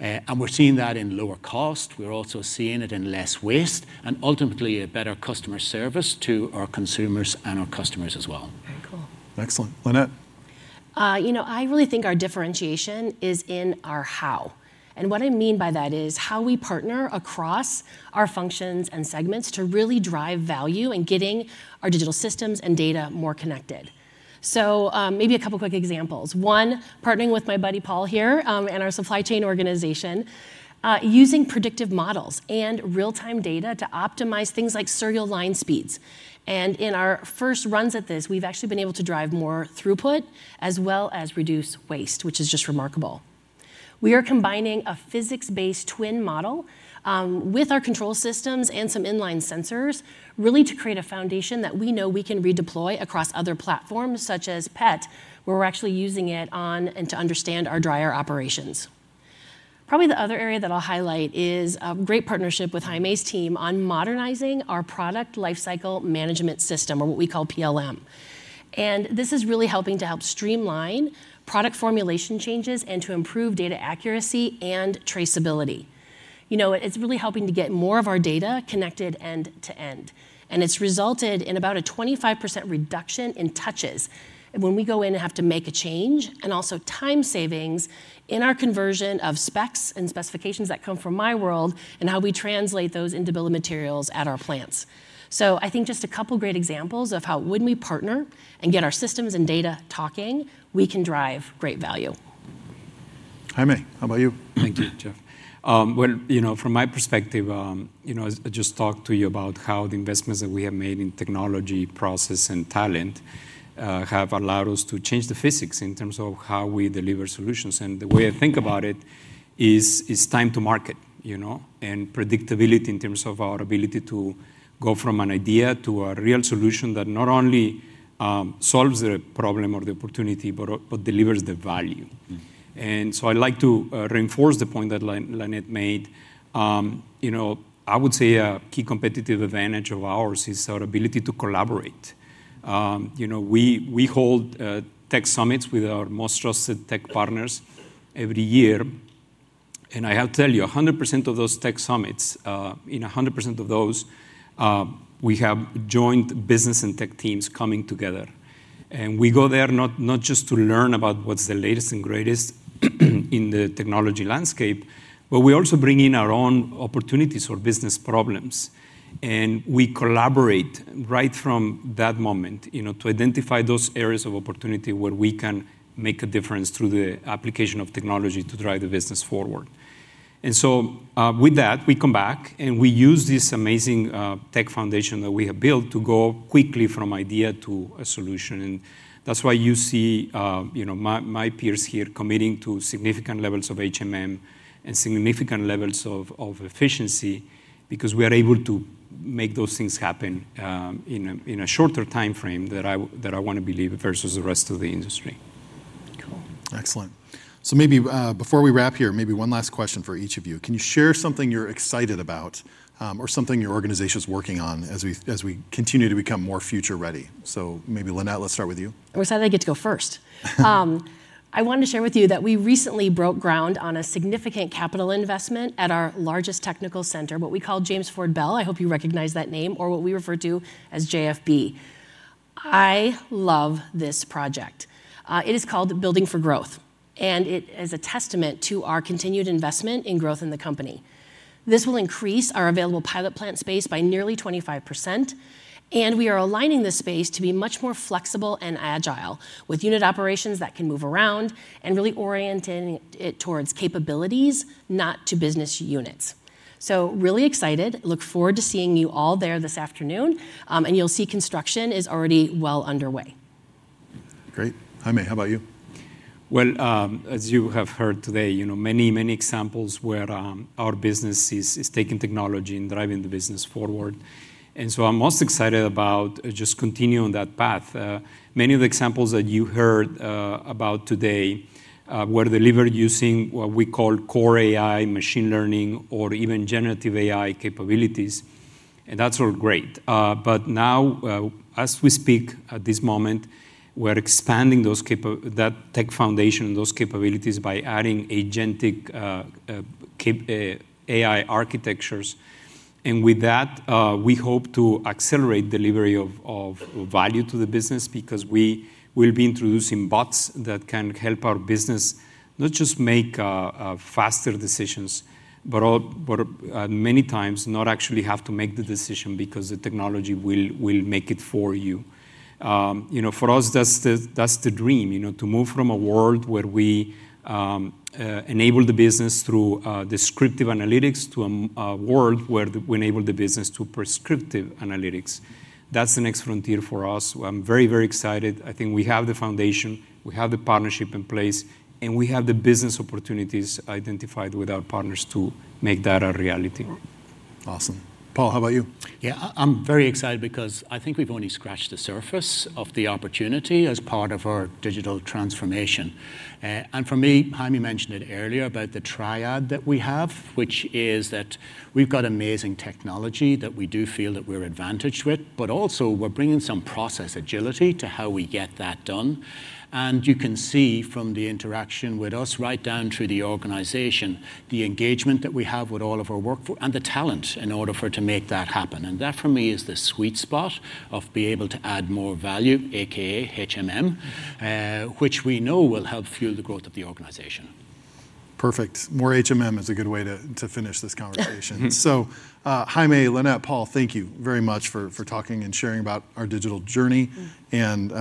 And we're seeing that in lower cost. We're also seeing it in less waste and ultimately a better customer service to our consumers and our customers as well. Excellent, Lanette. You know, I really think our differentiation is in our how, and what I mean by that is how we partner across our functions and segments to really drive value and getting our digital systems and data more connected. Maybe a couple quick examples. One, partnering with my buddy Paul here and our supply chain organization using predictive models and real-time data to optimize things like cereal line speeds. In our first runs at this, we've actually been able to drive more throughput as well as reduce waste, which is just remarkable. We are combining a physics-based twin model with our control systems and some inline sensors to create a foundation that we know we can redeploy across other platforms such as pet, where we're actually using it to understand our dryer operations. Probably the other area that I'll highlight is a great partnership with Jaime's team on modernizing our product lifecycle management system, or what we call PLM. This is really helping to help streamline product formulation changes and to improve data accuracy and traceability. It's really helping to get more of our data connected end to end. It's resulted in about a 25% reduction in touches when we go in and have to make a change, and also time savings in our conversion of specs and specifications that come from my world and how we translate those into bill of materials at our plants. I think just a couple great examples of how when we partner and get our systems and data talking, we can drive great value. Jaime, how about you? Thank you, Jeff. From my perspective, I just talked to you about how the investments that we have made in technology, process, and talent have allowed us to change the physics in terms of how we deliver solutions. The way I think about it is time to market and predictability in terms of our ability to go from an idea to a real solution that not only solves the problem or the opportunity, but delivers the value. I would like to reinforce the point that Lanette made. I would say a key competitive advantage of ours is our ability to collaborate. We hold tech summits with our most trusted tech partners every year. I have to tell you, 100% of those tech summits, in 100% of those, we have joint business and tech teams coming together. We go there not just to learn about what's the latest and greatest in the technology landscape, but we also bring in our own opportunities or business problems. We collaborate right from that moment to identify those areas of opportunity where we can make a difference through the application of technology to drive the business forward. With that, we come back and we use this amazing tech foundation that we have built to go quickly from idea to a solution. That's why you see my peers here committing to significant levels of HMM and significant levels of efficiency because we are able to make those things happen in a shorter time frame that I want to believe versus the rest of the industry. Industry. Excellent. Maybe before we wrap here, one last question for each of you. Can you share something you're excited about or something your organization is working on as we continue to become more future ready? Maybe, Lanette, let's start with you. I'm excited. I get to go first. I wanted to share with you that we recently broke ground on a significant capital investment at our largest technical center, what we call James Ford Bell. I hope you recognize that name, or what we refer to as JFB. I love this project. It is called Building for Growth, and it is a testament to our continued investment in growth in the company. This will increase our available pilot plant space by nearly 25%. We are aligning the space to be much more flexible and agile, with unit operations that can move around and really orient it towards capabilities, not to business units. I am really excited. I look forward to seeing you all there this afternoon. You'll see construction is already well underway. Great. Jaime, how about you? As you have heard today, you know many, many examples where our business is taking technology and driving the business forward. I'm most excited about just continuing that path. Many of the examples that you heard about today were delivered using what we call core AI, machine learning, or even generative AI capabilities. That's all great. Now, as we speak at this moment, we're expanding that tech foundation, those capabilities by adding agentic AI architectures. With that, we hope to accelerate delivery of value to the business because we will be introducing bots that can help our business not just make faster decisions, but many times not actually have to make the decision because the technology will make it for you. For us, that's the dream. To move from a world where we enable the business through descriptive analytics to a world where we enable the business to prescriptive analytics. That's the next frontier for us. I'm very, very excited. I think we have the foundation, we have the partnership in place, and we have the business opportunities identified with our partners to make that a reality. Awesome. Paul, how about you? Yeah, I'm very excited because I think we've only scratched the surface of the opportunity as part of our digital transformation. For me, Jaime mentioned it earlier, but about the triad that we have, which is that we've got amazing technology that we do feel that we're advantaged with. We are also bringing some process agility to how we get that done. You can see from the interaction with us right down through the organization the engagement that we have with all of our work and the talent in order to make that happen. That for me is the sweet spot of being able to add more value, AKA HMM, which we know will help fuel the growth of the organization. Perfect. More HMM is a good way to finish this conversation. Jaime, Lanette, Paul, thank you very much for talking and sharing about our digital journey and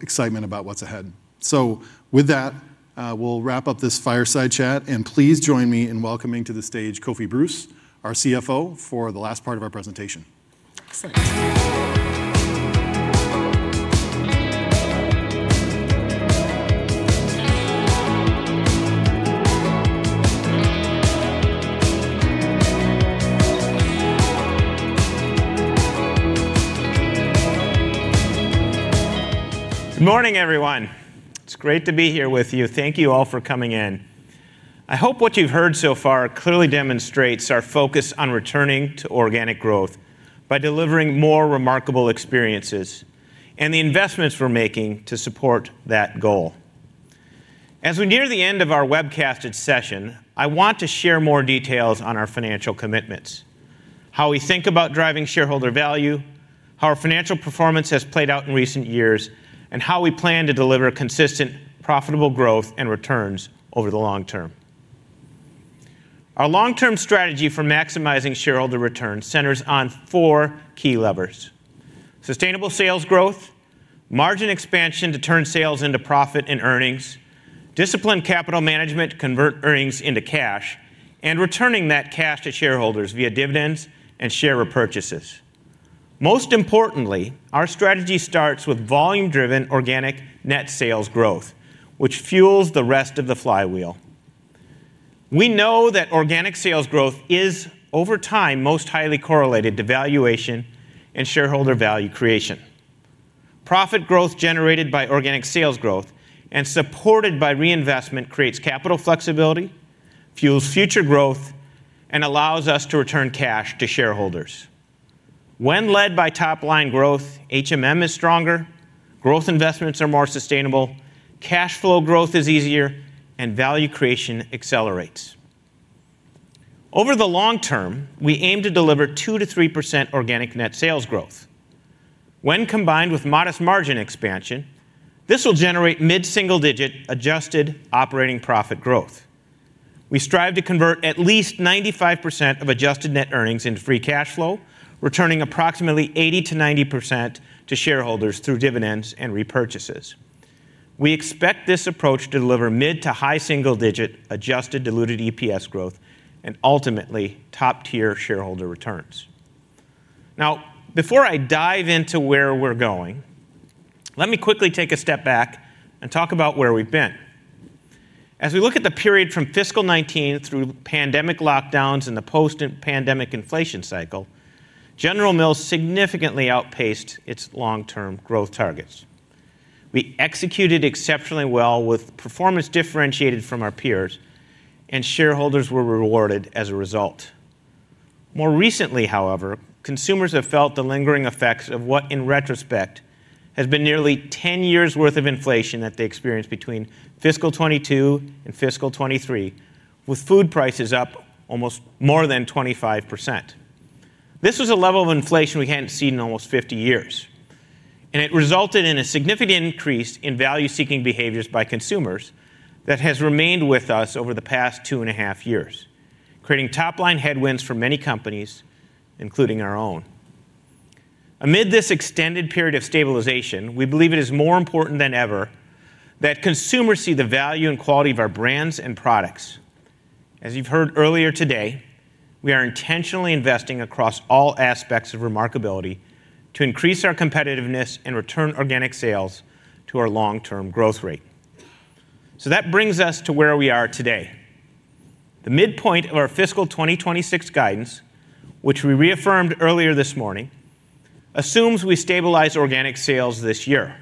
excitement about what's ahead. With that, we'll wrap up this fireside chat and please join me in welcoming to the stage Kofi Bruce, our CFO, for the last part of our presentation. Excellent. Good morning everyone. It's great to be here with you. Thank you all for coming in. I hope what you've heard so far clearly demonstrates our focus on returning to organic growth by delivering more remarkable experiences and the investments we're making to support that goal. As we near the end of our webcasted session, I want to share more details on our financial commitments, how we think about driving shareholder value, how our financial performance has played out in recent years, nd how we plan to deliver consistent profitable growth and returns over the long term. Our long term strategy for maximizing shareholder return centers on four key levers: sustainable sales growth, margin expansion to turn sales into profit and earnings, disciplined capital management to convert earnings into cash, and returning that cash to shareholders via dividends and share repurchases. Most importantly, our strategy starts with volume driven organic net sales growth, which fuels the rest of the flywheel. We know that organic sales growth is, over time, most highly correlated to valuation and shareholder value creation. Profit growth generated by organic sales growth and supported by reinvestment creates capital flexibility, fuels future growth, and allows us to return cash to shareholders. When led by top line growth, holistic margin management is stronger, growth investments are more sustainable, cash flow growth is easier, and value creation accelerates over the long term. We aim to deliver 2 to 3% organic net sales growth. When combined with modest margin expansion, this will generate mid single digit adjusted operating profit growth. We strive to convert at least 95% of adjusted net earnings into free cash flow, returning approximately 80 to 90% to shareholders through dividends and repurchases. We expect this approach to deliver mid to high single digit adjusted diluted EPS growth and ultimately top tier shareholder returns. Now, before I dive into where we're going, let me quickly take a step back and talk about where we've been. As we look at the period from fiscal 2019 through pandemic lockdowns and the post pandemic inflation cycle, General Mills significantly outpaced its long term growth targets. We executed exceptionally well with performance differentiated from our peers, and shareholders were rewarded as a result. More recently, however, consumers have felt the lingering effects of what in retrospect has been nearly 10 years worth of inflation that they experienced between fiscal 2022 and fiscal 2023, with food prices up almost more than 25%. This was a level of inflation we hadn't seen in almost 50 years, and it resulted in a significant increase in value-seeking behaviors by consumers that has remained with us over the past two and a half years, creating top line headwinds for many companies, including our own. Amid this extended period of stabilization, we believe it is more important than ever that consumers see the value and quality of our brands and products. As you've heard earlier today, we are intentionally investing across all aspects of remarkability to increase our competitiveness and return organic sales to our long term growth rate. That brings us to where we are today. The midpoint of our fiscal 2026 guidance, which we reaffirmed earlier this morning, assumes we stabilize organic sales this year,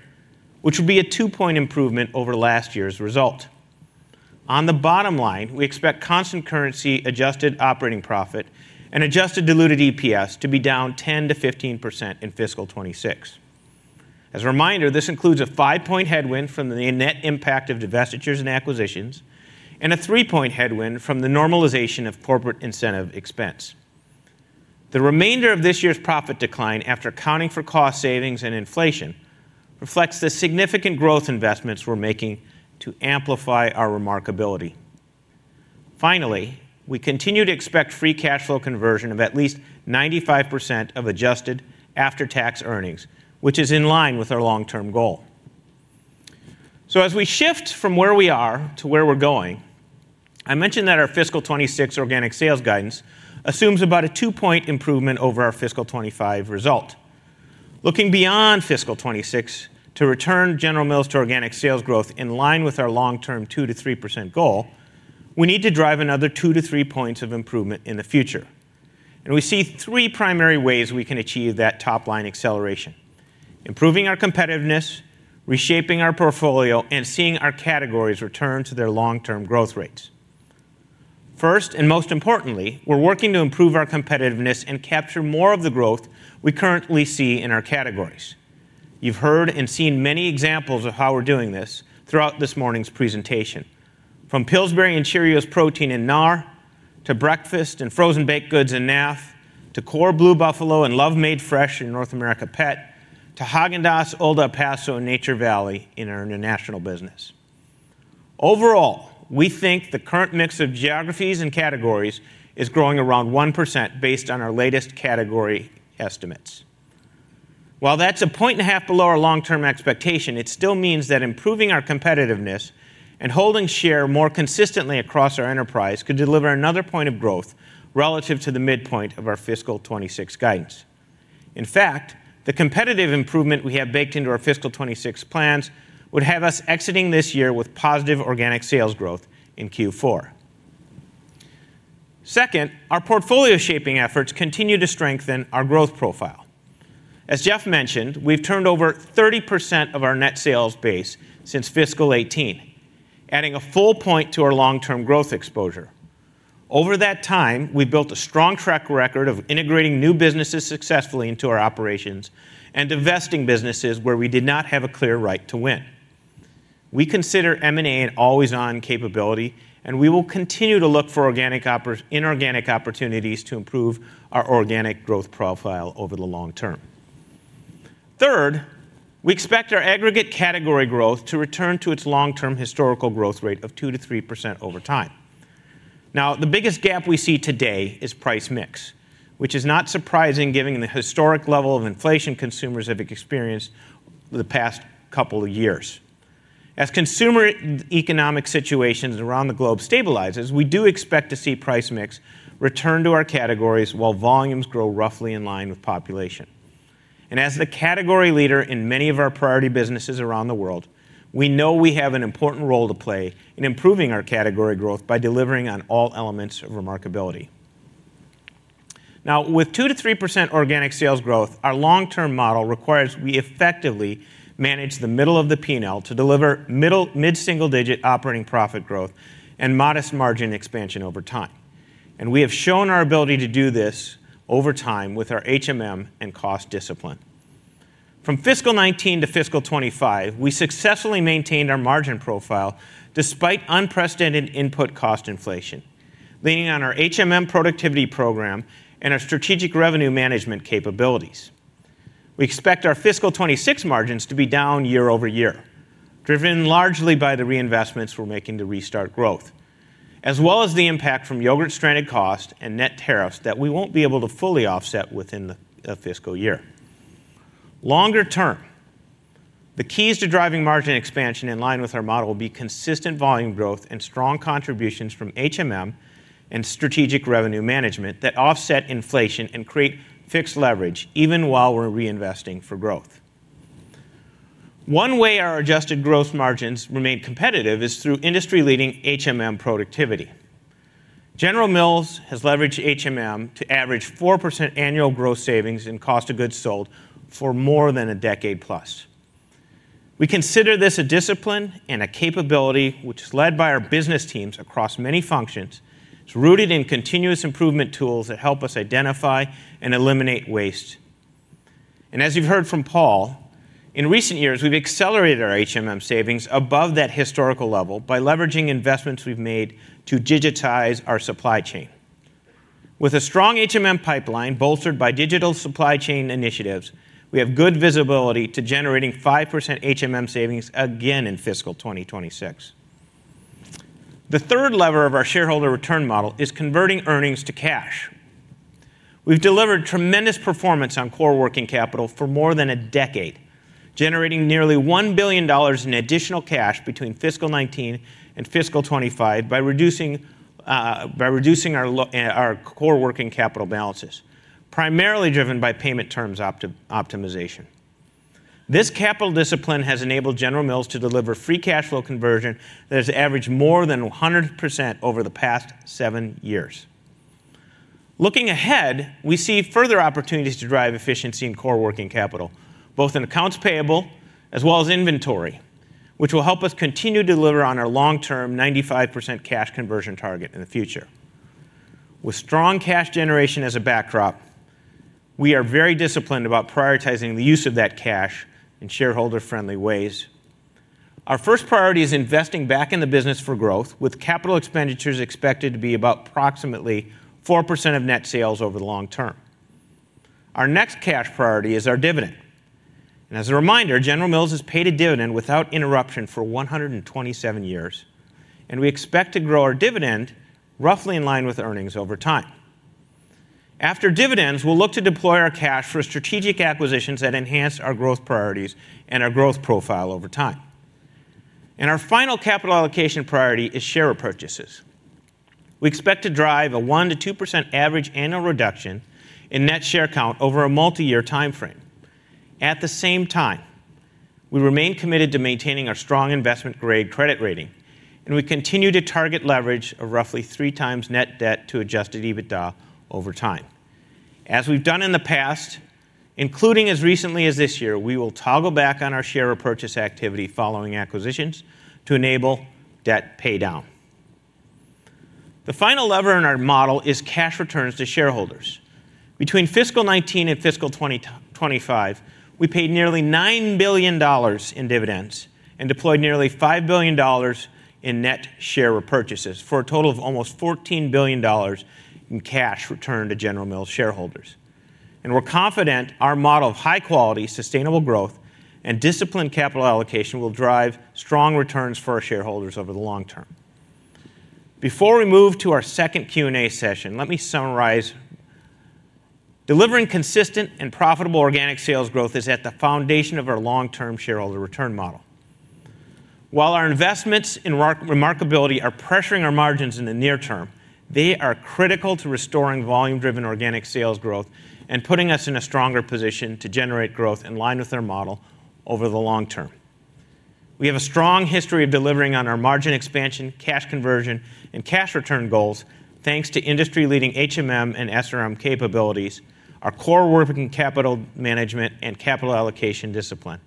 which would be a two point improvement over last year's result. On the bottom line, we expect constant currency adjusted operating profit and adjusted diluted EPS to be down 10%-15% in fiscal 2026. As a reminder, this includes a five point headwind from the net impact of divestitures and acquisitions and a three point headwind from the normalization of corporate incentives expense. The remainder of this year's profit decline, after accounting for cost savings and inflation, reflects the significant growth investments we're making to amplify our remarkability. Finally, we continue to expect free cash flow conversion of at least 95% of adjusted after tax earnings, which is in line with our long term goal. As we shift from where we are to where we're going, I mentioned that our fiscal 2026 organic sales guidance assumes about a two point improvement over our fiscal 2025 result. Looking beyond fiscal 2026 to return General Mills to organic sales growth in line with our long term 2% to 3% goal, we need to drive another 2 to 3 points of improvement in the future, and we see three primary ways we can achieve that top line acceleration: improving our competitiveness, reshaping our portfolio, and seeing our categories return to their long term growth rates. First and most importantly, we're working to improve our competitiveness and capture more of the growth we currently see in our categories. You've heard and seen many examples of how we're doing this throughout this morning's presentation. From Pillsbury and Cheerios Protein in North America to Breakfast and Frozen Baked goods in North America Food to Core Blue Buffalo and Blue Buffalo Love Made Fresh in North America Pet to Haagen-Dazs, Old El Paso, and Nature Valley in our international business. Overall, we think the current mix of geographies and categories is growing around 1% based on our latest category estimates. While that's a point and a half below our long-term expectation, it still means that improving our competitiveness and holding share more consistently across our enterprise could deliver another point of growth relative to the midpoint of our fiscal 2026 guidance. In fact, the competitive improvement we have baked into our fiscal 2026 plans would have us exiting this year with positive organic net sales growth in Q4. Second, our portfolio shaping efforts continue to strengthen our growth profile. As Jeff Harmening mentioned, we've turned over 30% of our net sales base since fiscal 2018, adding a full point to our long-term growth exposure. Over that time, we built a strong track record of integrating new businesses successfully into our operations and divesting businesses where we did not have a clear right to win. We consider M&A an always-on capability and we will continue to look for organic and inorganic opportunities to improve our organic net sales growth profile over the long term. Third, we expect our aggregate category growth to return to its long-term historical growth rate of 2%-3% over time. Now, the biggest gap we see today is price mix, which is not surprising given the historic level of inflation consumers have experienced the past couple of years. As consumer economic situations around the globe stabilize, we do expect to see price mix return to our categories while volumes grow roughly in line with population. As the category leader in many of our priority businesses around the world, we know we have an important role to play in improving our category growth by delivering on all elements of remarkability. Now, with 2%-3% organic net sales growth, our long-term model requires we effectively manage the middle of the P&L to deliver mid-single-digit operating profit growth and modest margin expansion over time. We have shown our ability to do this over time with our holistic margin management and cost discipline. From fiscal 2019 to fiscal 2025, we successfully maintained our margin profile despite unprecedented input cost inflation. Leaning on our HMM productivity program and our Strategic Revenue Management capabilities, we expect our fiscal 2026 margins to be down year over year, driven largely by the reinvestments we're making to restart growth as well as the impact from yogurt, stranded cost, and net tariffs that we won't be able to fully offset within the fiscal year. Longer term, the keys to driving margin expansion in line with our model will be consistent volume growth and strong contributions from HMM and Strategic Revenue Management that offset inflation and create fixed leverage even while we're reinvesting for growth. One way our adjusted gross margins remain competitive is through industry-leading HMM productivity. General Mills has leveraged HMM to average 4% annual gross savings in cost of goods sold for more than a decade. We consider this a discipline and a capability which is led by our business teams across many functions. It's rooted in continuous improvement tools that help us identify and eliminate waste. As you've heard from Paul in recent years, we've accelerated our HMM savings above that historical level by leveraging investment we've made to digitize our supply chain. With a strong HMM pipeline bolstered by digital supply chain initiatives, we have good visibility to generating 5% HMM savings again in fiscal 2026. The third lever of our shareholder return model is converting earnings to cash. We've delivered tremendous performance on core working capital for more than a decade, generating nearly $1 billion in additional cash between fiscal 2019 and fiscal 2025. By reducing our core working capital balances, primarily driven by payment terms optimization, this capital discipline has enabled General Mills to deliver free cash flow conversion that has averaged more than 100% over the past seven years. Looking ahead, we see further opportunities to drive efficiency in core working capital, both in accounts payable as well as inventory, which will help us continue to deliver on our long-term 95% cash conversion target in the future. With strong cash generation as a backdrop, we are very disciplined about prioritizing the use of that cash in shareholder-friendly ways. Our first priority is investing back in the business for growth, with capital expenditures expected to be approximately 4% of net sales over the long term. Our next cash priority is our dividend. As a reminder, General Mills has paid a dividend without interruption for 127 years, and we expect to grow our dividend roughly in line with earnings over time. After dividends, we'll look to deploy our cash for strategic acquisitions that enhance our growth priorities and our growth profile over time. Our final capital allocation priority is share repurchases. We expect to drive a 1% to 2% average annual reduction in net share count over a multi-year time frame. At the same time, we remain committed to maintaining our strong investment grade credit rating, and we continue to target leverage of roughly three times net debt to adjusted EBITDA over time as we've done in the past, including as recently as this year. We will toggle back on our share repurchase activity following acquisitions to enable debt pay down. The final lever in our model is cash returns to shareholders. Between fiscal 2019 and fiscal 2025, we paid nearly $9 billion in dividends and deployed nearly $5 billion in net share repurchases for a total of almost $14 billion in cash returned to General Mills shareholders. We are confident our model of high quality, sustainable growth and disciplined capital allocation will drive strong returns for our shareholders over the long term. Before we move to our second Q&A session, let me summarize. Delivering consistent and profitable organic sales growth is at the foundation of our long-term shareholder return model. While our investments in remarkability are pressuring our margins in the near term, they are critical to restoring volume-driven organic sales growth and putting us in a stronger position to generate growth in line with our model over the long term. We have a strong history of delivering on our margin expansion, cash conversion, and cash return goals thanks to industry-leading holistic margin management and SRM capabilities, our core working capital management, and capital allocation discipline.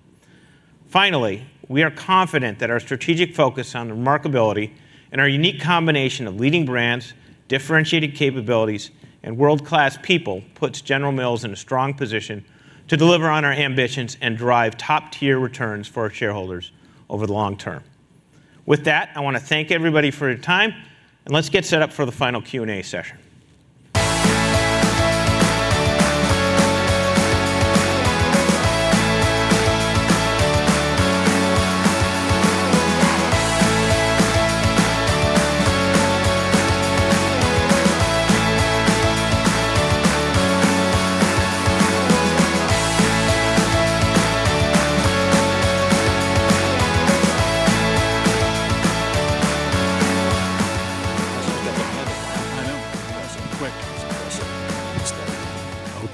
We are confident that our strategic focus on remarkability and our unique combination of leading brands, differentiated capabilities, and world-class people puts General Mills in a strong position to deliver on our ambitions and drive top-tier returns for our shareholders over the long term. I want to thank everybody for your time, and let's get set up for the final Q&A session.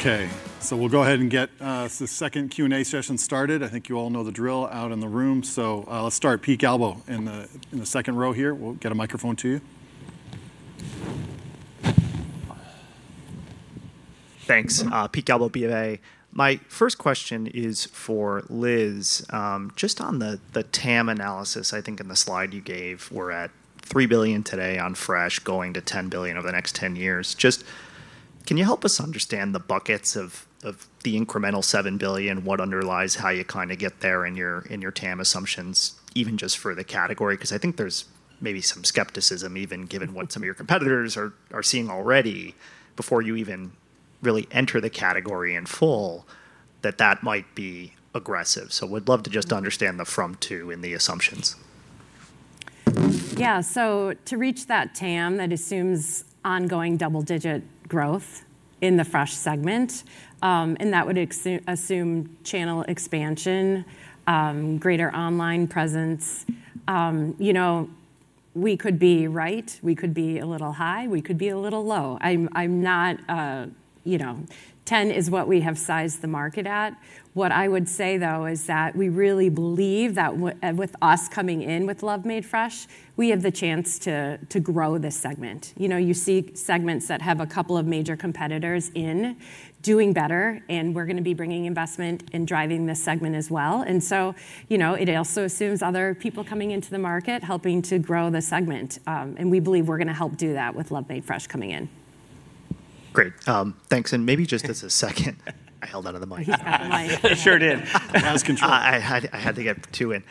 SA. Let's go ahead and get the second Q&A session started. I think you all know the drill out in the room, so let's start with [Peak Albo] in the second row here. We'll get a microphone to you. Thanks. [Peak Albo, B of A]. My first question is for Liz. Just on the TAM analysis, I think in the slide you gave. We're at $3 billion today on Fresh. Going to $10 billion over the next 10 years. Can you help us understand. The buckets of the incremental $7 billion? What underlies how you kind of get there in your TAM assumptions, even just for the category? I think there's maybe some skepticism, even given what some of your competitors. Are seeing already before you even really. Enter the category in full. That might be aggressive. We'd love to just understand the from-to in the assumptions. Yeah. To reach that TAM, that assumes ongoing double-digit growth in the FRESH segment, and that would assume channel expansion and greater online presence. We could be right, we could be a little high, we could be a little low. I'm not, you know, 10 is what we have sized the market at. What I would say, though, is that we really believe that with us coming in with Blue Buffalo Love Made Fresh, we have the chance to grow this segment. You see segments that have a couple of major competitors doing better, and we're going to be bringing investment in driving this segment as well. It also assumes other people coming into the market helping to grow the segment, and we believe we're going to help do that with Blue Buffalo Love Made Fresh coming in. Great. Thanks. Maybe just as a second, I. Held out of the mic. Sure did. I had to get to.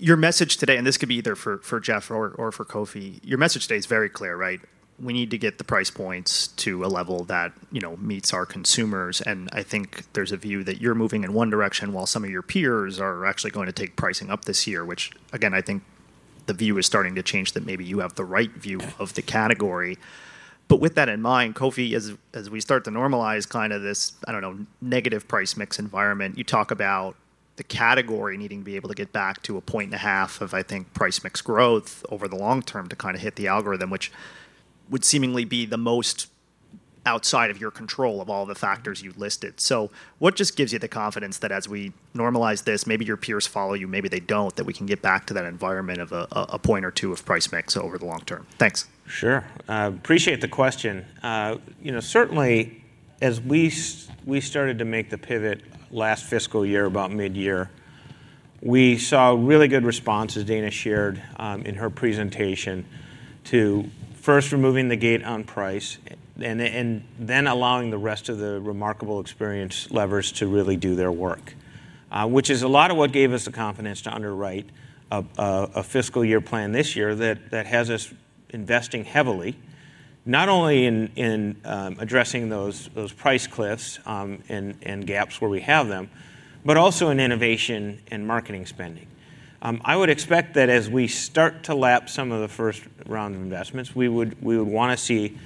Your message today, and this could be either for Jeff or for Kofi, your message today is very clear. Right. We need to get the price points to a level that meets our consumers. I think there's a view that. You're moving in one direction while some of your peers are actually going to. Take pricing up this year, which again. I think the view is starting to change that maybe you have the right. View of the category. With that in mind, Kofi is. As we start to normalize this, I don't know, negative price mix. Environment, you talk about the category needing. To be able to get back to. A point and a half of I. Think price mix growth over the long term to kind of hit the algorithm. Which would seemingly be the most outside. Of your control of all the factors you listed. What gives you the confidence that. As we normalize this, maybe your peers. Follow you, maybe they don't. That we. Can get back to that environment of a point or two of price mix over the long term. Thanks. Sure. Appreciate the question. Certainly as we started to make the pivot last fiscal year about mid year, we saw really good responses. Dana shared in her presentation to first removing the gate on price and then allowing the rest of the remarkability experience levers to really do their work, which is a lot of what gave us the confidence to underwrite a fiscal year plan this year that has us investing heavily not only in addressing those price cliffs and gaps where we have them, but also in innovation and marketing spending. I would expect that as we start to lap some of the first round of investments, we would want to see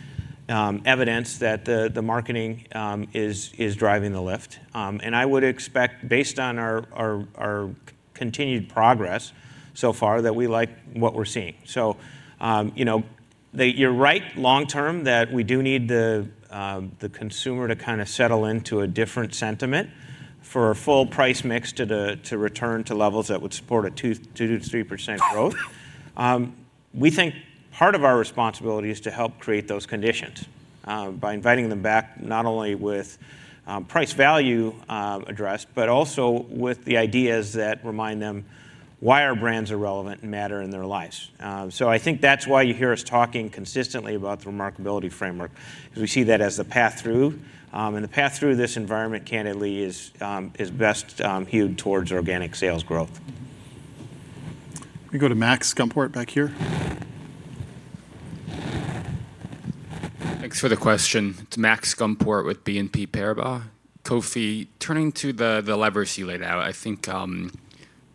evidence that the marketing is driving the lift. I would expect, based on our continued progress so far, that we like what we're seeing. You're right long term that we do need the consumer to kind of settle into a different sentiment for a full price mix to return to levels that would support a 2%-3% growth. We think part of our responsibility is to help create those conditions by inviting them back not only with price value addressed, but also with the ideas that remind them why our brands are relevant and matter in their lives. I think that's why you hear us talking consistently about the remarkability framework. We see that as the path through and the path through this environment candidly is best hewed towards organic net sales growth. Let me go to Max Gumport back here. Thanks for the question. It's Max Gumport with BNP Paribas. Kofi, turning to the levers you laid out, I think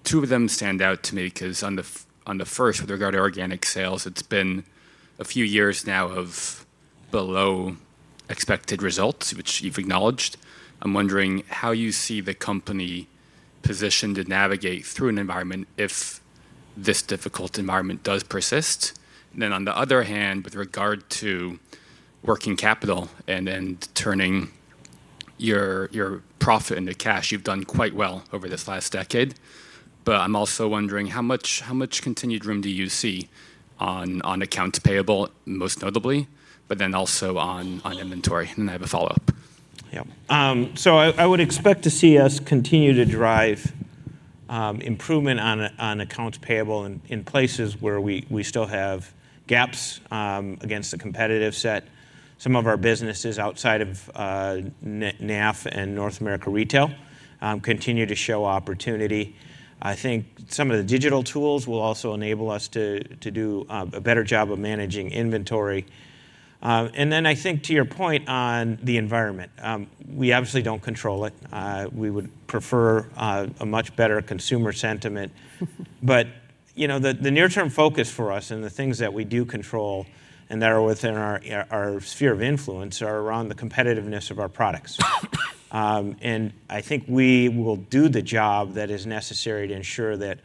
two of them stand out to me because on the first with regard to organic sales, it's been a few years now of below expected results which you've acknowledged. I'm wondering how you see the company positioned to navigate through an environment. If this difficult environment does persist, then on the other hand, with regard to working capital and then turning your profit into cash, you've done quite well over this last decade. I'm also wondering how much continued room do you see on accounts payable most notably, but then also on inventory and then I have a follow up. I would expect to see us continue to drive improvement on accounts payable in places where we still have gaps against the competitive set. Some of our businesses outside of North America Retail continue to show opportunity. I think some of the digital tools will also enable us to do a better job of managing inventory. I think to your point on the environment, we obviously don't control it. We would prefer a much better consumer sentiment. The near term focus for us and the things that we do control and that are within our sphere of influence are around the competitiveness of our products. I think we will do the job that is necessary to ensure that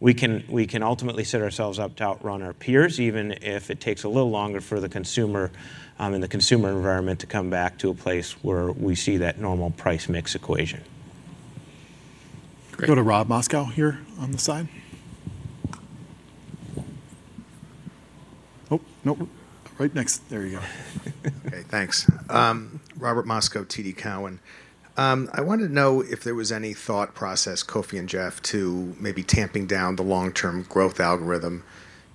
we can ultimately set ourselves up to outrun our peers, even if it takes a little longer for the consumer in the consumer environment to come back to a place where we see that normal price mix equation. Go to Rob Moskow here on the side. Oh no. Right next. There you go. Okay, thanks. Robert Moscow, TD Cowen. I wanted to know if there was any thought process, Kofi and Jeff, to maybe tamping down the long term growth algorithm.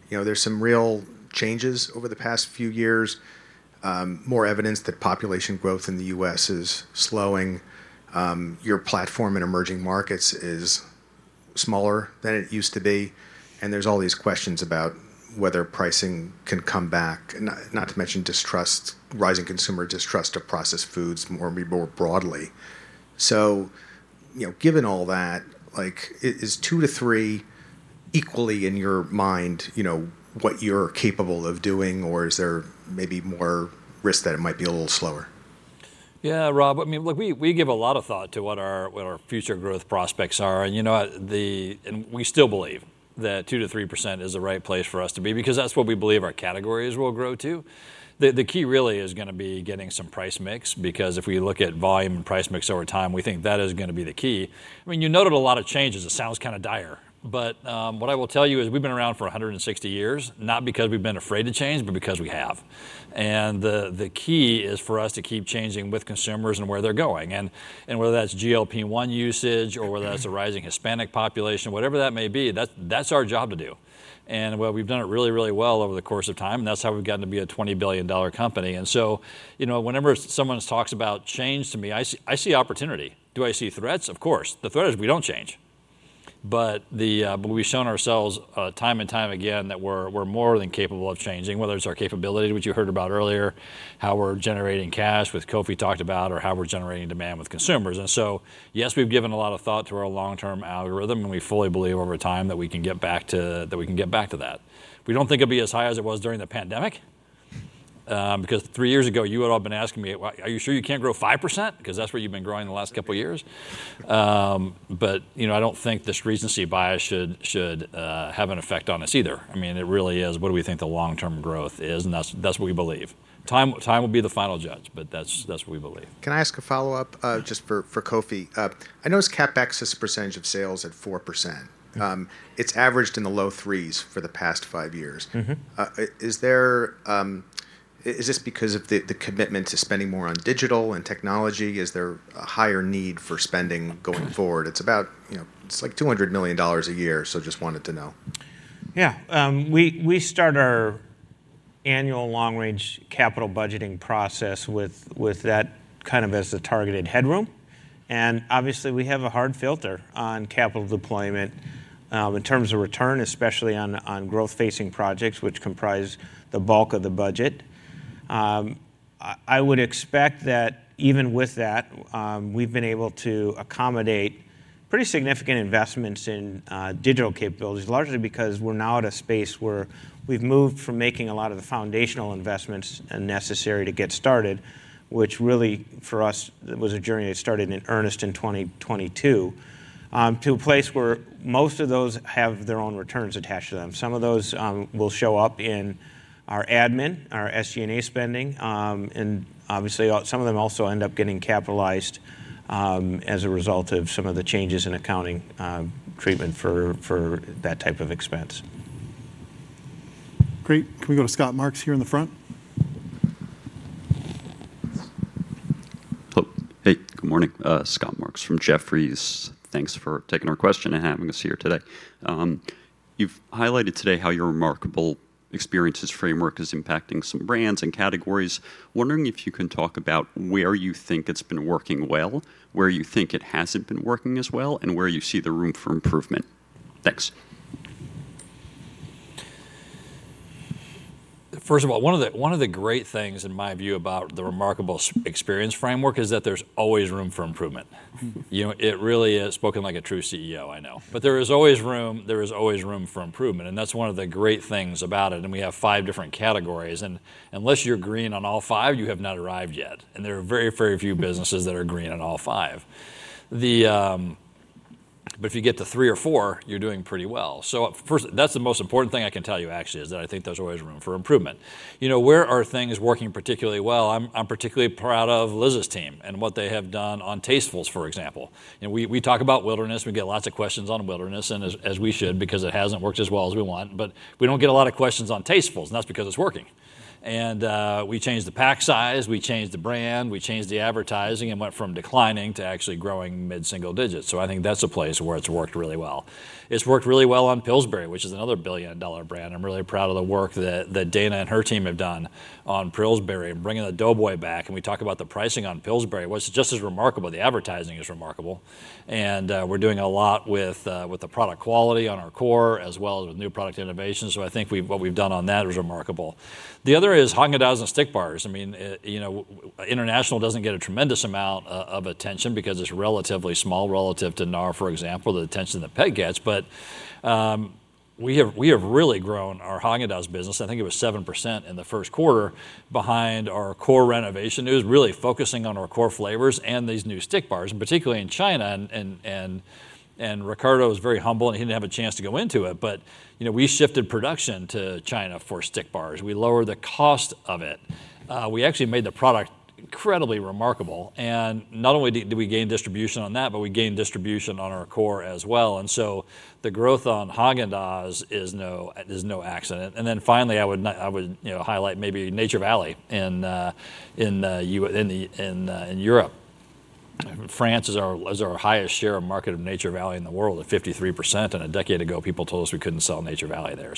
You know, there's some real changes over. The past few years. More evidence that population growth in the U.S. is slowing. Your platform in emerging markets is smaller. Than it used to be. There are all these questions about whether pricing can come back, not to mention. Rising consumer distrust of processed foods more broadly. Given all that, is 2 to 3 equally in your mind what you're capable of doing? Is there maybe more risk that it? Might be a little slower? Yeah, Rob, I mean, look, we give a lot of thought to what our future growth prospects are. You know, we still believe that 2%-3% is the right place for us to be because that's what we believe our categories will grow to. The key really is going to be getting some price mix because if we look at volume and price mix over time, we think that is going to be the key. You noted a lot of changes. It sounds kind of dire, but what I will tell you is we've been around for 160 years not because we've been afraid to change, but because we have. The key is for us to keep changing with consumers and where they're going, and whether that's GLP-1 usage or whether that's a rising Hispanic population, whatever that may be, that's our job to do. We've done it really, really well over the course of time. That's how we've gotten to be a $20 billion company. Whenever someone talks about change, to me I see opportunity. Do I see threats? Of course, the threat is we don't change. We've shown ourselves time and time again that we're more than capable of changing, whether it's our capability, which you heard about earlier, how we're generating cash with Kofi talked about, or how we're generating demand with consumers. Yes, we've given a lot of thought to our long term algorithm and we fully believe over time that we can get back to that. We can get back to that. We don't think it'll be as high as it was during the pandemic because three years ago you had all been asking me, are you sure you can't grow 5% because that's where you've been growing the last couple of years. I don't think this recency bias should have an effect on us either. It really is what do we think the long term growth is, and that's what we believe. Time will be the final judge, but that's what we believe. Can I ask a follow up just for Kofi, I notice CapEx as a percentage of sales at 4%. It's averaged in the low threes for the past five years. Is this because of the commitment to spending more on digital and technology? Is there a higher need for spending going forward? It's about, it's like $200 million a year. So just wanted to know. Yeah, we start our annual long range capital budgeting process with that kind of a, a targeted headroom and obviously we have a hard filter on capital deployment in terms of return, especially on growth facing projects which comprise the bulk of the budget. I would expect that even with that, we've been able to accommodate pretty significant investments in digital capabilities, largely because we're now at a space where we've moved from making a lot of the foundational investment necessary to get started, which really for us was a journey that started in earnest in 2022, to a place where most of those have their own returns attached to them. Some of those will show up in our admin, our SG&A spending, and obviously some of them also end up getting capitalized as a result of some of the changes in accounting treatment for that type of expense. Expense. Great. Can we go to Scott Marks here in the front? Hey, good morning, Scott Marks from Jefferies. Thanks for taking our question and having us here today. You've highlighted today how your Remarkability Experiences Framework is impacting some brands and categories. Wondering if you can talk about where you think it's been working well, where you think it hasn't been working as well, and where you see the room for improvement. Thanks. First of all, one of the great things in my view about the Remarkability Experiences Framework is that there's always room for improvement. It really is spoken like a true CEO, I know, but there is always room. There is always room for improvement and that's one of the great things about it. We have five different categories and unless you're green on all five, you have not arrived yet. There are very, very few businesses that are green at all five. If you get to three or four, you're doing pretty well. That's the most important thing I can tell you actually is that I think there's always room for improvement. You know, where are things working particularly well? I'm particularly proud of Liz's team and what they have done on Tastefuls, for example, and we talk about Wilderness. We get lots of questions on Wilderness, and as we should because it hasn't worked as well as we want. We don't get a lot of questions on Tastefuls and that's because it's working. We changed the pack size, we changed the brand, we changed the advertising and went from declining to actually growing mid single digits. I think that's a place where it's worked really well. It's worked really well on Pillsbury, which is another billion dollar brand. I'm really proud of the work that Dana and her team have done on Pillsbury and bringing the Doughboy back. We talk about the pricing on Pillsbury was just as remarkable. The advertising is remarkable and we're doing a lot with the product quality on our core as well as with new product innovations. I think what we've done on that is remarkable. The other is Häagen-Dazs and stick bars. International doesn't get a tremendous amount of attention because it's relatively small relative to North America, for example, the attention that Pet gets. We have really grown our Häagen-Dazs business. I think it was 7% in the first quarter behind our core renovation news, really focusing on our core flavors and these new stick bars and particularly in China. Ricardo was very humble and he didn't have a chance to go into it, but we shifted production to China for stick bars. We lowered the cost of it. We actually made the product incredibly remarkable. Not only did we gain distribution on that, but we gained distribution on our core as well. The growth on Haagen-Dazs is no accident. Finally, I would highlight maybe Nature Valley in Europe. France is our highest share of market of Nature Valley in the world at 53%. A decade ago people told us we couldn't sell Nature Valley there.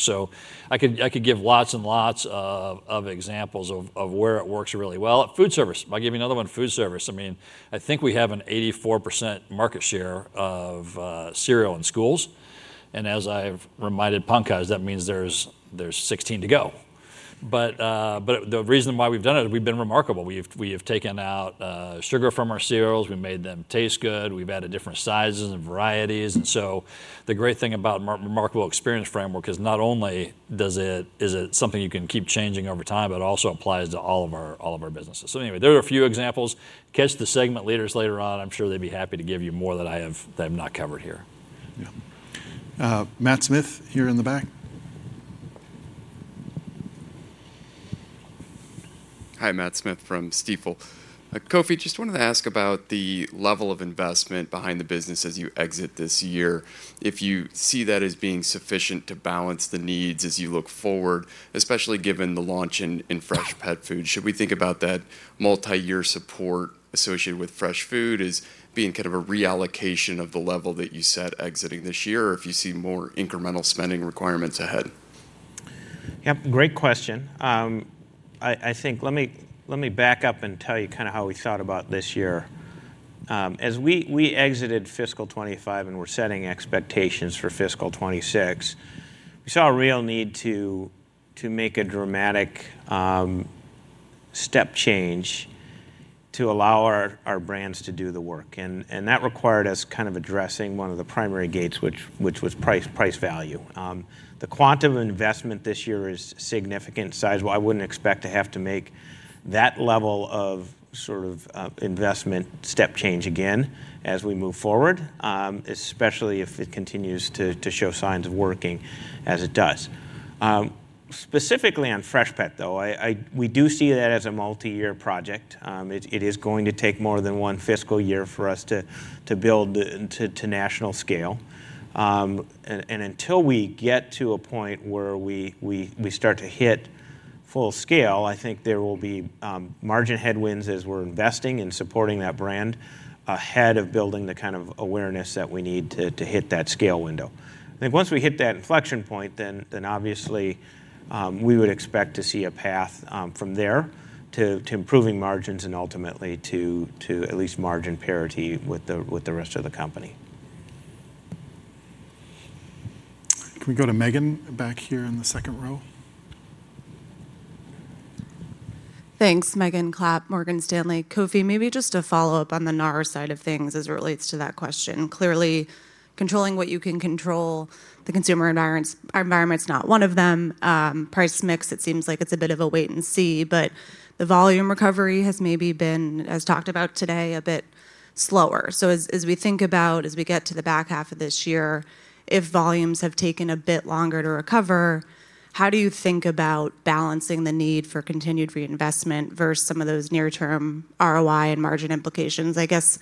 I could give lots and lots of examples of where it works really well. Food service. I'll give you another one. Food service. I think we have an 84% market share of cereal in schools. As I've reminded punk guys, that means there's 16% to go. The reason why we've done it, we've been remarkable. We have taken out sugar from our cereals, we made them taste good, we've added different sizes and varieties. The great thing about Remarkable Experience Framework is not only is it something you can keep changing over time, but also applies to all of our businesses. Anyway, there are a few examples. Catch the segment leaders later on. I'm sure they'd be happy to give you more that I have not covered here. Matt Smith here in the back. Hi, Matt Smith from Stifel. Kofi. Just wanted to ask about the level. Of investment behind the business as you. Exit this year, if you see that. As being sufficient to balance the needs as you look forward, especially given the. Launch in fresh pet food. Should we think about that multi-year? Support associated with fresh food as being. Kind of a reallocation of the level. That you set at exiting this year, or if you see more incremental spending requirements ahead? Great question. Let me back up and tell you kind of how we thought about this year. As we exited fiscal 2025 and were setting expectations for fiscal 2026, we saw a real need to make a dramatic step change to allow our brands to do the work. That required us kind of addressing one of the primary gates, which was price value. The quantum investment this year is significant size. I wouldn't expect to have to make that level of sort of investment step change again as we move forward, especially if it continues to show signs of working as it does. Specifically on Freshpet, though, we do see that as a multi-year project. It is going to take more than one fiscal year for us to build to national scale. Until we get to a point where we start to hit full scale, I think there will be margin headwinds as we're investing in supporting that brand ahead of building the kind of awareness that we need to hit that scale window. Once we hit that inflection window point, obviously we would expect to see a path from there to improving margins and ultimately to at least margin parity with the rest of the company. Can we go to Megan back here in the second row? Thanks. Megan Clapp, Morgan Stanley, Kofi. Maybe just a follow up on the NAR side of things as it relates to that question. Clearly controlling what you can control, the consumer environment is not one of them. Price mix, it seems like it's a bit of a wait and see, but the volume recovery has maybe been as talked about today, a bit slower. As we think about as we get to the back half of this year, if volumes have taken a bit longer to recover, how do you think about balancing the need for continued reinvestment versus some of those near term ROI and margin implications? I guess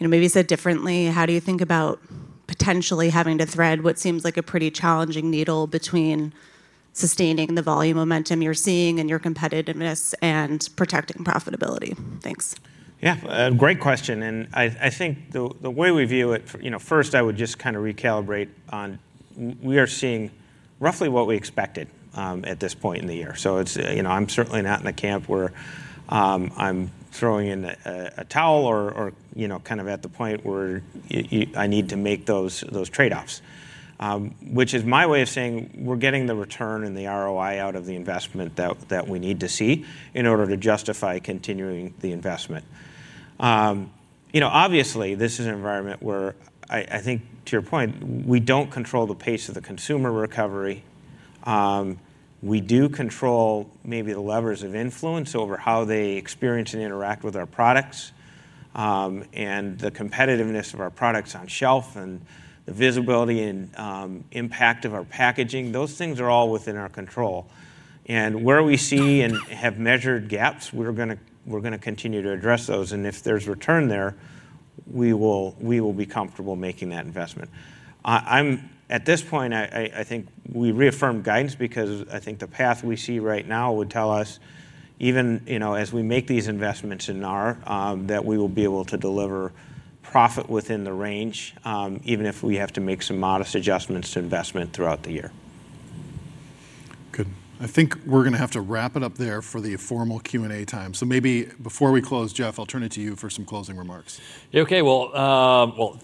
maybe said differently, how do you think about potentially having to thread what seems like a pretty challenging needle between sustaining the volume momentum you're seeing and your competitiveness and protecting profitability? Thanks. Yeah, great question. I think the way we view it, first, I would just kind of recalibrate on. We are seeing roughly what we expected at this point in the year. It's, you know, I'm certainly not in a camp where I'm throwing in a towel or at the point where I need to make those trade offs, which is my way of saying we're getting the return and the ROI out of the investment that we need to see in order to justify continuing the investment. Obviously, this is an environment where I think, to your point, we don't control the pace of the consumer recovery. We do control maybe the levers of influence over how they experience and interact with our products and the competitiveness of our products on shelf and the visibility and impact of our packaging. Those things are all within our control. Where we see and have measured gaps, we're going to continue to address those. If there's return there, we will be comfortable making that investment. Investment. At this point, I think we reaffirmed guidance because I think the path we see right now would tell us even as we make these investments in NAR, that we will be able to deliver profit within the range even if we have to make some modest adjustments to investment throughout the year. Good. I think we're going to have to wrap it up there for the formal Q&A time. Maybe before we close, Jeff, I'll turn it to you for some closing remarks. Okay,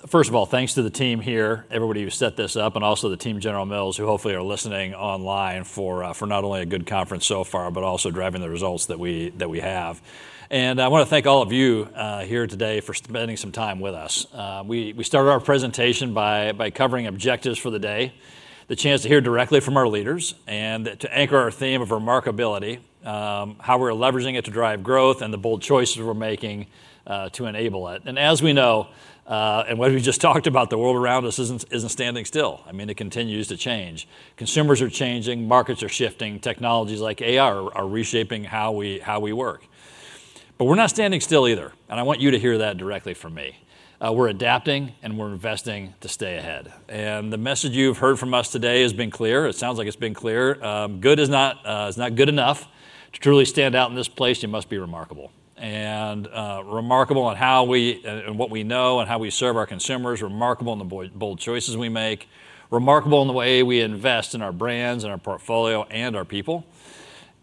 first of all, thanks to the team here, everybody who set this up and also the team at General Mills, who hopefully are listening online for not only a good conference so far, but also driving the results that we have. I want to thank all of you here today for spending some time with us. We started our presentation by covering objectives for the day, the chance to hear directly from our leaders and to anchor our theme of remarkability, how we're leveraging it to drive growth and the bold choices we're making to enable it. As we know and what we just talked about, the world around us isn't standing still. It continues to change. Consumers are changing, markets are shifting, technologies like AI are reshaping how we work. We're not standing still either. I want you to hear that directly from me. We're adapting and we're investing to stay ahead. The message you've heard from us today has been clear. It sounds like it's been clear. Good is not good enough to truly stand out in this place. You must be remarkable and remarkable on how we and what we know and how we serve our consumers. Remarkable in the bold choices we make, remarkable in the way we invest in our brands and our portfolio and our people,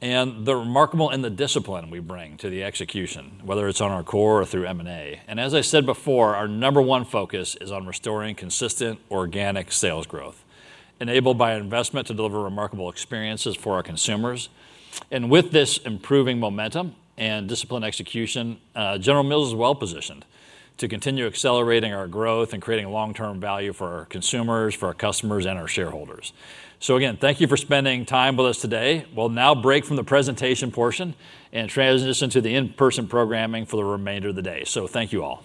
and remarkable in the discipline we bring to the execution, whether it's on our core or through M&A. As I said before, our number one focus is on restoring consistent organic net sales growth enabled by investment to deliver remarkable experiences for our consumers. With this improving momentum and disciplined execution, General Mills is well positioned to continue accelerating our growth and creating long-term value for our consumers, for our customers and our shareholders. Thank you for spending time with us today. We'll now break from the presentation portion and transition to the in-person programming for the remainder of the day. Thank you all.